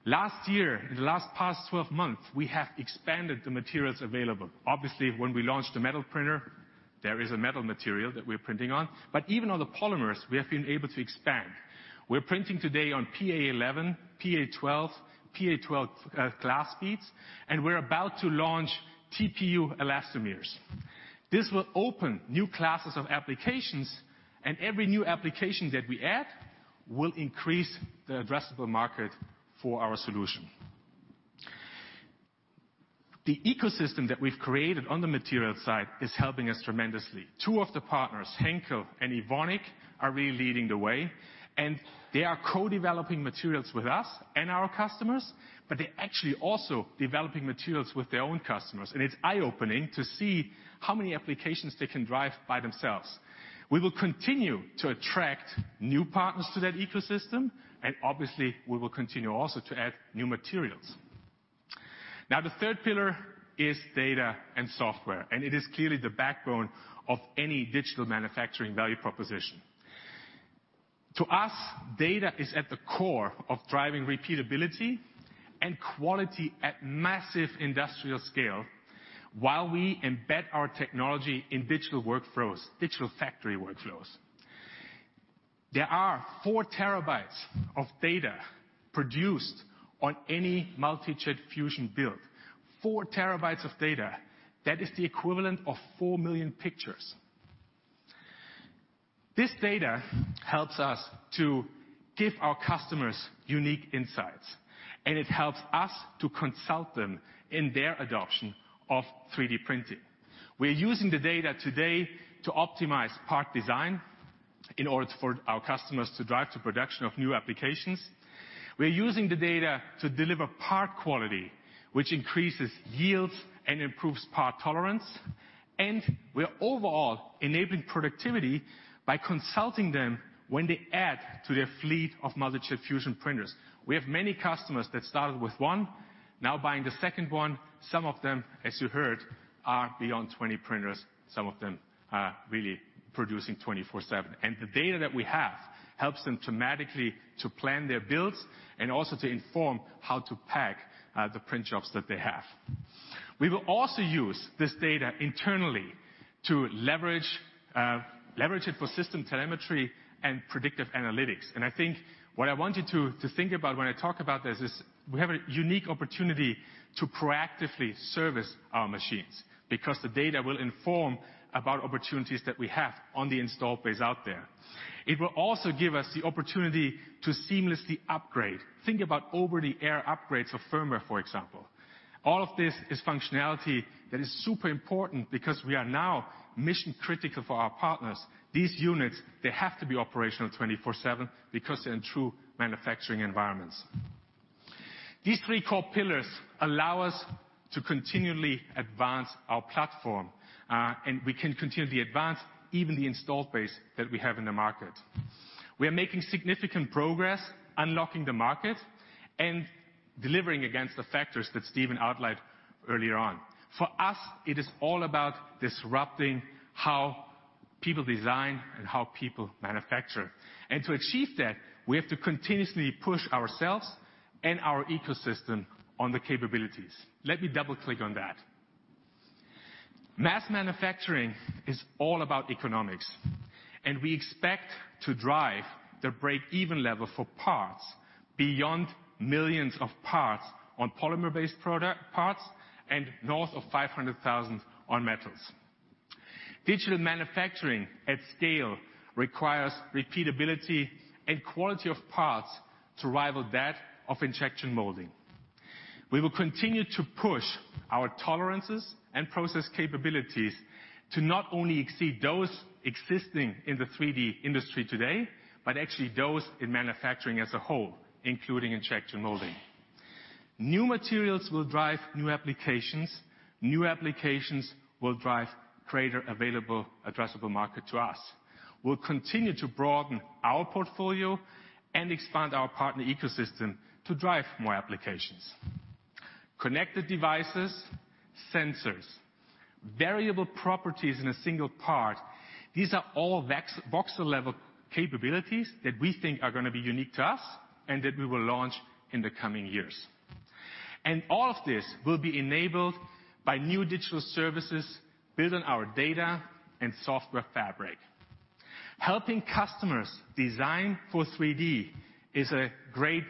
Last year, in the last past 12 months, we have expanded the materials available. Obviously, when we launched the metal printer, there is a metal material that we're printing on. Even on the polymers, we have been able to expand. We're printing today on PA 11, PA 12, PA 12 glass beads, and we're about to launch TPU elastomers. This will open new classes of applications, and every new application that we add will increase the addressable market for our solution. The ecosystem that we've created on the material side is helping us tremendously. Two of the partners, Henkel and Evonik, are really leading the way. They are co-developing materials with us and our customers, but they're actually also developing materials with their own customers. It's eye-opening to see how many applications they can drive by themselves. We will continue to attract new partners to that ecosystem. Obviously, we will continue also to add new materials. Now, the third pillar is data and software. It is clearly the backbone of any digital manufacturing value proposition. To us, data is at the core of driving repeatability and quality at massive industrial scale while we embed our technology in digital workflows, digital factory workflows. There are four terabytes of data produced on any Multi Jet Fusion build. Four terabytes of data. That is the equivalent of 4 million pictures. This data helps us to give our customers unique insights, and it helps us to consult them in their adoption of 3D printing. We're using the data today to optimize part design in order for our customers to drive to production of new applications. We're using the data to deliver part quality, which increases yields and improves part tolerance. We're overall enabling productivity by consulting them when they add to their fleet of Multi Jet Fusion printers. We have many customers that started with one, now buying the second one. Some of them, as you heard, are beyond 20 printers. Some of them are really producing 24/7. The data that we have helps them to magically to plan their builds and also to inform how to pack the print jobs that they have. We will also use this data internally to leverage it for system telemetry and predictive analytics. I think what I want you to think about when I talk about this is we have a unique opportunity to proactively service our machines, because the data will inform about opportunities that we have on the installed base out there. It will also give us the opportunity to seamlessly upgrade. Think about over-the-air upgrades of firmware, for example. All of this is functionality that is super important because we are now mission critical for our partners. These units, they have to be operational 24/7 because they're in true manufacturing environments. These three core pillars allow us to continually advance our platform, and we can continually advance even the installed base that we have in the market. We are making significant progress unlocking the market and delivering against the factors that Steve outlined earlier on. For us, it is all about disrupting how people design and how people manufacture. To achieve that, we have to continuously push ourselves and our ecosystem on the capabilities. Let me double-click on that. Mass manufacturing is all about economics, and we expect to drive the break-even level for parts beyond millions of parts on polymer-based product parts and north of 500,000 on metals. Digital manufacturing at scale requires repeatability and quality of parts to rival that of injection molding. We will continue to push our tolerances and process capabilities to not only exceed those existing in the 3D industry today, but actually those in manufacturing as a whole, including injection molding. New materials will drive new applications. New applications will drive greater available addressable market to us. We'll continue to broaden our portfolio and expand our partner ecosystem to drive more applications. Connected devices, sensors, variable properties in a single part, these are all voxel-level capabilities that we think are going to be unique to us and that we will launch in the coming years. All of this will be enabled by new digital services built on our data and software fabric. Helping customers design for 3D is a great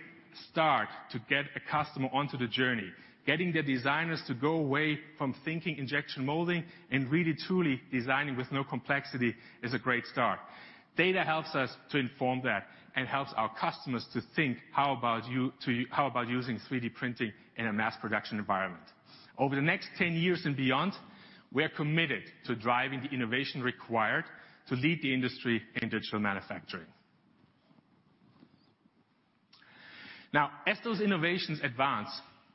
start to get a customer onto the journey. Getting the designers to go away from thinking injection molding and really, truly designing with no complexity is a great start. Data helps us to inform that and helps our customers to think, how about using 3D printing in a mass production environment? Over the next 10 years and beyond, we are committed to driving the innovation required to lead the industry in digital manufacturing. Now, as those innovations advance,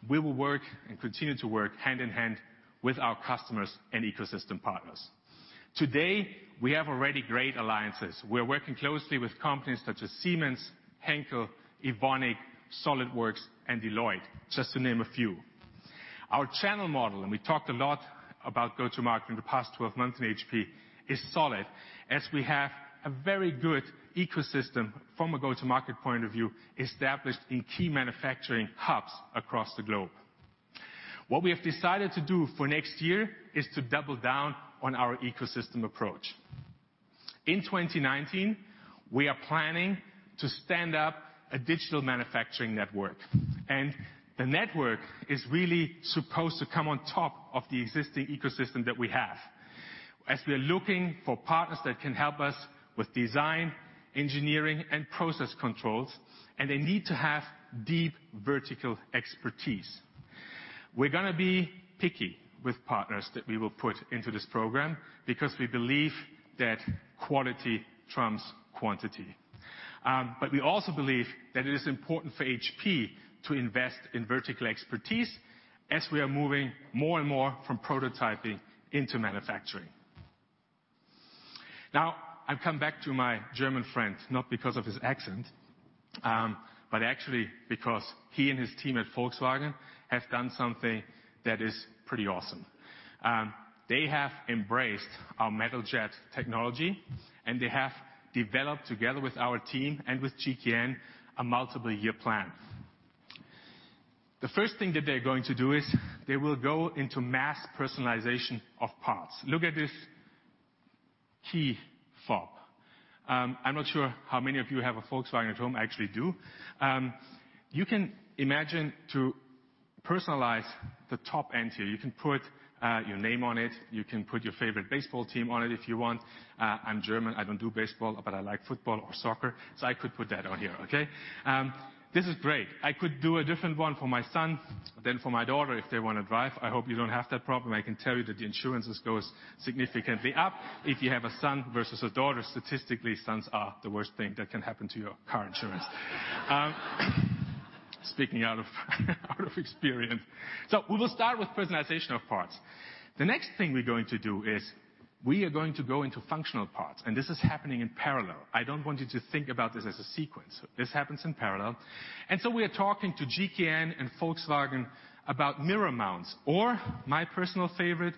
we will work and continue to work hand in hand with our customers and ecosystem partners. Today, we have already great alliances. We're working closely with companies such as Siemens, Henkel, Evonik, SolidWorks, and Deloitte, just to name a few. Our channel model, and we talked a lot about go-to-market in the past 12 months in HP, is solid as we have a very good ecosystem from a go-to-market point of view established in key manufacturing hubs across the globe. What we have decided to do for next year is to double down on our ecosystem approach. In 2019, we are planning to stand up a Digital Manufacturing Network, and the network is really supposed to come on top of the existing ecosystem that we have. We're looking for partners that can help us with design, engineering, and process controls. They need to have deep vertical expertise. We're going to be picky with partners that we will put into this program because we believe that quality trumps quantity. We also believe that it is important for HP to invest in vertical expertise as we are moving more and more from prototyping into manufacturing. I come back to my German friend, not because of his accent, but actually because he and his team at Volkswagen have done something that is pretty awesome. They have embraced our Metal Jet technology. They have developed together with our team and with GKN, a multiple-year plan. The first thing that they're going to do is they will go into mass personalization of parts. Look at this key fob. I'm not sure how many of you have a Volkswagen at home. I actually do. You can imagine to personalize the top end here. You can put your name on it. You can put your favorite baseball team on it if you want. I'm German, I don't do baseball, but I like football or soccer, so I could put that on here, okay? This is great. I could do a different one for my son than for my daughter if they want to drive. I hope you don't have that problem. I can tell you that the insurances goes significantly up if you have a son versus a daughter. Statistically, sons are the worst thing that can happen to your car insurance. Speaking out of experience. So we will start with personalization of parts. The next thing we're going to do is, we are going to go into functional parts, and this is happening in parallel. I don't want you to think about this as a sequence. This happens in parallel. We are talking to GKN and Volkswagen about mirror mounts or my personal favorite,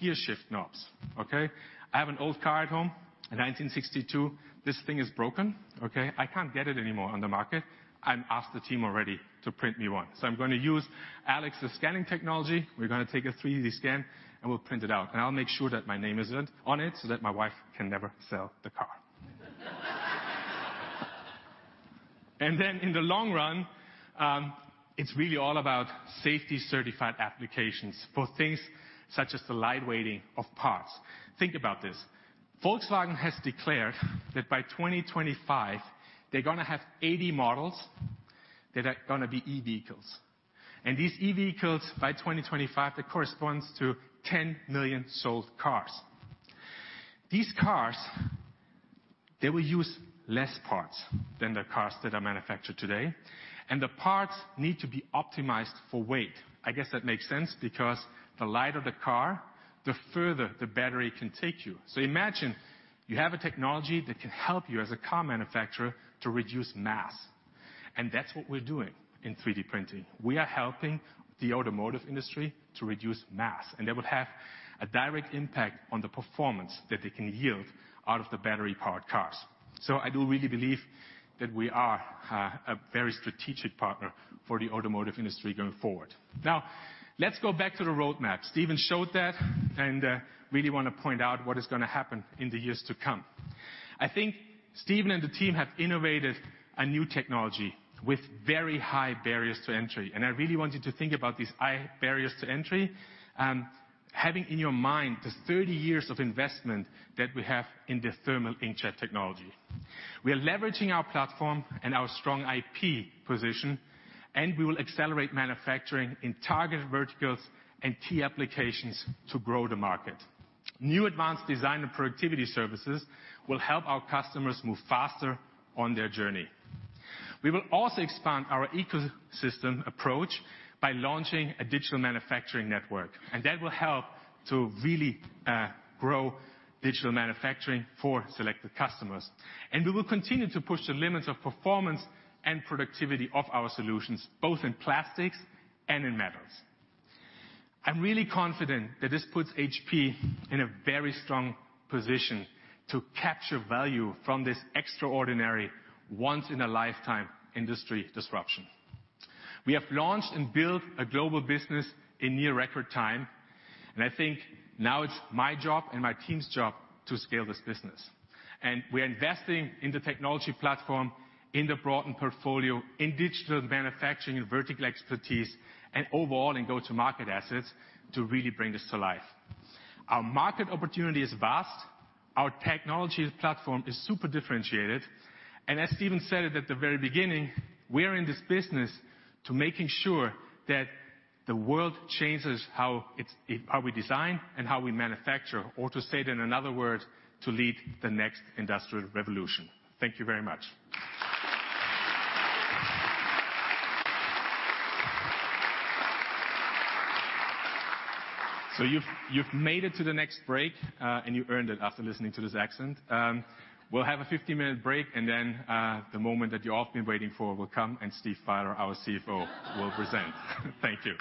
gear shift knobs. Okay? I have an old car at home, a 1962. This thing is broken. Okay? I can't get it anymore on the market. I've asked the team already to print me one. I'm going to use Alex's scanning technology. We're going to take a 3D scan, and we'll print it out. I'll make sure that my name is on it, so that my wife can never sell the car. In the long run, it's really all about safety certified applications for things such as the lightweighting of parts. Think about this. Volkswagen has declared that by 2025, they're going to have 80 models that are going to be e-vehicles. These e-vehicles, by 2025, they corresponds to 10 million sold cars. These cars, they will use less parts than the cars that are manufactured today, and the parts need to be optimized for weight. I guess that makes sense because the lighter the car, the further the battery can take you. Imagine you have a technology that can help you as a car manufacturer to reduce mass, and that's what we're doing in 3D printing. We are helping the automotive industry to reduce mass, and that will have a direct impact on the performance that they can yield out of the battery-powered cars. I do really believe that we are a very strategic partner for the automotive industry going forward. Let's go back to the roadmap. Steve showed that, and I really want to point out what is going to happen in the years to come. I think Steve and the team have innovated a new technology with very high barriers to entry, and I really want you to think about these high barriers to entry, having in your mind the 30 years of investment that we have in the thermal inkjet technology. We are leveraging our platform and our strong IP position, and we will accelerate manufacturing in targeted verticals and key applications to grow the market. New advanced design and productivity services will help our customers move faster on their journey. We will also expand our ecosystem approach by launching a digital manufacturing network, and that will help to really grow digital manufacturing for selected customers. We will continue to push the limits of performance and productivity of our solutions, both in plastics and in metals. I'm really confident that this puts HP in a very strong position to capture value from this extraordinary, once in a lifetime industry disruption. We have launched and built a global business in near record time, and I think now it's my job and my team's job to scale this business. We're investing in the technology platform, in the broadened portfolio, in digital manufacturing and vertical expertise, and overall in go-to-market assets to really bring this to life. Our market opportunity is vast. Our technology platform is super differentiated. As Steve said it at the very beginning, we are in this business to making sure that the world changes how we design and how we manufacture. To state in another word, to lead the next industrial revolution. Thank you very much. You've made it to the next break, and you earned it after listening to this accent. We'll have a 15-minute break. The moment that you've all been waiting for will come, and Steve Fieler, our CFO, will present. Thank you.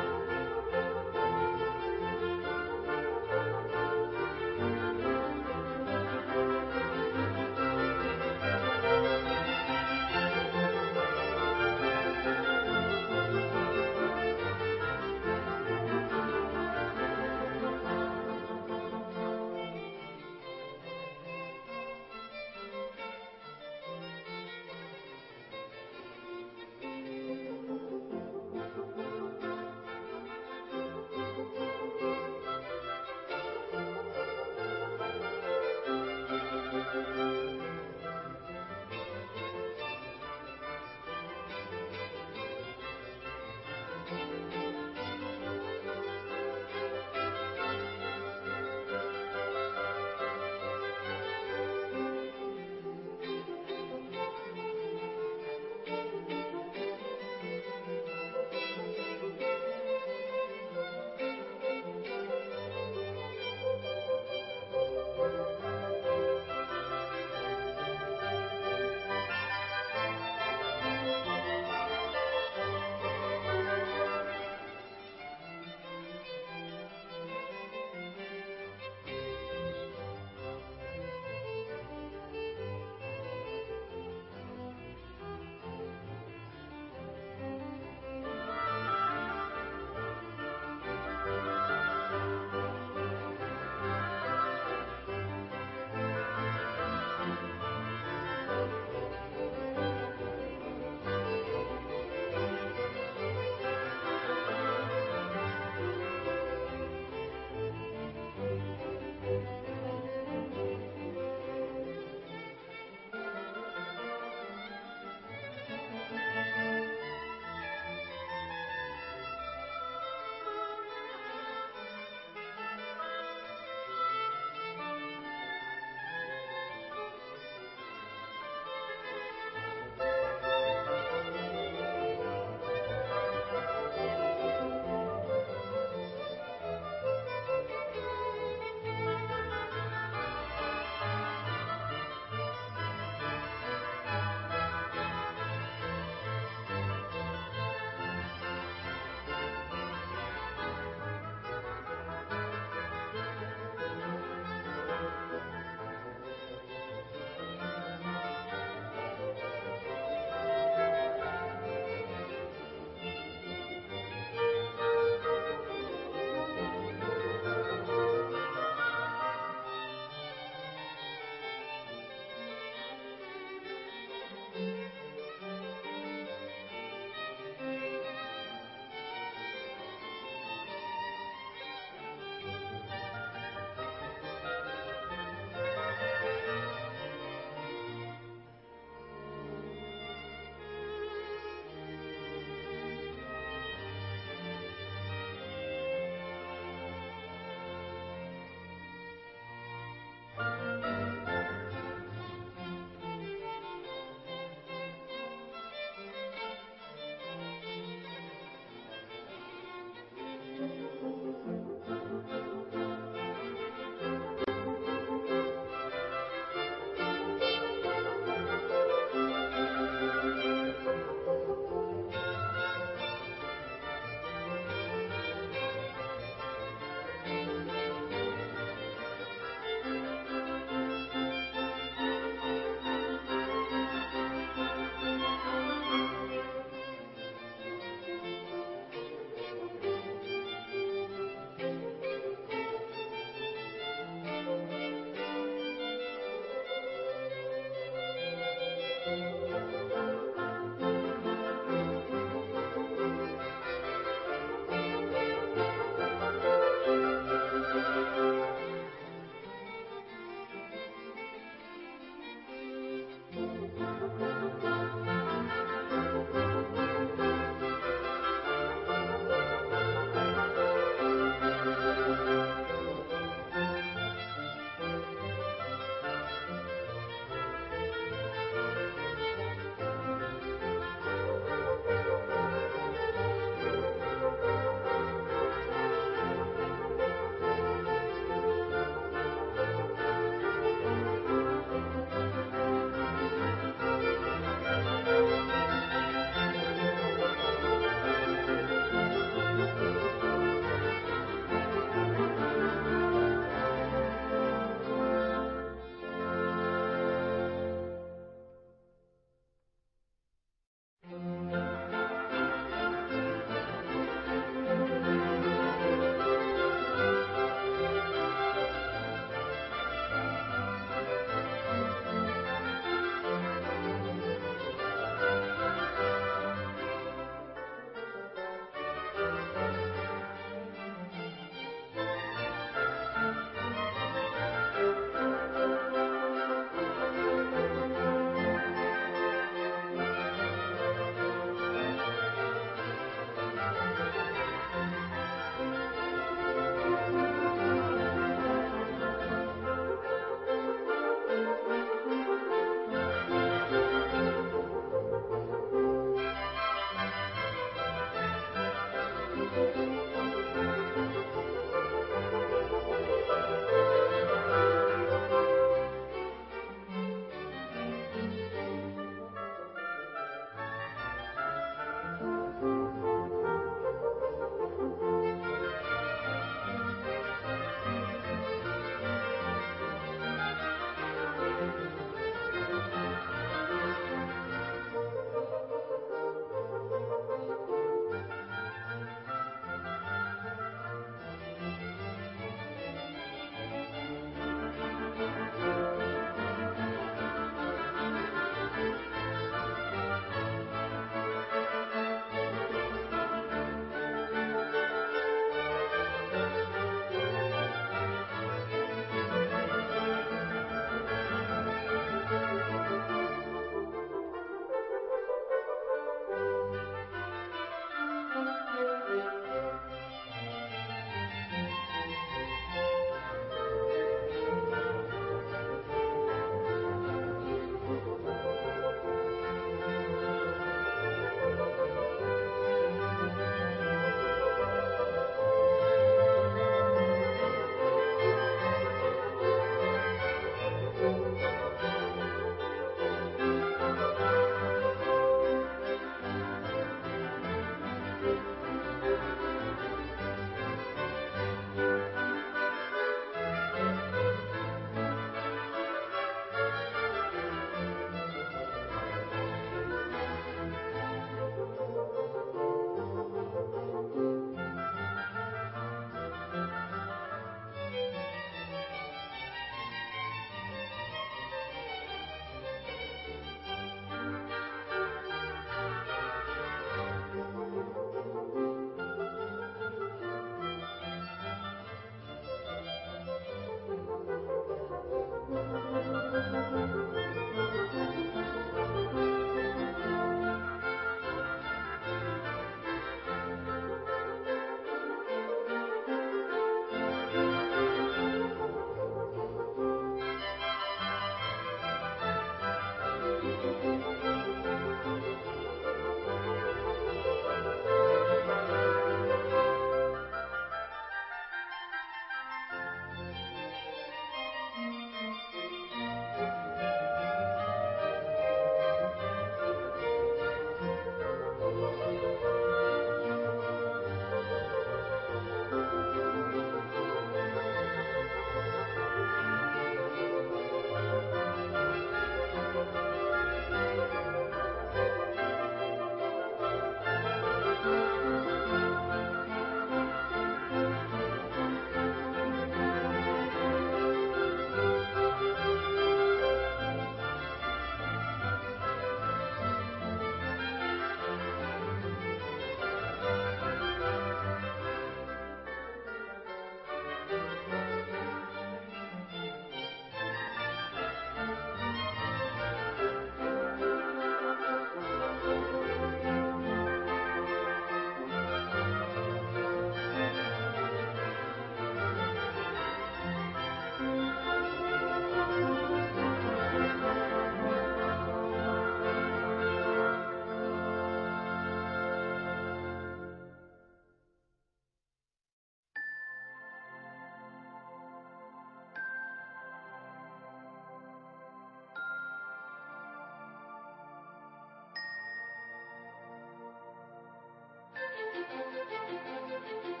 As I'm not around, not around. You know I never meant to let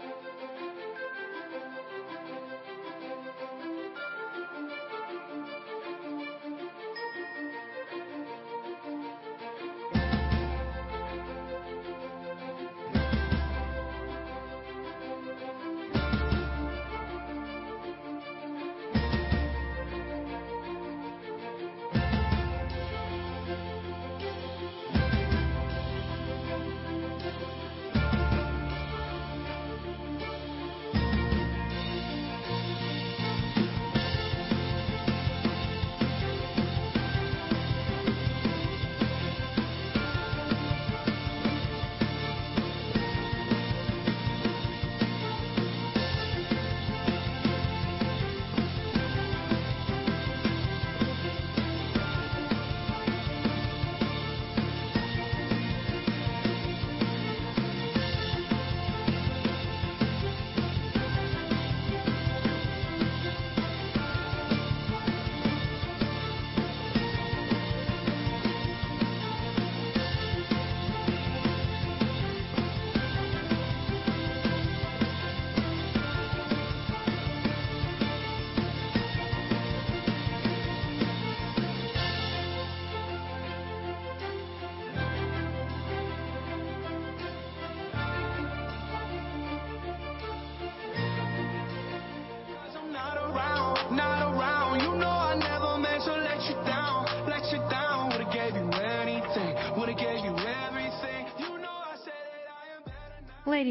you down, let you down. Would've gave you anything. Would've gave you everything. You know I said that I am better now.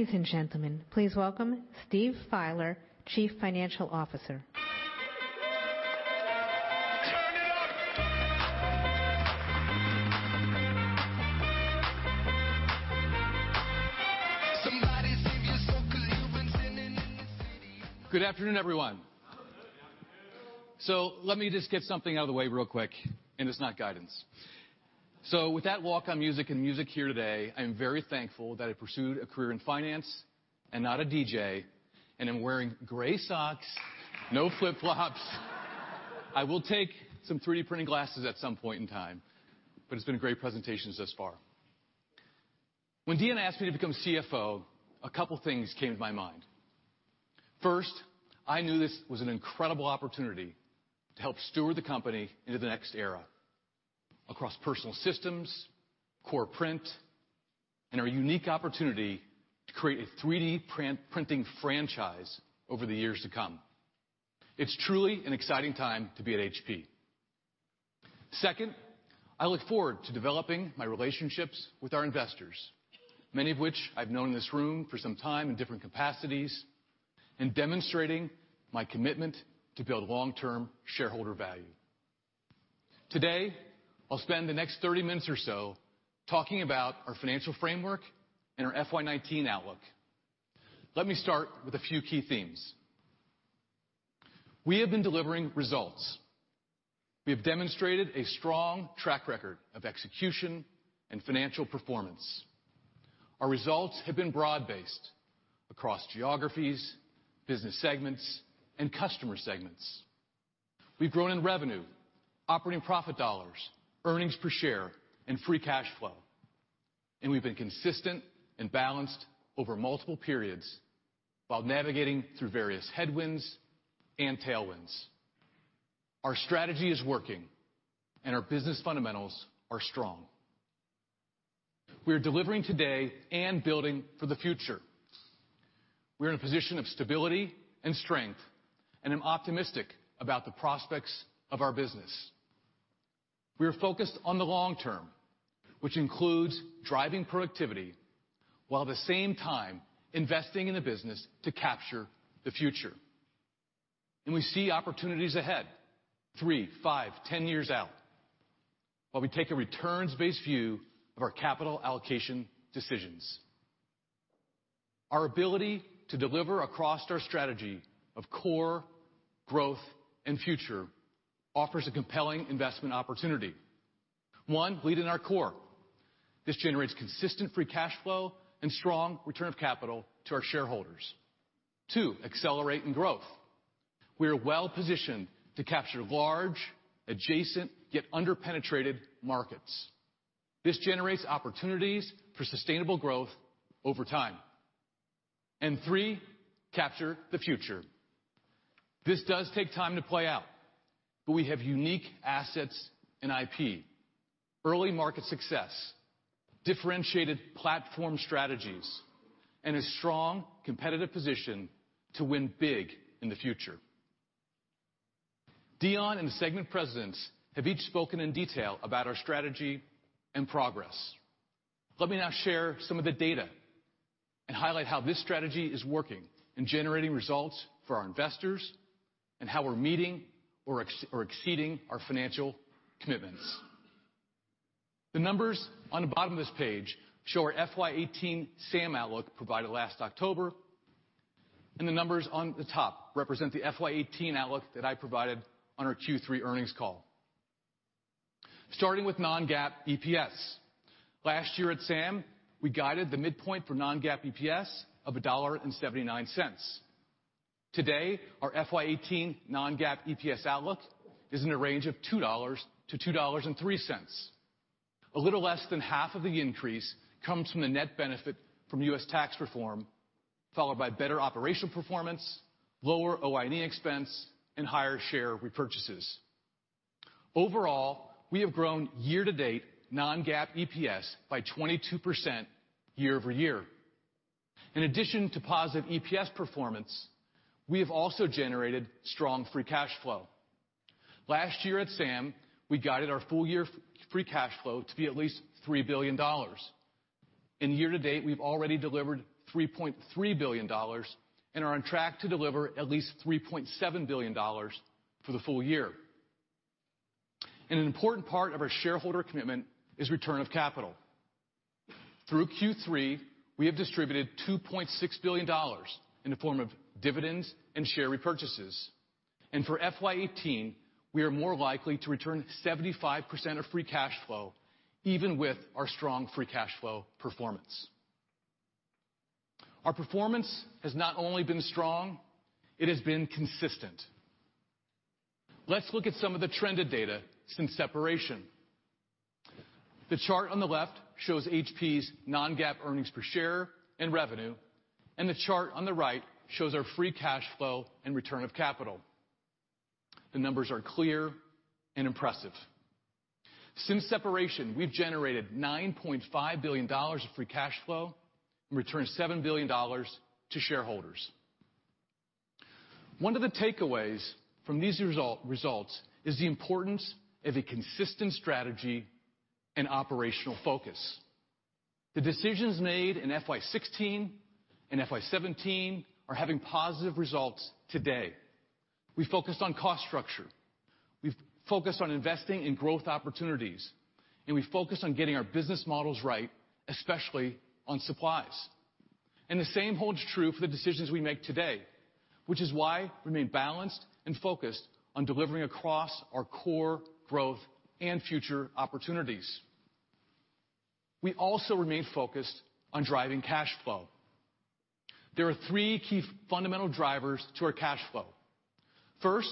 Ladies and gentlemen, please welcome Steve Fieler, Chief Financial Officer. Turn it up. Somebody save your soul 'cause you've been sinning in this city of love. Good afternoon, everyone. Good afternoon. Let me just get something out of the way real quick, and it's not guidance. With that walk-on music and music here today, I'm very thankful that I pursued a career in finance and not a DJ, and I'm wearing gray socks, no flip-flops. I will take some 3D printing glasses at some point in time, but it's been a great presentation thus far. When Dion asked me to become CFO, a couple of things came to my mind. First, I knew this was an incredible opportunity to help steward the company into the next era. Across personal systems, core print, and our unique opportunity to create a 3D printing franchise over the years to come. It's truly an exciting time to be at HP. Second, I look forward to developing my relationships with our investors, many of which I've known in this room for some time in different capacities, and demonstrating my commitment to build long-term shareholder value. Today, I'll spend the next 30 minutes or so talking about our financial framework and our FY 2019 outlook. Let me start with a few key themes. We have been delivering results. We have demonstrated a strong track record of execution and financial performance. Our results have been broad-based across geographies, business segments, and customer segments. We've grown in revenue, operating profit dollars, earnings per share, and free cash flow. We've been consistent and balanced over multiple periods while navigating through various headwinds and tailwinds. Our strategy is working and our business fundamentals are strong. We are delivering today and building for the future. We're in a position of stability and strength. I'm optimistic about the prospects of our business. We are focused on the long term, which includes driving productivity, while at the same time investing in the business to capture the future. We see opportunities ahead, three, five, 10 years out, while we take a returns-based view of our capital allocation decisions. Our ability to deliver across our strategy of core, growth, and future offers a compelling investment opportunity. One, lead in our core. This generates consistent free cash flow and strong return of capital to our shareholders. Two, accelerate in growth. We are well positioned to capture large, adjacent, yet under-penetrated markets. This generates opportunities for sustainable growth over time. Three, capture the future. This does take time to play out, but we have unique assets and IP, early market success, differentiated platform strategies, and a strong competitive position to win big in the future. Dion and the segment presidents have each spoken in detail about our strategy and progress. Let me now share some of the data and highlight how this strategy is working in generating results for our investors and how we're meeting or exceeding our financial commitments. The numbers on the bottom of this page show our FY 2018 SAM outlook provided last October, and the numbers on the top represent the FY 2018 outlook that I provided on our Q3 earnings call. Starting with non-GAAP EPS. Last year at SAM, we guided the midpoint for non-GAAP EPS of $1.79. Today, our FY 2018 non-GAAP EPS outlook is in a range of $2-$2.03. A little less than half of the increase comes from the net benefit from U.S. tax reform, followed by better operational performance, lower OI&E expense, and higher share repurchases. Overall, we have grown year-to-date non-GAAP EPS by 22% year-over-year. In addition to positive EPS performance, we have also generated strong free cash flow. Last year at SAM, we guided our full-year free cash flow to be at least $3 billion. Year-to-date, we've already delivered $3.3 billion and are on track to deliver at least $3.7 billion for the full year. An important part of our shareholder commitment is return of capital. Through Q3, we have distributed $2.6 billion in the form of dividends and share repurchases. For FY 2018, we are more likely to return 75% of free cash flow, even with our strong free cash flow performance. Our performance has not only been strong, it has been consistent. Let's look at some of the trended data since separation. The chart on the left shows HP's non-GAAP earnings per share and revenue, and the chart on the right shows our free cash flow and return of capital. The numbers are clear and impressive. Since separation, we've generated $9.5 billion of free cash flow and returned $7 billion to shareholders. One of the takeaways from these results is the importance of a consistent strategy and operational focus. The decisions made in FY16 and FY17 are having positive results today. We focused on cost structure. We've focused on investing in growth opportunities. We focused on getting our business models right, especially on supplies. The same holds true for the decisions we make today, which is why we remain balanced and focused on delivering across our core growth and future opportunities. We also remain focused on driving cash flow. There are three key fundamental drivers to our cash flow. First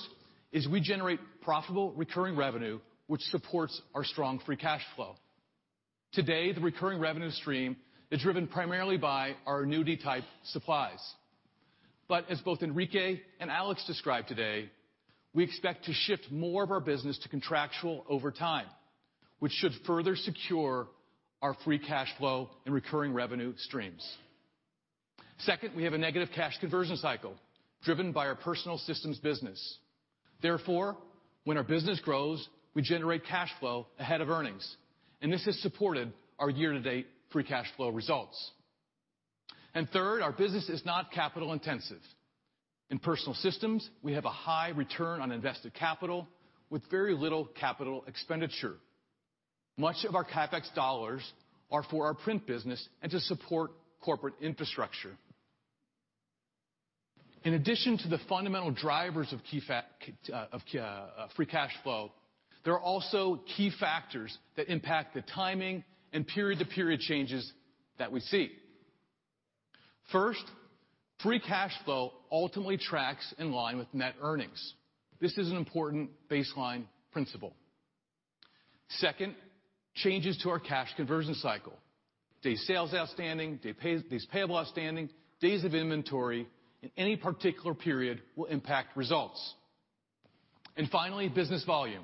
is we generate profitable recurring revenue, which supports our strong free cash flow. Today, the recurring revenue stream is driven primarily by our annuity-type supplies. As both Enrique and Alex described today, we expect to shift more of our business to contractual over time, which should further secure our free cash flow and recurring revenue streams. Second, we have a negative cash conversion cycle driven by our Personal Systems business. Therefore, when our business grows, we generate cash flow ahead of earnings, and this has supported our year-to-date free cash flow results. Third, our business is not capital intensive. In Personal Systems, we have a high return on invested capital with very little capital expenditure. Much of our CapEx dollars are for our Print business and to support corporate infrastructure. In addition to the fundamental drivers of free cash flow, there are also key factors that impact the timing and period-to-period changes that we see. First, free cash flow ultimately tracks in line with net earnings. This is an important baseline principle. Second, changes to our cash conversion cycle. Day sales outstanding, days payable outstanding, days of inventory in any particular period will impact results. Finally, business volume.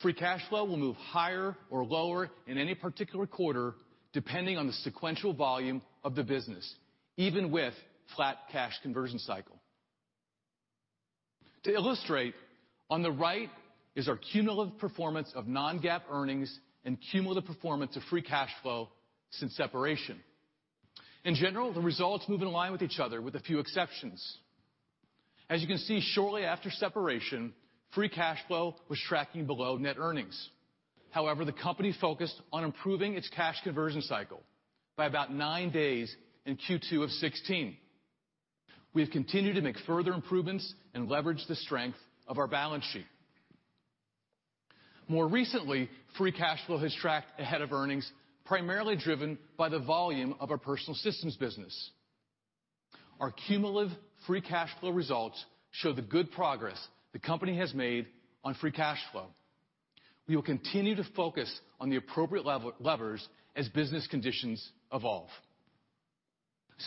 Free cash flow will move higher or lower in any particular quarter, depending on the sequential volume of the business, even with flat cash conversion cycle. To illustrate, on the right is our cumulative performance of non-GAAP earnings and cumulative performance of free cash flow since separation. In general, the results move in line with each other with a few exceptions. As you can see, shortly after separation, free cash flow was tracking below net earnings. However, the company focused on improving its cash conversion cycle by about nine days in Q2 of 2016. We have continued to make further improvements and leverage the strength of our balance sheet. More recently, free cash flow has tracked ahead of earnings, primarily driven by the volume of our Personal Systems business. Our cumulative free cash flow results show the good progress the company has made on free cash flow. We will continue to focus on the appropriate levers as business conditions evolve.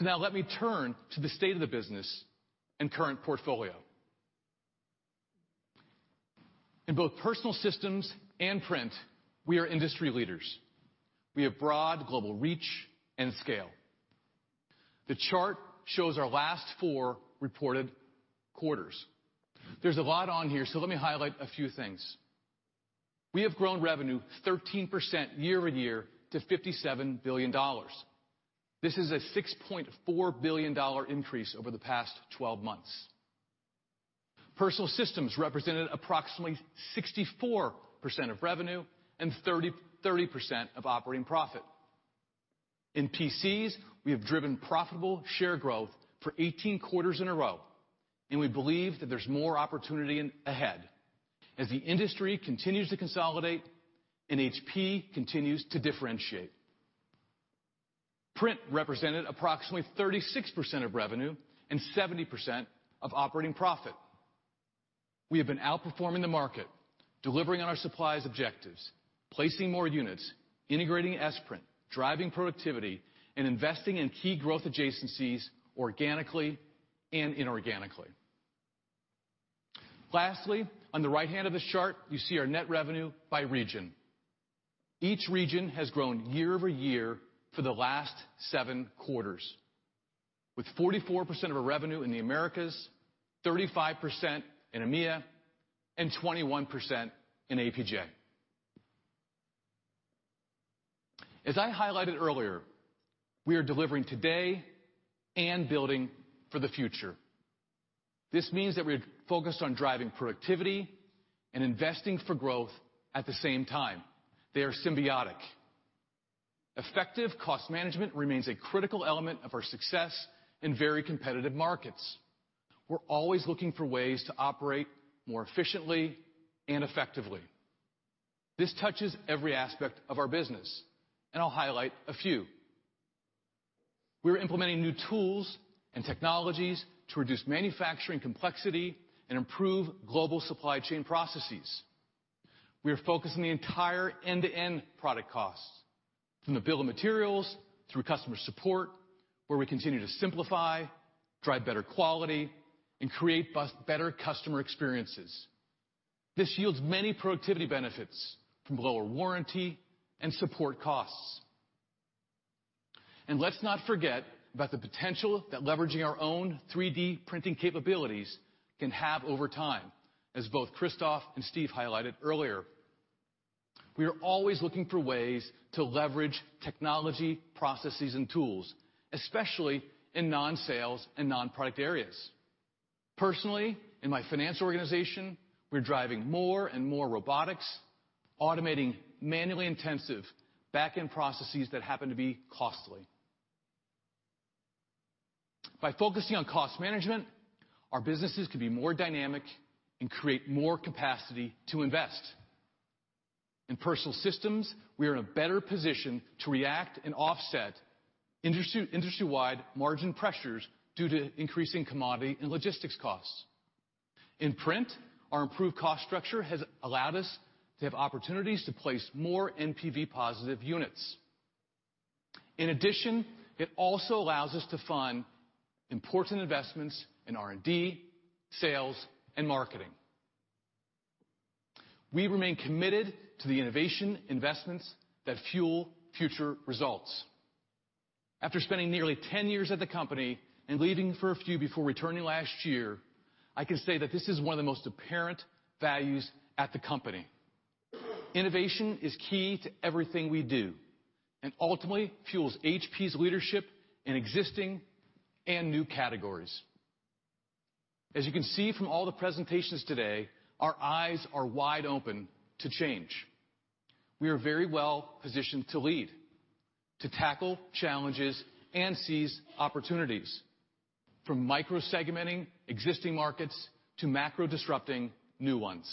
Now let me turn to the state of the business and current portfolio. In both Personal Systems and Print, we are industry leaders. We have broad global reach and scale. The chart shows our last four reported quarters. There's a lot on here, so let me highlight a few things. We have grown revenue 13% year-over-year to $57 billion. This is a $6.4 billion increase over the past 12 months. Personal Systems represented approximately 64% of revenue and 30% of operating profit. In PCs, we have driven profitable share growth for 18 quarters in a row, and we believe that there's more opportunity ahead as the industry continues to consolidate and HP continues to differentiate. Print represented approximately 36% of revenue and 70% of operating profit. We have been outperforming the market, delivering on our supplies objectives, placing more units, integrating Samsung Print, driving productivity, and investing in key growth adjacencies organically and inorganically. Lastly, on the right hand of the chart, you see our net revenue by region. Each region has grown year-over-year for the last seven quarters, with 44% of our revenue in the Americas, 35% in EMEIA, and 21% in APJ. As I highlighted earlier, we are delivering today and building for the future. This means that we're focused on driving productivity and investing for growth at the same time. They are symbiotic. Effective cost management remains a critical element of our success in very competitive markets. We're always looking for ways to operate more efficiently and effectively. This touches every aspect of our business, and I'll highlight a few. We're implementing new tools and technologies to reduce manufacturing complexity and improve global supply chain processes. We are focusing the entire end-to-end product costs from the bill of materials through customer support, where we continue to simplify, drive better quality, and create better customer experiences. This yields many productivity benefits from lower warranty and support costs. Let's not forget about the potential that leveraging our own 3D printing capabilities can have over time, as both Christoph and Steve highlighted earlier. We are always looking for ways to leverage technology, processes, and tools, especially in non-sales and non-product areas. Personally, in my finance organization, we're driving more and more robotics, automating manually intensive back-end processes that happen to be costly. By focusing on cost management, our businesses can be more dynamic and create more capacity to invest. In Personal Systems, we are in a better position to react and offset industry-wide margin pressures due to increasing commodity and logistics costs. In print, our improved cost structure has allowed us to have opportunities to place more NPV positive units. In addition, it also allows us to fund important investments in R&D, sales, and marketing. We remain committed to the innovation investments that fuel future results. After spending nearly 10 years at the company and leaving for a few before returning last year, I can say that this is one of the most apparent values at the company. Innovation is key to everything we do, and ultimately fuels HP's leadership in existing and new categories. As you can see from all the presentations today, our eyes are wide open to change. We are very well positioned to lead, to tackle challenges and seize opportunities, from micro-segmenting existing markets to macro disrupting new ones.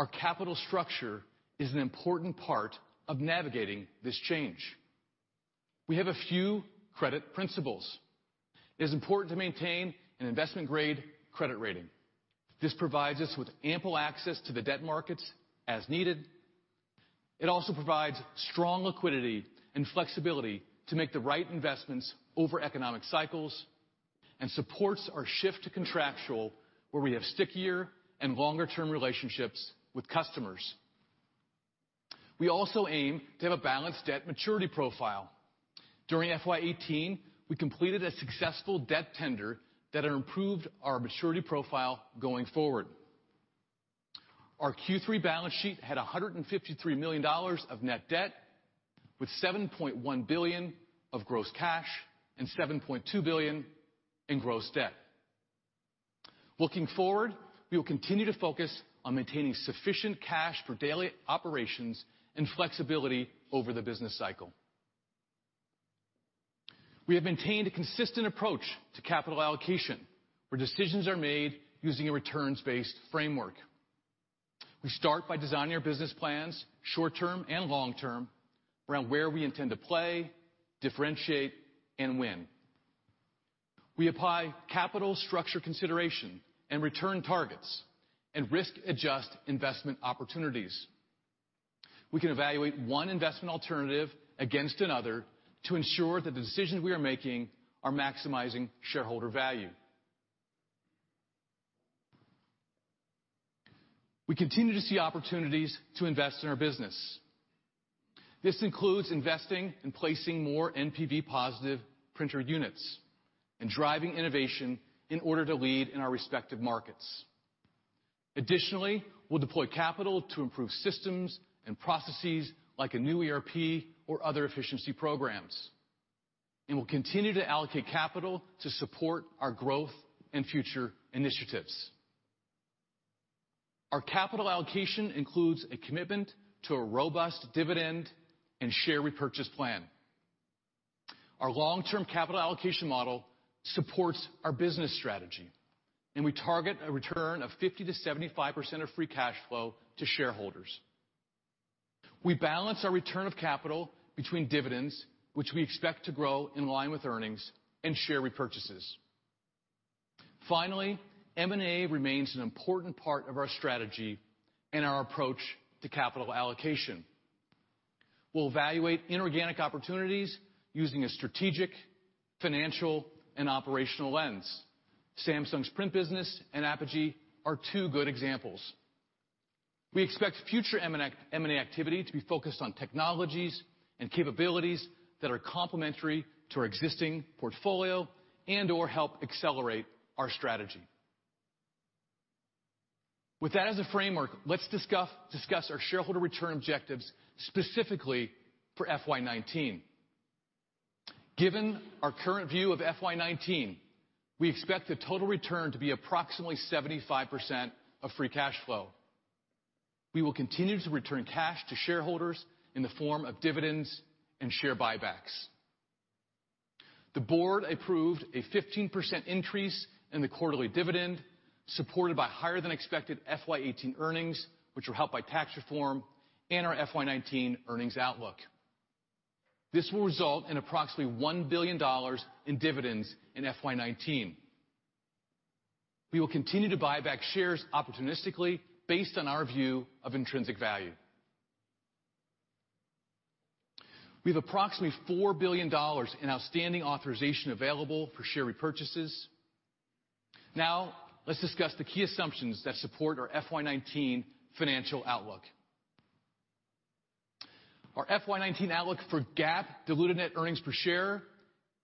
Our capital structure is an important part of navigating this change. We have a few credit principles. It is important to maintain an investment grade credit rating. This provides us with ample access to the debt markets as needed. It also provides strong liquidity and flexibility to make the right investments over economic cycles and supports our shift to contractual, where we have stickier and longer-term relationships with customers. We also aim to have a balanced debt maturity profile. During FY18, we completed a successful debt tender that improved our maturity profile going forward. Our Q3 balance sheet had $153 million of net debt with $7.1 billion of gross cash and $7.2 billion in gross debt. Looking forward, we will continue to focus on maintaining sufficient cash for daily operations and flexibility over the business cycle. We have maintained a consistent approach to capital allocation, where decisions are made using a returns-based framework. We start by designing our business plans, short-term and long-term, around where we intend to play, differentiate, and win. We apply capital structure consideration and return targets and risk adjust investment opportunities. We can evaluate one investment alternative against another to ensure that the decisions we are making are maximizing shareholder value. We continue to see opportunities to invest in our business. This includes investing in placing more NPV positive printer units and driving innovation in order to lead in our respective markets. Additionally, we'll deploy capital to improve systems and processes like a new ERP or other efficiency programs. We'll continue to allocate capital to support our growth and future initiatives. Our capital allocation includes a commitment to a robust dividend and share repurchase plan. Our long-term capital allocation model supports our business strategy, and we target a return of 50%-75% of free cash flow to shareholders. We balance our return of capital between dividends, which we expect to grow in line with earnings, and share repurchases. Finally, M&A remains an important part of our strategy and our approach to capital allocation. We'll evaluate inorganic opportunities using a strategic, financial, and operational lens. Samsung Print business and Apogee are two good examples. We expect future M&A activity to be focused on technologies and capabilities that are complementary to our existing portfolio and/or help accelerate our strategy. With that as a framework, let's discuss our shareholder return objectives specifically for FY 2019. Given our current view of FY 2019, we expect the total return to be approximately 75% of free cash flow. We will continue to return cash to shareholders in the form of dividends and share buybacks. The board approved a 15% increase in the quarterly dividend, supported by higher than expected FY 2018 earnings, which were helped by tax reform and our FY 2019 earnings outlook. This will result in approximately $1 billion in dividends in FY 2019. We will continue to buy back shares opportunistically based on our view of intrinsic value. We have approximately $4 billion in outstanding authorization available for share repurchases. Let's discuss the key assumptions that support our FY 2019 financial outlook. Our FY 2019 outlook for GAAP diluted net earnings per share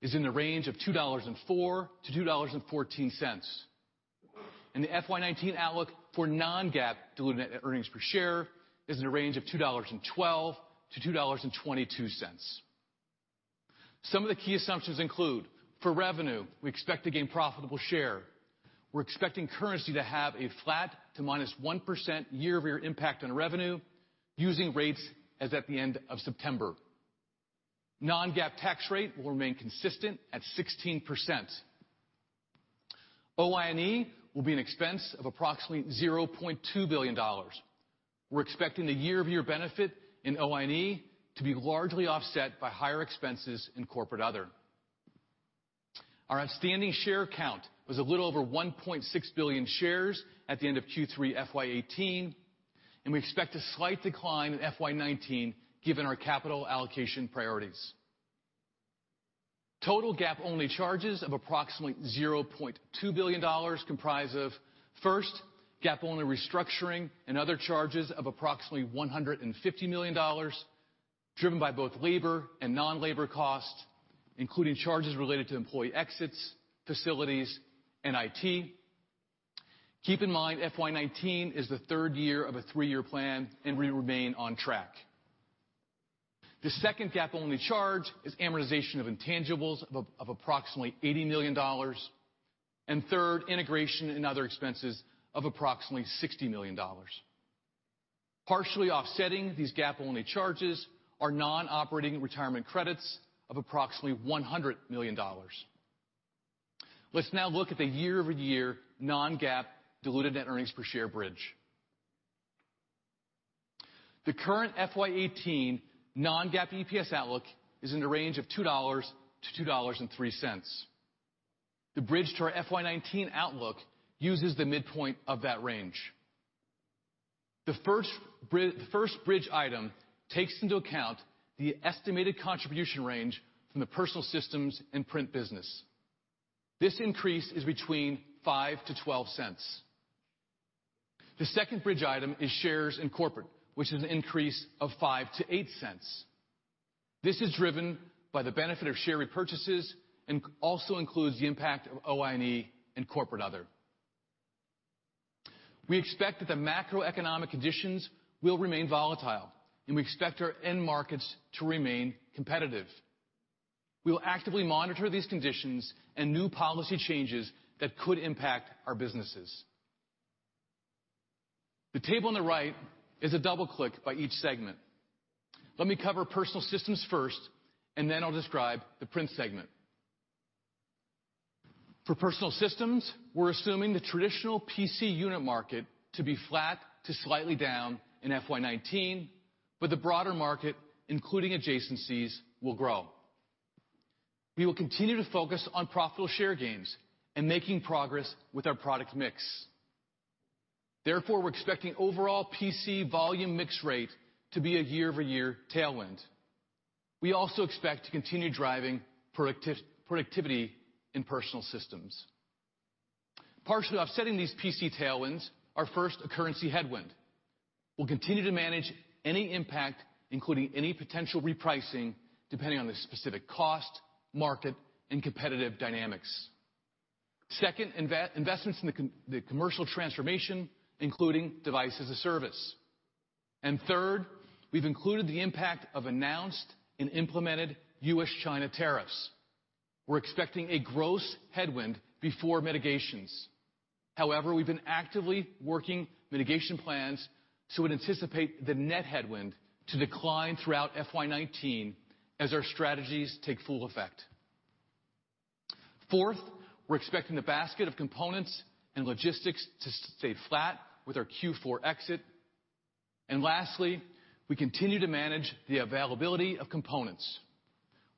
is in the range of $2.04 to $2.14. The FY 2019 outlook for non-GAAP diluted net earnings per share is in the range of $2.12 to $2.22. Some of the key assumptions include, for revenue, we expect to gain profitable share. We're expecting currency to have a flat to -1% year-over-year impact on revenue using rates as at the end of September. Non-GAAP tax rate will remain consistent at 16%. OI&E will be an expense of approximately $0.2 billion. We're expecting the year-over-year benefit in OI&E to be largely offset by higher expenses in corporate other. Our outstanding share count was a little over 1.6 billion shares at the end of Q3 FY 2018, and we expect a slight decline in FY 2019 given our capital allocation priorities. Total GAAP only charges of approximately $0.2 billion comprise of, first, GAAP only restructuring and other charges of approximately $150 million, driven by both labor and non-labor costs, including charges related to employee exits, facilities, and IT. Keep in mind FY 2019 is the third year of a three-year plan, and we remain on track. The second GAAP only charge is amortization of intangibles of approximately $80 million. Third, integration and other expenses of approximately $60 million. Partially offsetting these GAAP only charges are non-operating retirement credits of approximately $100 million. Let's now look at the year-over-year non-GAAP diluted net earnings per share bridge. The current FY 2018 non-GAAP EPS outlook is in the range of $2-$2.03. The bridge to our FY 2019 outlook uses the midpoint of that range. The first bridge item takes into account the estimated contribution range from the personal systems and print business. This increase is between $0.05 to $0.12. The second bridge item is shares in corporate, which is an increase of $0.05 to $0.08. This is driven by the benefit of share repurchases and also includes the impact of OI&E and corporate other. We expect that the macroeconomic conditions will remain volatile, and we expect our end markets to remain competitive. We will actively monitor these conditions and new policy changes that could impact our businesses. The table on the right is a double-click by each segment. Let me cover personal systems first, and then I'll describe the print segment. For personal systems, we're assuming the traditional PC unit market to be flat to slightly down in FY 2019, but the broader market, including adjacencies, will grow. We will continue to focus on profitable share gains and making progress with our product mix. Therefore, we're expecting overall PC volume mix rate to be a year-over-year tailwind. We also expect to continue driving productivity in personal systems. Partially offsetting these PC tailwinds are, first, a currency headwind. We'll continue to manage any impact, including any potential repricing depending on the specific cost, market, and competitive dynamics. Second, investments in the commercial transformation, including Device as a Service. Third, we've included the impact of announced and implemented U.S.-China tariffs. We're expecting a gross headwind before mitigations. However, we've been actively working mitigation plans, so would anticipate the net headwind to decline throughout FY 2019 as our strategies take full effect. Fourth, we're expecting the basket of components and logistics to stay flat with our Q4 exit. Lastly, we continue to manage the availability of components.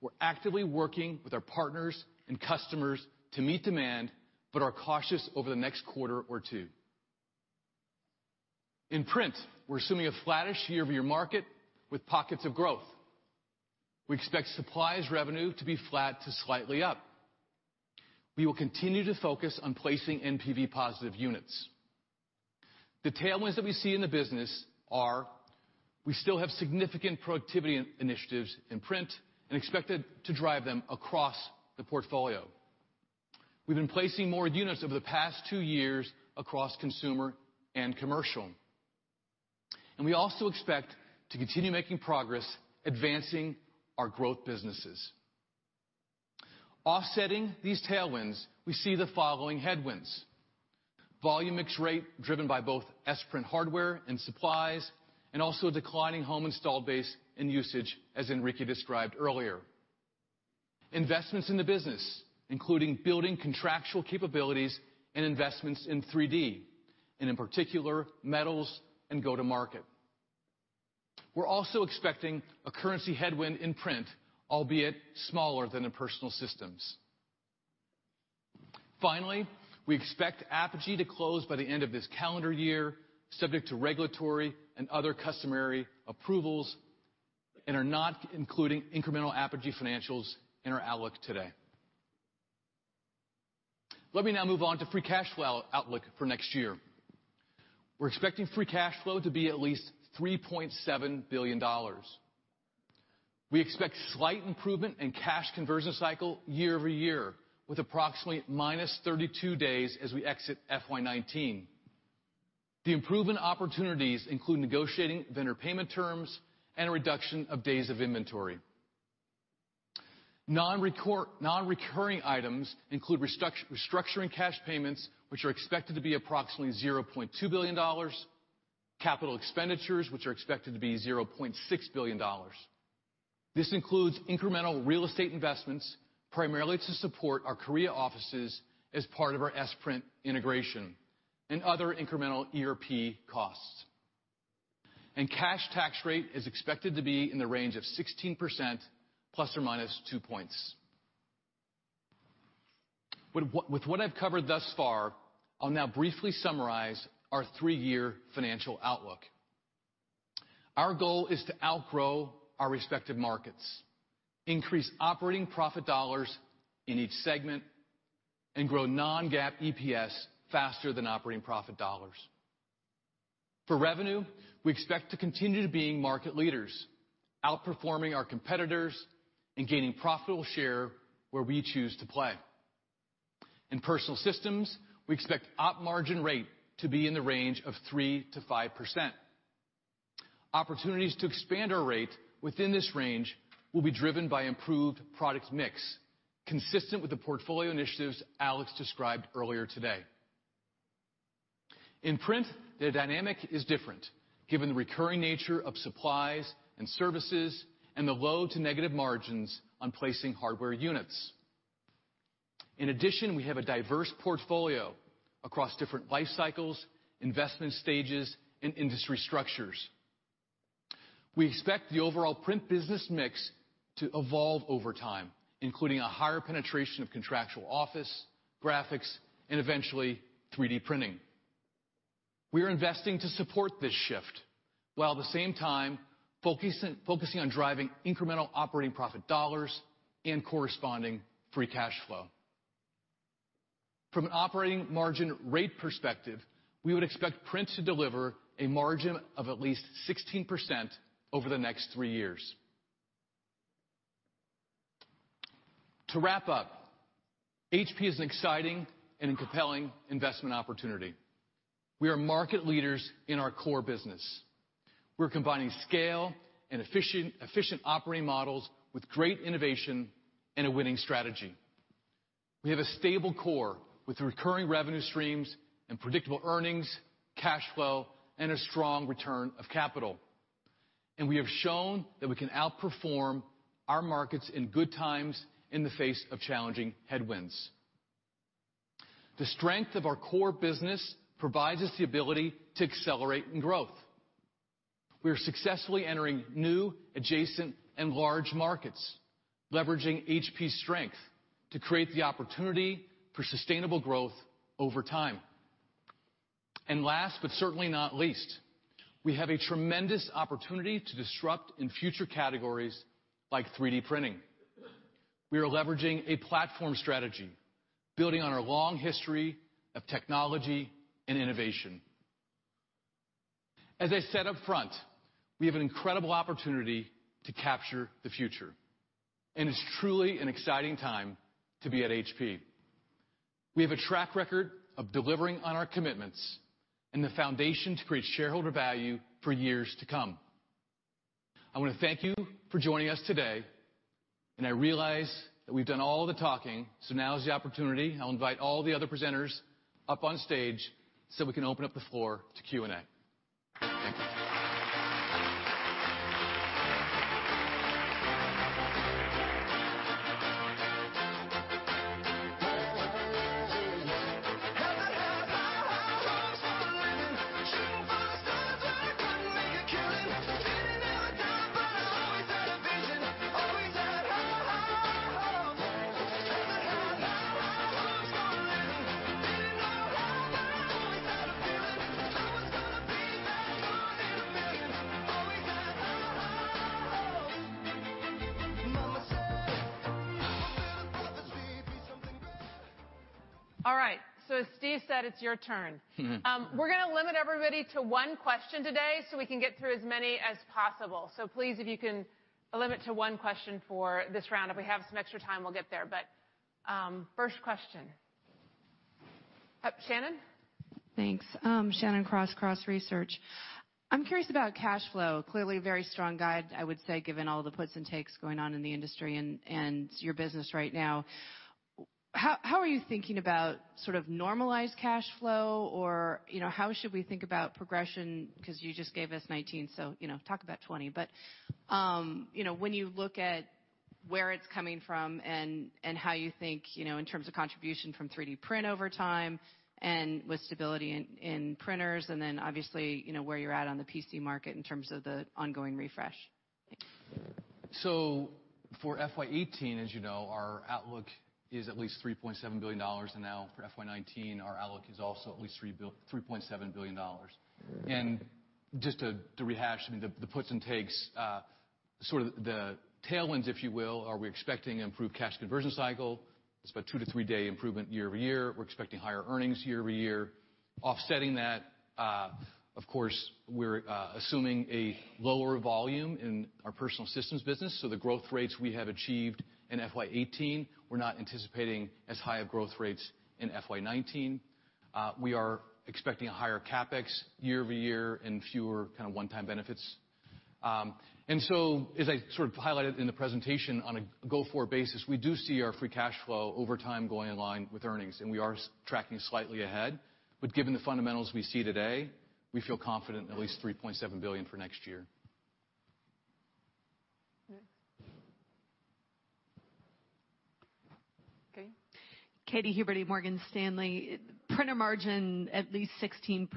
We're actively working with our partners and customers to meet demand but are cautious over the next quarter or two. In print, we're assuming a flattish year-over-year market with pockets of growth. We expect supplies revenue to be flat to slightly up. We will continue to focus on placing NPV positive units. The tailwinds that we see in the business are, we still have significant productivity initiatives in print and expected to drive them across the portfolio. We've been placing more units over the past two years across consumer and commercial. We also expect to continue making progress advancing our growth businesses. Offsetting these tailwinds, we see the following headwinds. Volume mix rate driven by both Print hardware and supplies, and also a declining home install base and usage, as Enrique described earlier. Investments in the business, including building contractual capabilities and investments in 3D, and in particular, metals and go to market. We are also expecting a currency headwind in Print, albeit smaller than in Personal Systems. Finally, we expect Apogee to close by the end of this calendar year, subject to regulatory and other customary approvals, and are not including incremental Apogee financials in our outlook today. Let me now move on to free cash flow outlook for next year. We are expecting free cash flow to be at least $3.7 billion. We expect slight improvement in cash conversion cycle year-over-year, with approximately minus 32 days as we exit FY 2019. The improvement opportunities include negotiating vendor payment terms and a reduction of days of inventory. Non-recurring items include restructuring cash payments, which are expected to be approximately $0.2 billion, capital expenditures, which are expected to be $0.6 billion. This includes incremental real estate investments, primarily to support our Korean offices as part of our Samsung Print integration and other incremental ERP costs. Cash tax rate is expected to be in the range of 16%, plus or minus two points. With what I've covered thus far, I'll now briefly summarize our three-year financial outlook. Our goal is to outgrow our respective markets, increase operating profit dollars in each segment, and grow non-GAAP EPS faster than operating profit dollars. For revenue, we expect to continue to being market leaders, outperforming our competitors, and gaining profitable share where we choose to play. In personal systems, we expect op margin rate to be in the range of 3%-5%. Opportunities to expand our rate within this range will be driven by improved product mix, consistent with the portfolio initiatives Alex described earlier today. In print, the dynamic is different given the recurring nature of supplies and services and the low to negative margins on placing hardware units. In addition, we have a diverse portfolio across different life cycles, investment stages, and industry structures. We expect the overall print business mix to evolve over time, including a higher penetration of contractual office, graphics, and eventually 3D printing. We are investing to support this shift, while at the same time focusing on driving incremental operating profit dollars and corresponding free cash flow. From an operating margin rate perspective, we would expect print to deliver a margin of at least 16% over the next three years. To wrap up, HP is an exciting and compelling investment opportunity. We are market leaders in our core business. We're combining scale and efficient operating models with great innovation and a winning strategy. We have a stable core with recurring revenue streams and predictable earnings, cash flow, and a strong return of capital. We have shown that we can outperform our markets in good times in the face of challenging headwinds. The strength of our core business provides us the ability to accelerate in growth. We are successfully entering new, adjacent, and large markets, leveraging HP's strength to create the opportunity for sustainable growth over time. Last, but certainly not least, we have a tremendous opportunity to disrupt in future categories like 3D printing. We are leveraging a platform strategy, building on our long history of technology and innovation. As I said upfront, we have an incredible opportunity to capture the future, and it's truly an exciting time to be at HP. We have a track record of delivering on our commitments and the foundation to create shareholder value for years to come. I want to thank you for joining us today. I realize that we've done all the talking, now is the opportunity. I'll invite all the other presenters up on stage we can open up the floor to Q&A. Thank you. All right. As Steve said, it's your turn. We're going to limit everybody to one question today we can get through as many as possible. Please, if you can limit to one question for this round. If we have some extra time, we'll get there. First question. Shannon? Thanks. Shannon Cross Research. I'm curious about cash flow. Clearly a very strong guide, I would say, given all the puts and takes going on in the industry and your business right now. How are you thinking about sort of normalized cash flow? Or how should we think about progression? Because you just gave us 2019, so talk about 2020. But when you look at where it's coming from and how you think in terms of contribution from 3D print over time and with stability in printers, and then obviously, where you're at on the PC market in terms of the ongoing refresh? For FY18, as you know, our outlook is at least $3.7 billion. Now for FY19, our outlook is also at least $3.7 billion. Just to rehash, the puts and takes, sort of the tailwinds, if you will, are we expecting improved cash conversion cycle. It's about two to three-day improvement year-over-year. We're expecting higher earnings year-over-year. Offsetting that, of course, we're assuming a lower volume in our personal systems business. The growth rates we have achieved in FY18, we're not anticipating as high of growth rates in FY19. We are expecting a higher CapEx year-over-year and fewer kind of one-time benefits. As I sort of highlighted in the presentation, on a go-forward basis, we do see our free cash flow over time going in line with earnings. We are tracking slightly ahead. Given the fundamentals we see today. We feel confident in at least $3.7 billion for next year. Okay. Printer margin at least 16%,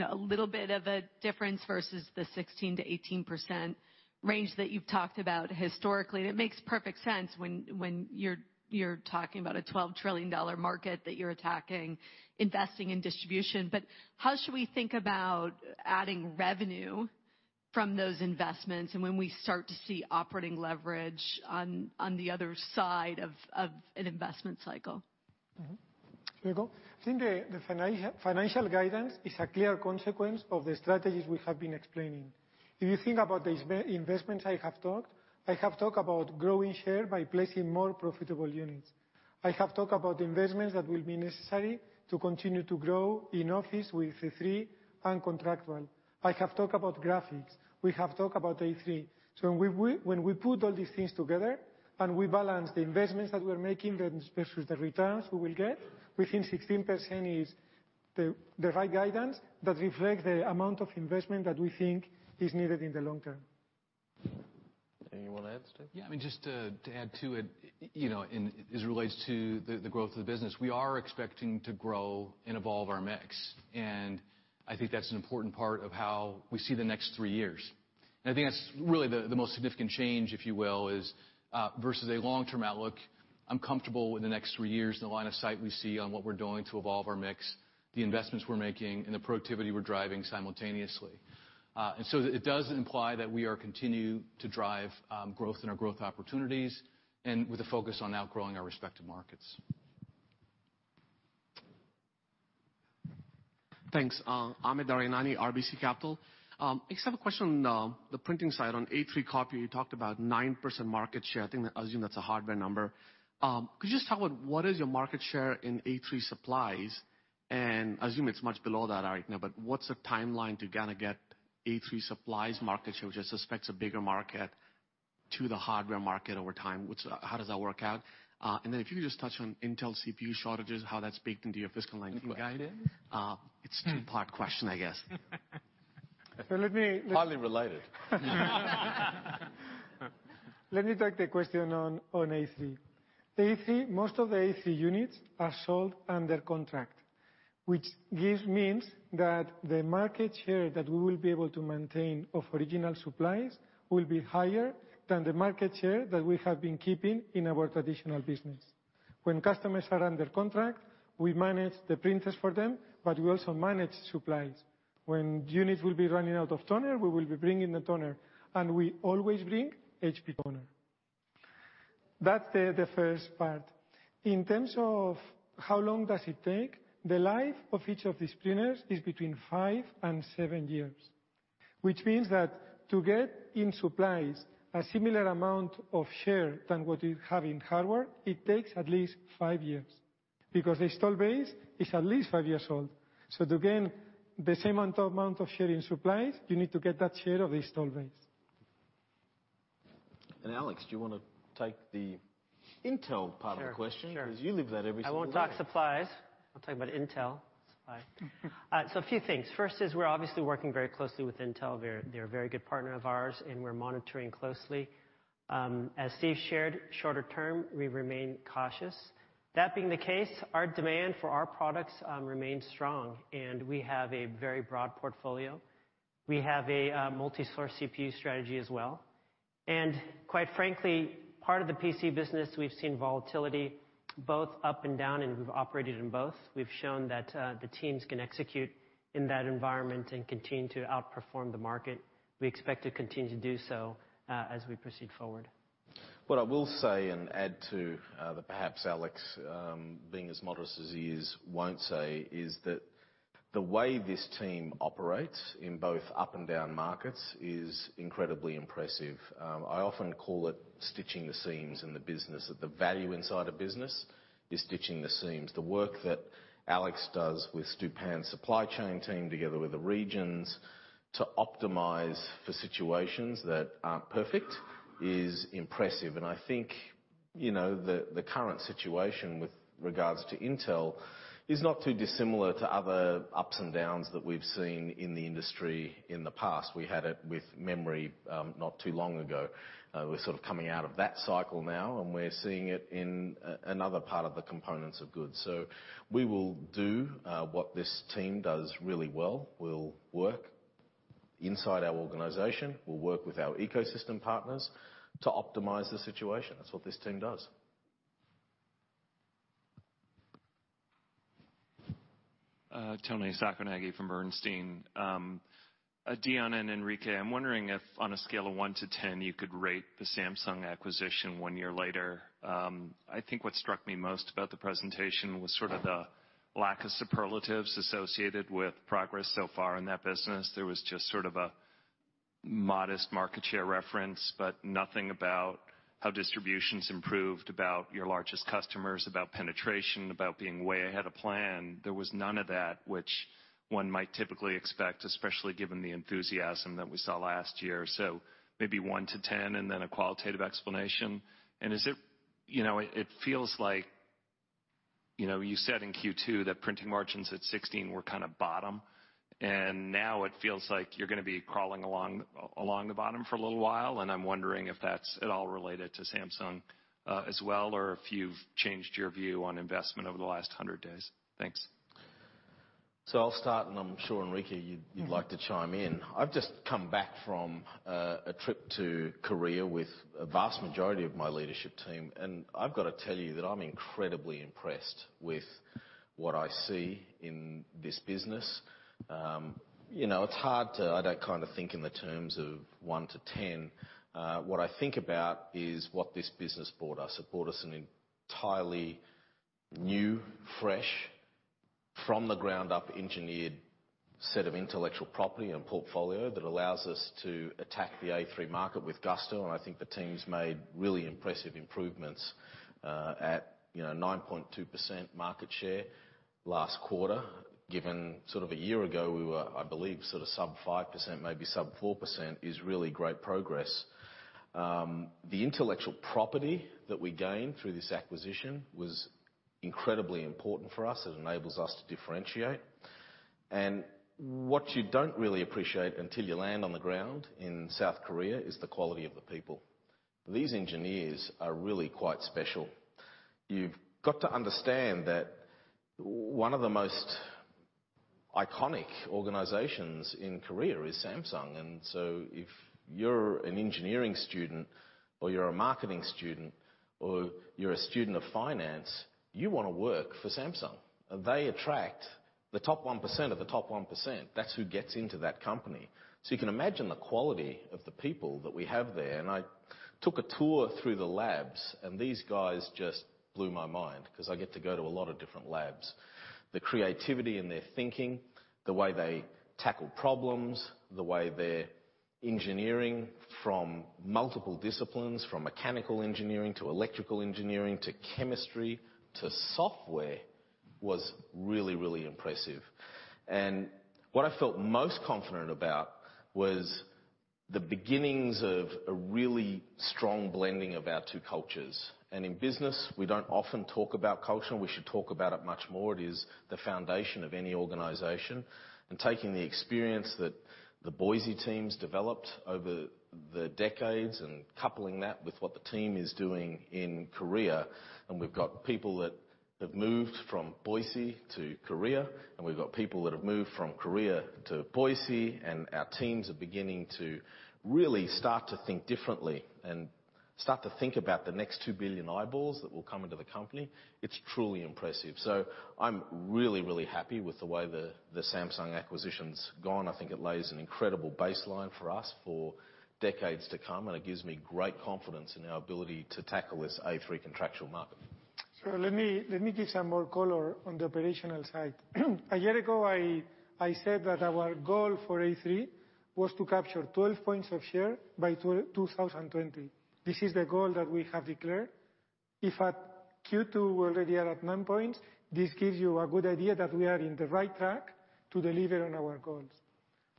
a little bit of a difference versus the 16%-18% range that you've talked about historically. It makes perfect sense when you're talking about a $12 trillion market that you're attacking, investing in distribution. How should we think about adding revenue from those investments, and when we start to see operating leverage on the other side of an investment cycle? Enrique. I think the financial guidance is a clear consequence of the strategies we have been explaining. If you think about the investments I have talked about growing share by placing more profitable units. I have talked about the investments that will be necessary to continue to grow in Office with A3 and contractual. I have talked about Graphics. We have talked about A3. When we put all these things together and we balance the investments that we're making and especially the returns we will get, we think 16% is the right guidance that reflects the amount of investment that we think is needed in the long term. Anything you want to add, Steve? Yeah, just to add to it, as it relates to the growth of the business, we are expecting to grow and evolve our mix, and I think that's an important part of how we see the next three years. I think that's really the most significant change, if you will, is versus a long-term outlook. I'm comfortable with the next three years and the line of sight we see on what we're doing to evolve our mix, the investments we're making, and the productivity we're driving simultaneously. It does imply that we are continue to drive growth in our growth opportunities and with a focus on outgrowing our respective markets. Thanks. Amit Daryanani, RBC Capital. I just have a question on the printing side, on A3 copy, you talked about 9% market share. I assume that's a hardware number. Could you just talk about what is your market share in A3 supplies, and I assume it's much below that right now, but what's the timeline to get A3 supplies market share, which I suspect is a bigger market, to the hardware market over time? How does that work out? Then if you could just touch on Intel CPU shortages, how that's baked into your fiscal 2022 guidance. Good question. It's a two-part question, I guess. So let me- Highly related. Let me take the question on A3. Most of the A3 units are sold under contract, which means that the market share that we will be able to maintain of original supplies will be higher than the market share that we have been keeping in our traditional business. When customers are under contract, we manage the printers for them, but we also manage supplies. When units will be running out of toner, we will be bringing the toner, and we always bring HP toner. That's the first part. In terms of how long does it take, the life of each of these printers is between five and seven years, which means that to get in supplies a similar amount of share than what you have in hardware, it takes at least five years, because the install base is at least five years old. To gain the same amount of share in supplies, you need to get that share of the install base. Alex, do you want to take the Intel part of the question? Sure. Because you live that every single day. I won't talk supplies. I'll talk about Intel. Supplies. A few things. First is, we're obviously working very closely with Intel. They're a very good partner of ours, and we're monitoring closely. As Steve shared, shorter term, we remain cautious. That being the case, our demand for our products remains strong, and we have a very broad portfolio. We have a multisource CPU strategy as well. Quite frankly, part of the PC business, we've seen volatility both up and down, and we've operated in both. We've shown that the teams can execute in that environment and continue to outperform the market. We expect to continue to do so as we proceed forward. What I will say and add to, that perhaps Alex, being as modest as he is, won't say, is that the way this team operates in both up and down markets is incredibly impressive. I often call it stitching the seams in the business, that the value inside a business is stitching the seams. The work that Alex does with Stuart Pann's supply chain team, together with the regions, to optimize for situations that aren't perfect is impressive. I think the current situation with regards to Intel is not too dissimilar to other ups and downs that we've seen in the industry in the past. We had it with memory not too long ago. We're sort of coming out of that cycle now, and we're seeing it in another part of the components of goods. We will do what this team does really well. We'll work inside our organization. We'll work with our ecosystem partners to optimize the situation. That's what this team does. Toni Sacconaghi from Bernstein. Dion and Enrique, I'm wondering if on a scale of one to 10 you could rate the Samsung acquisition one year later. I think what struck me most about the presentation was sort of the lack of superlatives associated with progress so far in that business. There was just sort of a modest market share reference, but nothing about how distribution's improved, about your largest customers, about penetration, about being way ahead of plan. There was none of that which one might typically expect, especially given the enthusiasm that we saw last year. Maybe one to 10, and then a qualitative explanation. It feels like. You said in Q2 that printing margins at 16% were kind of bottom, now it feels like you're going to be crawling along the bottom for a little while, I'm wondering if that's at all related to Samsung as well, or if you've changed your view on investment over the last 100 days. Thanks. I'll start, and I'm sure, Enrique, you'd like to chime in. I've just come back from a trip to Korea with a vast majority of my leadership team, and I've got to tell you that I'm incredibly impressed with what I see in this business. I don't think in the terms of 1-10. What I think about is what this business bought us. It bought us an entirely new, fresh, from the ground up, engineered set of intellectual property and portfolio that allows us to attack the A3 market with gusto. I think the team's made really impressive improvements, at 9.2% market share last quarter, given sort of a year ago, we were, I believe, sort of sub 5%, maybe sub 4%, is really great progress. The intellectual property that we gained through this acquisition was incredibly important for us. It enables us to differentiate. What you don't really appreciate until you land on the ground in South Korea is the quality of the people. These engineers are really quite special. You've got to understand that one of the most iconic organizations in Korea is Samsung. If you're an engineering student or you're a marketing student or you're a student of finance, you want to work for Samsung. They attract the top 1% of the top 1%. That's who gets into that company. You can imagine the quality of the people that we have there. I took a tour through the labs, and these guys just blew my mind, because I get to go to a lot of different labs. The creativity in their thinking, the way they tackle problems, the way their engineering from multiple disciplines, from mechanical engineering to electrical engineering, to chemistry, to software was really, really impressive. What I felt most confident about was the beginnings of a really strong blending of our two cultures. In business, we don't often talk about culture, and we should talk about it much more. It is the foundation of any organization. Taking the experience that the Boise teams developed over the decades and coupling that with what the team is doing in Korea, and we've got people that have moved from Boise to Korea, and we've got people that have moved from Korea to Boise, and our teams are beginning to really start to think differently and start to think about the next 2 billion eyeballs that will come into the company. It's truly impressive. I'm really happy with the way the Samsung acquisition's gone. I think it lays an incredible baseline for us for decades to come, and it gives me great confidence in our ability to tackle this A3 contractual market. Let me give some more color on the operational side. A year ago, I said that our goal for A3 was to capture 12 points of share by 2020. This is the goal that we have declared. If at Q2, we already are at nine points, this gives you a good idea that we are in the right track to deliver on our goals.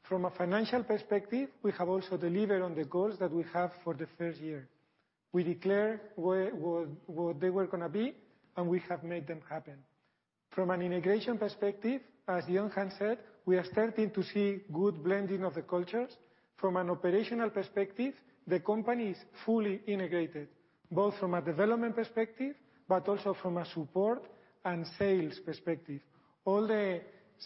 From a financial perspective, we have also delivered on the goals that we have for the first year. We declare what they were going to be, and we have made them happen. From an integration perspective, as Dion has said, we are starting to see good blending of the cultures. From an operational perspective, the company is fully integrated, both from a development perspective, but also from a support and sales perspective. All the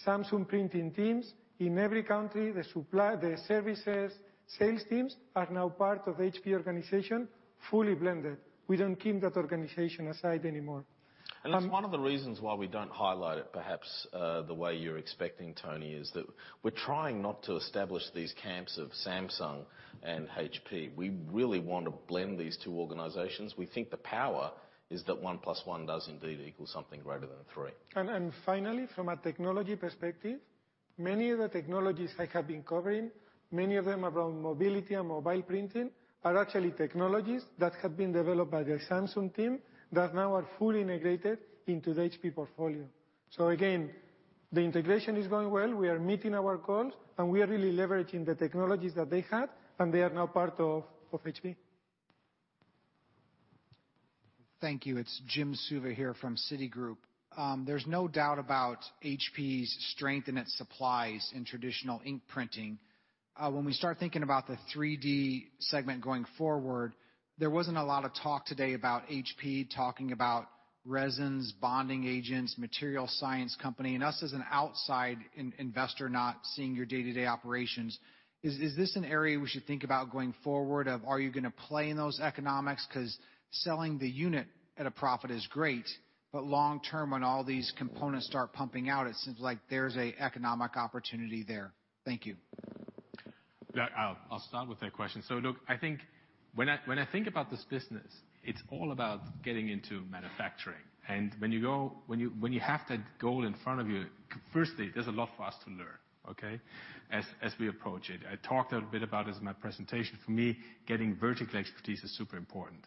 Samsung printing teams in every country, the supply, the services, sales teams are now part of HP organization, fully blended. We don't keep that organization aside anymore. That's one of the reasons why we don't highlight it, perhaps, the way you're expecting, Toni, is that we're trying not to establish these camps of Samsung and HP. We really want to blend these two organizations. We think the power is that one plus one does indeed equal something greater than three. Finally, from a technology perspective, many of the technologies I have been covering, many of them around mobility and mobile printing, are actually technologies that have been developed by the Samsung team that now are fully integrated into the HP portfolio. Again, the integration is going well. We are meeting our goals, and we are really leveraging the technologies that they had, and they are now part of HP. Thank you. It's Jim Suva here from Citigroup. There's no doubt about HP's strength in its supplies in traditional ink printing. When we start thinking about the 3D segment going forward, there wasn't a lot of talk today about HP talking about resins, bonding agents, material science company. Us as an outside investor not seeing your day-to-day operations, is this an area we should think about going forward of are you going to play in those economics? Selling the unit at a profit is great, but long term, when all these components start pumping out, it seems like there's an economic opportunity there. Thank you. I'll start with that question. Look, when I think about this business, it's all about getting into manufacturing. When you have that goal in front of you, firstly, there's a lot for us to learn, okay, as we approach it. I talked a bit about this in my presentation. For me, getting vertical expertise is super important.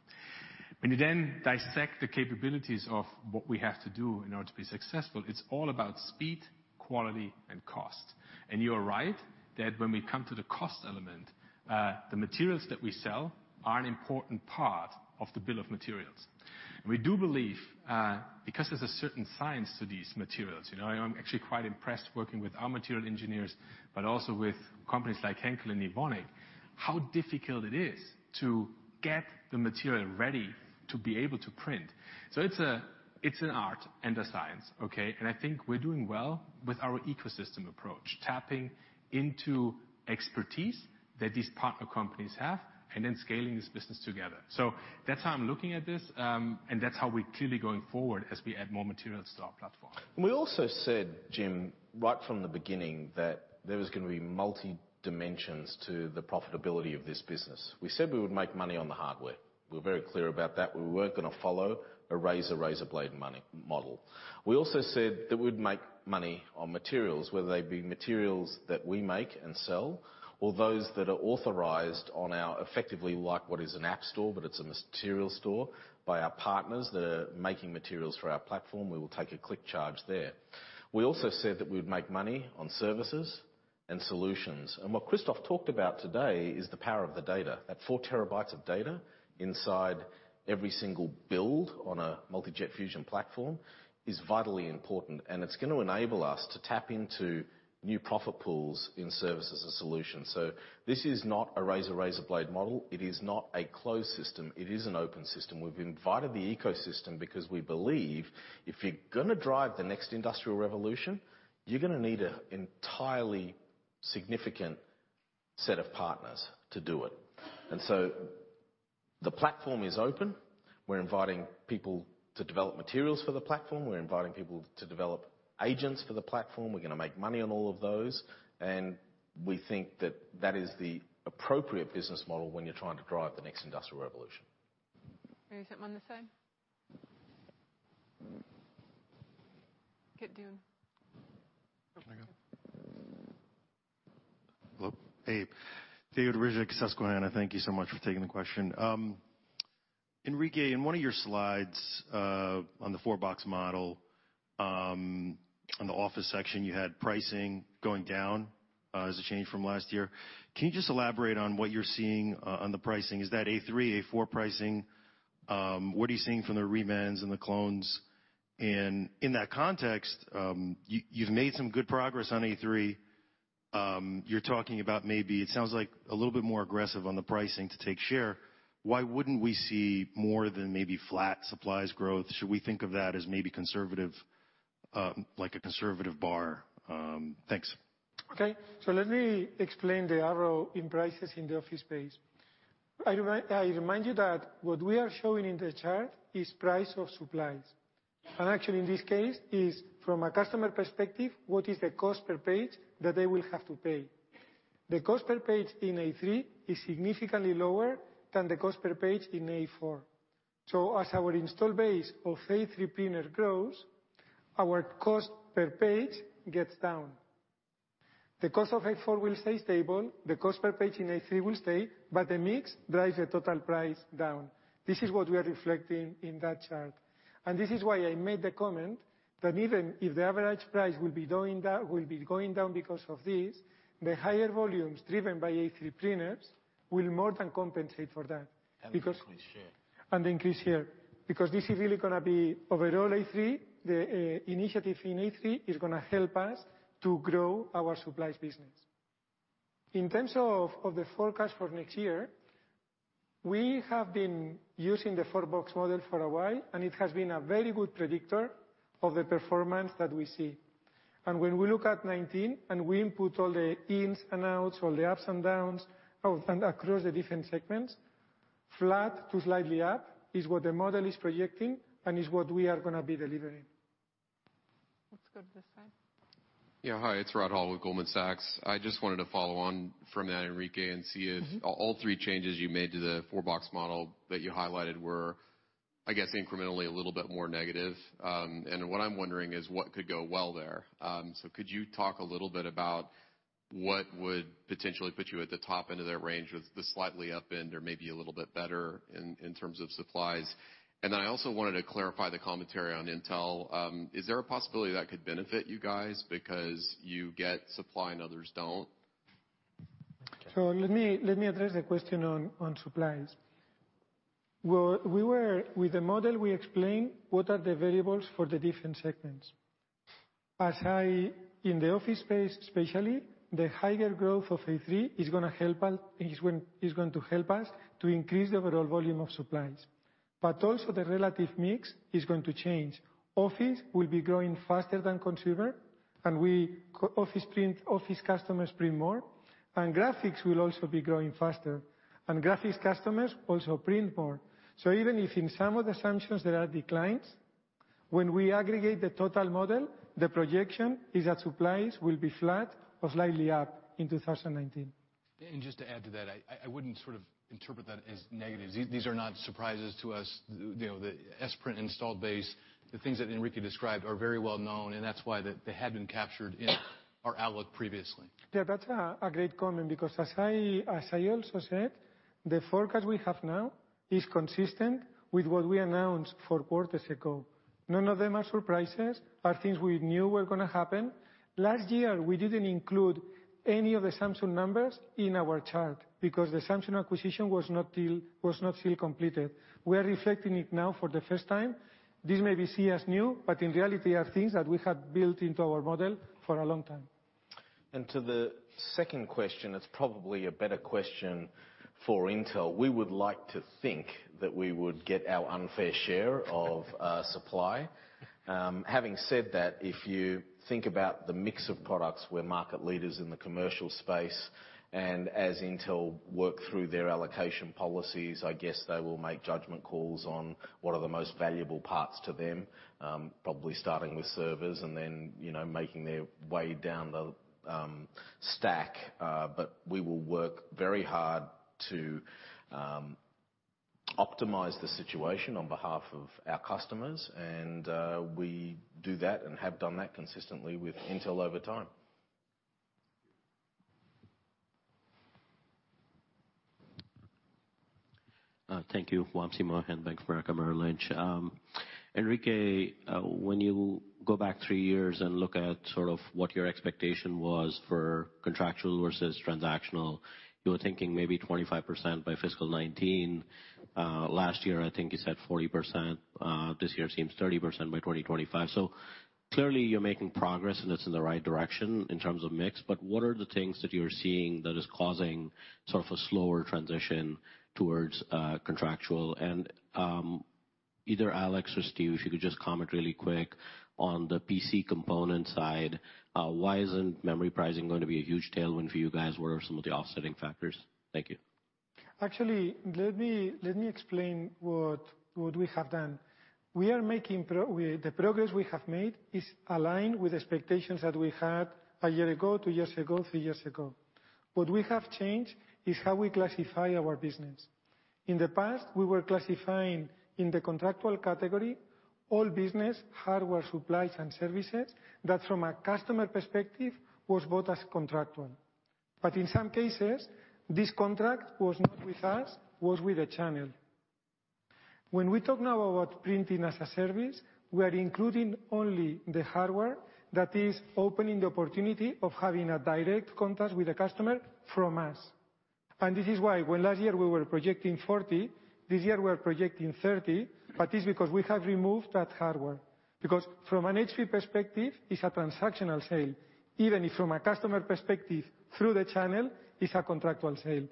When you dissect the capabilities of what we have to do in order to be successful, it's all about speed, quality, and cost. You're right, that when we come to the cost element, the materials that we sell are an important part of the bill of materials. We do believe, because there's a certain science to these materials. I'm actually quite impressed working with our material engineers, but also with companies like Henkel and Evonik, how difficult it is to get the material ready to be able to print. It's an art and a science, okay. I think we're doing well with our ecosystem approach, tapping into expertise that these partner companies have, and then scaling this business together. That's how I'm looking at this, and that's how we're clearly going forward as we add more materials to our platform. We also said, Jim, right from the beginning, that there was going to be multi-dimensions to the profitability of this business. We said we would make money on the hardware. We were very clear about that. We weren't going to follow a razor blade model. We also said that we'd make money on materials, whether they be materials that we make and sell, or those that are authorized on our, effectively like what is an app store, but it's a material store by our partners that are making materials for our platform. We will take a Click Charge there. We also said that we'd make money on services and solutions. What Christoph talked about today is the power of the data. That four terabytes of data inside every single build on a Multi Jet Fusion platform is vitally important. It's going to enable us to tap into new profit pools in service as a solution. This is not a razor blade model. It is not a closed system. It is an open system. We've invited the ecosystem because we believe if you're going to drive the next industrial revolution, you're going to need an entirely significant set of partners to do it. The platform is open. We're inviting people to develop materials for the platform. We're inviting people to develop agents for the platform. We're going to make money on all of those. We think that that is the appropriate business model when you're trying to drive the next industrial revolution. There's someone this side. [Get Dune.] Can I go? Hello. [Abe.] David Vogt, Susquehanna. Thank you so much for taking the question. Enrique, on one of your slides on the four-box model, on the office section, you had pricing going down as a change from last year. Can you just elaborate on what you're seeing on the pricing? Is that A3, A4 pricing? What are you seeing from the remans and the clones? In that context, you've made some good progress on A3. You're talking about maybe, it sounds like a little bit more aggressive on the pricing to take share. Why wouldn't we see more than maybe flat supplies growth? Should we think of that as maybe conservative, like a conservative bar? Thanks. Okay. Let me explain the erosion in prices in the office space. I remind you that what we are showing in the chart is price of supplies. Actually, in this case, is from a customer perspective, what is the cost per page that they will have to pay? The cost per page in A3 is significantly lower than the cost per page in A4. As our install base of A3 printer grows, our cost per page gets down. The cost of A4 will stay stable. The cost per page in A3 will stay, but the mix drives the total price down. This is what we are reflecting in that chart. This is why I made the comment that even if the average price will be going down because of this, the higher volumes driven by A3 printers will more than compensate for that. Increase share. Increase share. This is really going to be overall A3, the initiative in A3 is going to help us to grow our supplies business. In terms of the forecast for next year, we have been using the four-box model for a while, and it has been a very good predictor of the performance that we see. When we look at 2019 and we input all the ins and outs, all the ups and downs across the different segments, flat to slightly up is what the model is projecting and is what we are going to be delivering. Let's go to this side. Yeah. Hi, it's Rod Hall with Goldman Sachs. I just wanted to follow on from that, Enrique, and see if all three changes you made to the four-box model that you highlighted were, I guess, incrementally a little bit more negative. What I'm wondering is what could go well there. Could you talk a little bit about what would potentially put you at the top end of that range with the slightly up end or maybe a little bit better in terms of supplies? I also wanted to clarify the commentary on Intel. Is there a possibility that could benefit you guys because you get supply and others don't? Let me address the question on supplies. With the model, we explain what are the variables for the different segments. In the office space, especially, the higher growth of A3 is going to help us to increase the overall volume of supplies. Also the relative mix is going to change. Office will be growing faster than consumer, and office customers print more. Graphics will also be growing faster. Graphics customers also print more. Even if in some of the assumptions there are declines, when we aggregate the total model, the projection is that supplies will be flat or slightly up in 2019. Just to add to that, I wouldn't interpret that as negative. These are not surprises to us. The Samsung Print installed base, the things that Enrique described are very well known. That's why they had been captured in our outlook previously. Yeah, that's a great comment because, as I also said, the forecast we have now is consistent with what we announced four quarters ago. None of them are surprises, are things we knew were going to happen. Last year, we didn't include any of the Samsung numbers in our chart because the Samsung acquisition was not fully completed. We are reflecting it now for the first time. This may be seen as new, in reality, are things that we had built into our model for a long time. To the second question, it's probably a better question for Intel. We would like to think that we would get our unfair share of supply. Having said that, if you think about the mix of products, we're market leaders in the commercial space. As Intel work through their allocation policies, I guess they will make judgment calls on what are the most valuable parts to them. Probably starting with servers and then making their way down the stack. We will work very hard to optimize the situation on behalf of our customers, and we do that and have done that consistently with Intel over time. Thank you. Wamsi Mohan, Bank of America Merrill Lynch. Enrique, when you go back three years and look at what your expectation was for contractual versus transactional, you were thinking maybe 25% by FY 2019. Last year, I think you said 40%. This year seems 30% by 2025. Clearly, you're making progress, and it's in the right direction in terms of mix, but what are the things that you're seeing that is causing a slower transition towards contractual? Either Alex or Steve, if you could just comment really quick on the PC component side, why isn't memory pricing going to be a huge tailwind for you guys? What are some of the offsetting factors? Thank you. Actually, let me explain what we have done. The progress we have made is aligned with expectations that we had one year ago, two years ago, three years ago. What we have changed is how we classify our business. In the past, we were classifying in the contractual category all business, hardware, supplies, and services that from a customer perspective was bought as contractual. In some cases, this contract was not with us, was with a channel. When we talk now about Printing as a Service, we are including only the hardware that is opening the opportunity of having a direct contract with the customer from us. This is why when last year we were projecting 40, this year we are projecting 30. It's because we have removed that hardware. From an HP perspective, it's a transactional sale, even if from a customer perspective through the channel it's a contractual sale.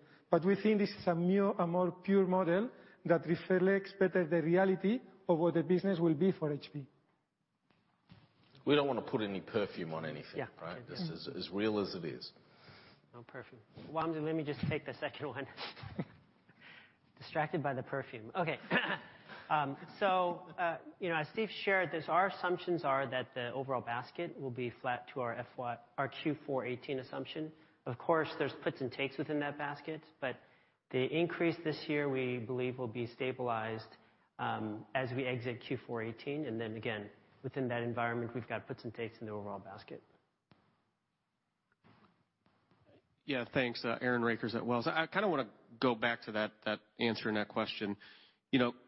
We think this is a more pure model that reflects better the reality of what the business will be for HP. We don't want to put any perfume on anything, right? Yeah. This is as real as it is. No perfume. Wamsi, let me just take the second one. Distracted by the perfume. Okay. As Steve shared, our assumptions are that the overall basket will be flat to our Q4 2018 assumption. Of course, there's puts and takes within that basket, but the increase this year we believe will be stabilized as we exit Q4 2018, again, within that environment, we've got puts and takes in the overall basket. Yeah, thanks. Aaron Rakers at Wells. I want to go back to that answer and that question.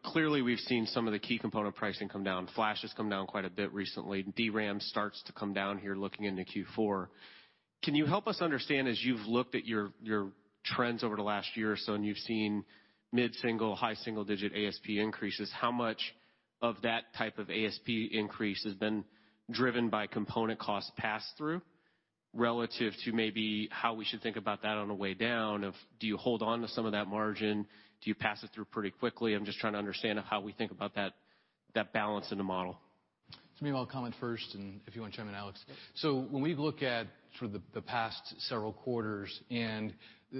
Clearly, we've seen some of the key component pricing come down. Flash has come down quite a bit recently. DRAM starts to come down here looking into Q4. Can you help us understand as you've looked at your trends over the last year or so, and you've seen mid-single, high-single-digit ASP increases, how much of that type of ASP increase has been driven by component cost pass-through relative to maybe how we should think about that on the way down of do you hold on to some of that margin? Do you pass it through pretty quickly? I'm just trying to understand how we think about that balance in the model. Maybe I'll comment first and if you want to chime in, Alex. When we look at the past several quarters,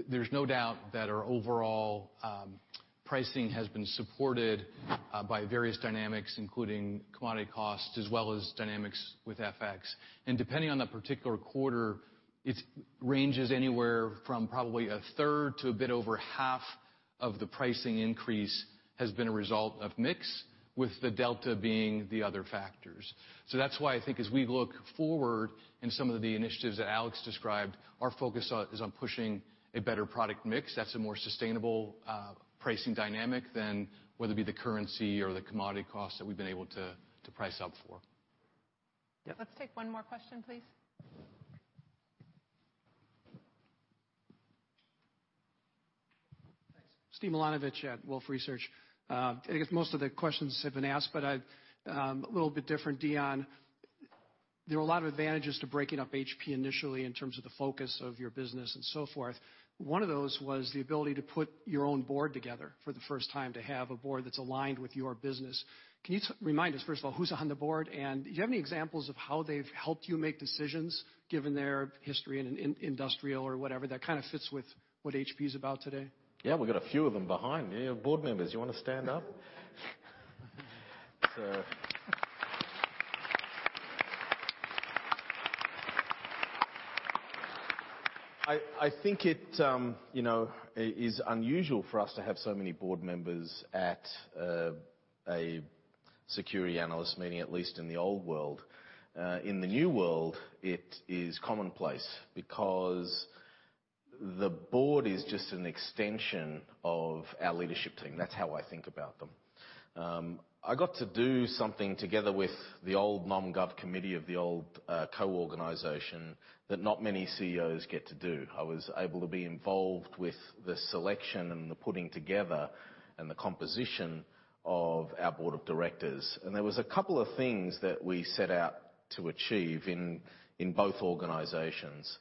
there's no doubt that our overall pricing has been supported by various dynamics, including commodity costs as well as dynamics with FX. Depending on the particular quarter, it ranges anywhere from probably a third to a bit over half of the pricing increase has been a result of mix, with the delta being the other factors. That's why I think as we look forward in some of the initiatives that Alex described, our focus is on pushing a better product mix. That's a more sustainable pricing dynamic than whether it be the currency or the commodity costs that we've been able to price up for. Yep. Let's take one more question, please. Thanks. Steve Milunovich at Wolfe Research. I guess most of the questions have been asked, but a little bit different, Dion. There were a lot of advantages to breaking up HP initially in terms of the focus of your business and so forth. One of those was the ability to put your own board together for the first time, to have a board that's aligned with your business. Can you remind us, first of all, who's on the board? Do you have any examples of how they've helped you make decisions given their history in industrial or whatever that fits with what HP's about today? Yeah, we've got a few of them behind me of board members. You want to stand up? I think it is unusual for us to have so many board members at a security analyst meeting, at least in the old world. In the new world, it is commonplace, because the board is just an extension of our leadership team. That's how I think about them. I got to do something together with the old Nominating and Governance Committee of the old co-organization that not many CEOs get to do. I was able to be involved with the selection, and the putting together, and the composition of our board of directors. There was a couple of things that we set out to achieve in both organizations.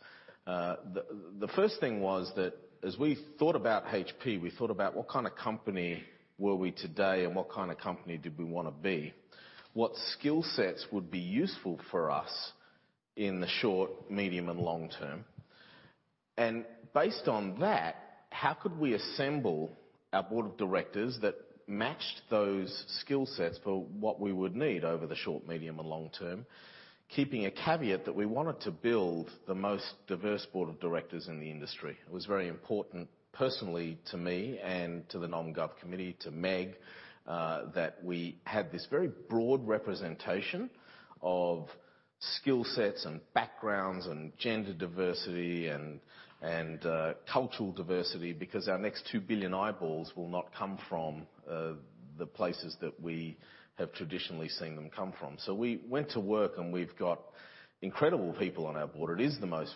The first thing was that as we thought about HP, we thought about what kind of company were we today and what kind of company did we want to be? What skill sets would be useful for us in the short, medium, and long term? Based on that, how could we assemble our board of directors that matched those skill sets for what we would need over the short, medium, and long term, keeping a caveat that we wanted to build the most diverse board of directors in the industry. It was very important personally to me and to the Nominating and Governance Committee, to Meg, that we had this very broad representation of skill sets and backgrounds and gender diversity and cultural diversity because our next 2 billion eyeballs will not come from the places that we have traditionally seen them come from. We went to work and we've got incredible people on our board. It is the most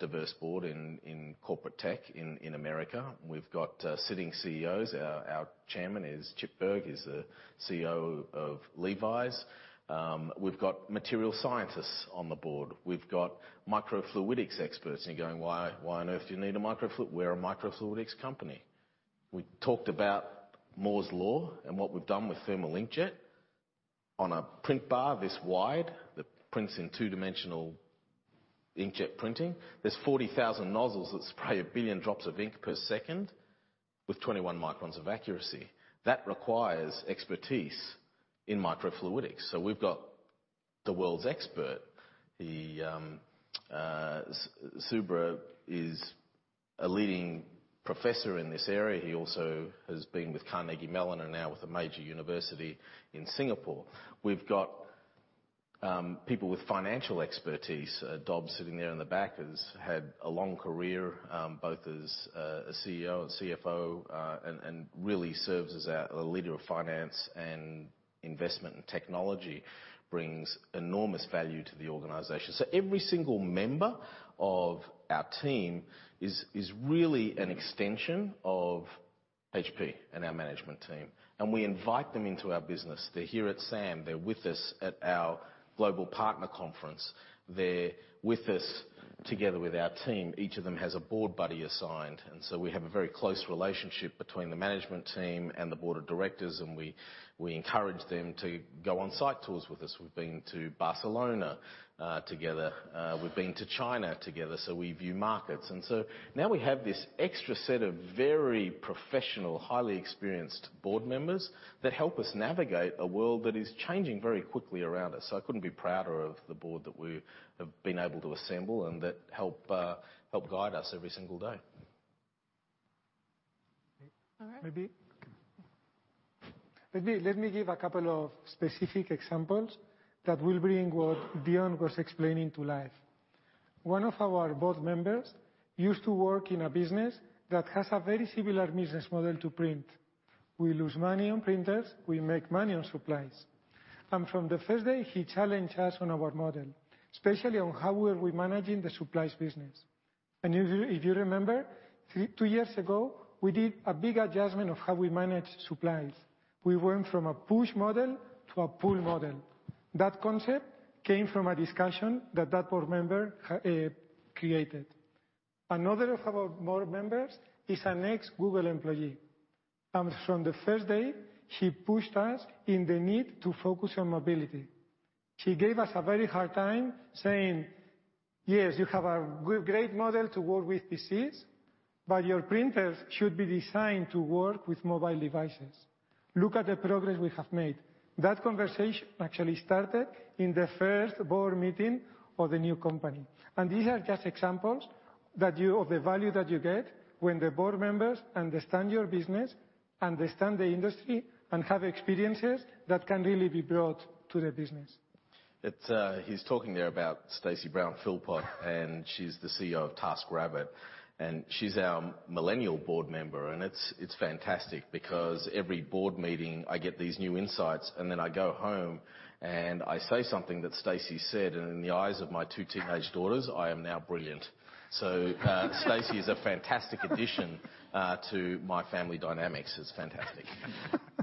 diverse board in corporate tech in America. We've got sitting CEOs. Our chairman is Chip Bergh, is the CEO of Levi's. We've got material scientists on the board. We've got microfluidics experts, you're going, "Why on earth do you need a microfluid?" We're a microfluidics company. We talked about Moore's law and what we've done with thermal inkjet. On a print bar this wide that prints in two-dimensional inkjet printing, there's 40,000 nozzles that spray 1 billion drops of ink per second with 21 microns of accuracy. That requires expertise in microfluidics. We've got the world's expert. Subra is a leading professor in this area. He also has been with Carnegie Mellon University and now with a major university in Singapore. We've got people with financial expertise. Dob, sitting there in the back, has had a long career, both as a CEO and CFO, and really serves as our leader of finance and investment, and technology brings enormous value to the organization. Every single member of our team is really an extension of HP and our management team, and we invite them into our business. They're here at SAM. They're with us at our global partner conference. They're with us together with our team. Each of them has a board buddy assigned, and so we have a very close relationship between the management team and the board of directors, and we encourage them to go on site tours with us. We've been to Barcelona together. We've been to China together. We view markets. Now we have this extra set of very professional, highly experienced board members that help us navigate a world that is changing very quickly around us. I couldn't be prouder of the board that we have been able to assemble and that help guide us every single day. All right. Maybe. Let me give a couple of specific examples that will bring what Dion was explaining to life. One of our board members used to work in a business that has a very similar business model to print. We lose money on printers, we make money on supplies. From the first day, he challenged us on our model, especially on how were we managing the supplies business. If you remember, two years ago, we did a big adjustment of how we managed supplies. We went from a push model to a pull model. That concept came from a discussion that that board member created. Another of our board members is an ex-Google employee. From the first day, she pushed us in the need to focus on mobility. She gave us a very hard time saying, "Yes, you have a great model to work with PCs, but your printers should be designed to work with mobile devices." Look at the progress we have made. That conversation actually started in the first board meeting of the new company. These are just examples of the value that you get when the board members understand your business, understand the industry, and have experiences that can really be brought to the business. He's talking there about Stacy Brown-Philpot. She's the CEO of TaskRabbit, and she's our millennial board member. It's fantastic because every board meeting I get these new insights. Then I go home and I say something that Stacy said. In the eyes of my two teenage daughters, I am now brilliant. Stacy is a fantastic addition to my family dynamics. It's fantastic.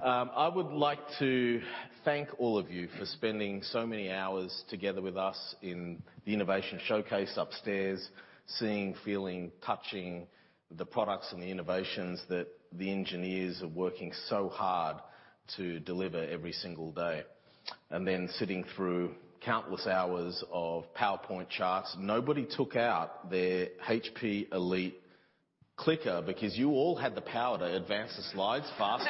I would like to thank all of you for spending so many hours together with us in the innovation showcase upstairs, seeing, feeling, touching the products and the innovations that the engineers are working so hard to deliver every single day. Then sitting through countless hours of PowerPoint charts. Nobody took out their HP Elite clicker because you all had the power to advance the slides faster.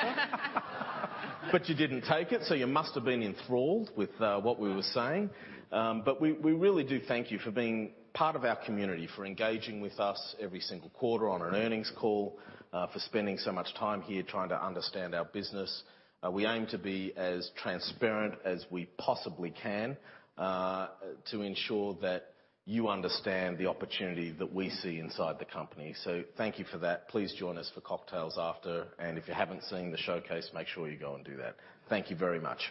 You didn't take it, so you must have been enthralled with what we were saying. We really do thank you for being part of our community, for engaging with us every single quarter on an earnings call, for spending so much time here trying to understand our business. We aim to be as transparent as we possibly can, to ensure that you understand the opportunity that we see inside the company. Thank you for that. Please join us for cocktails after, and if you haven't seen the showcase, make sure you go and do that. Thank you very much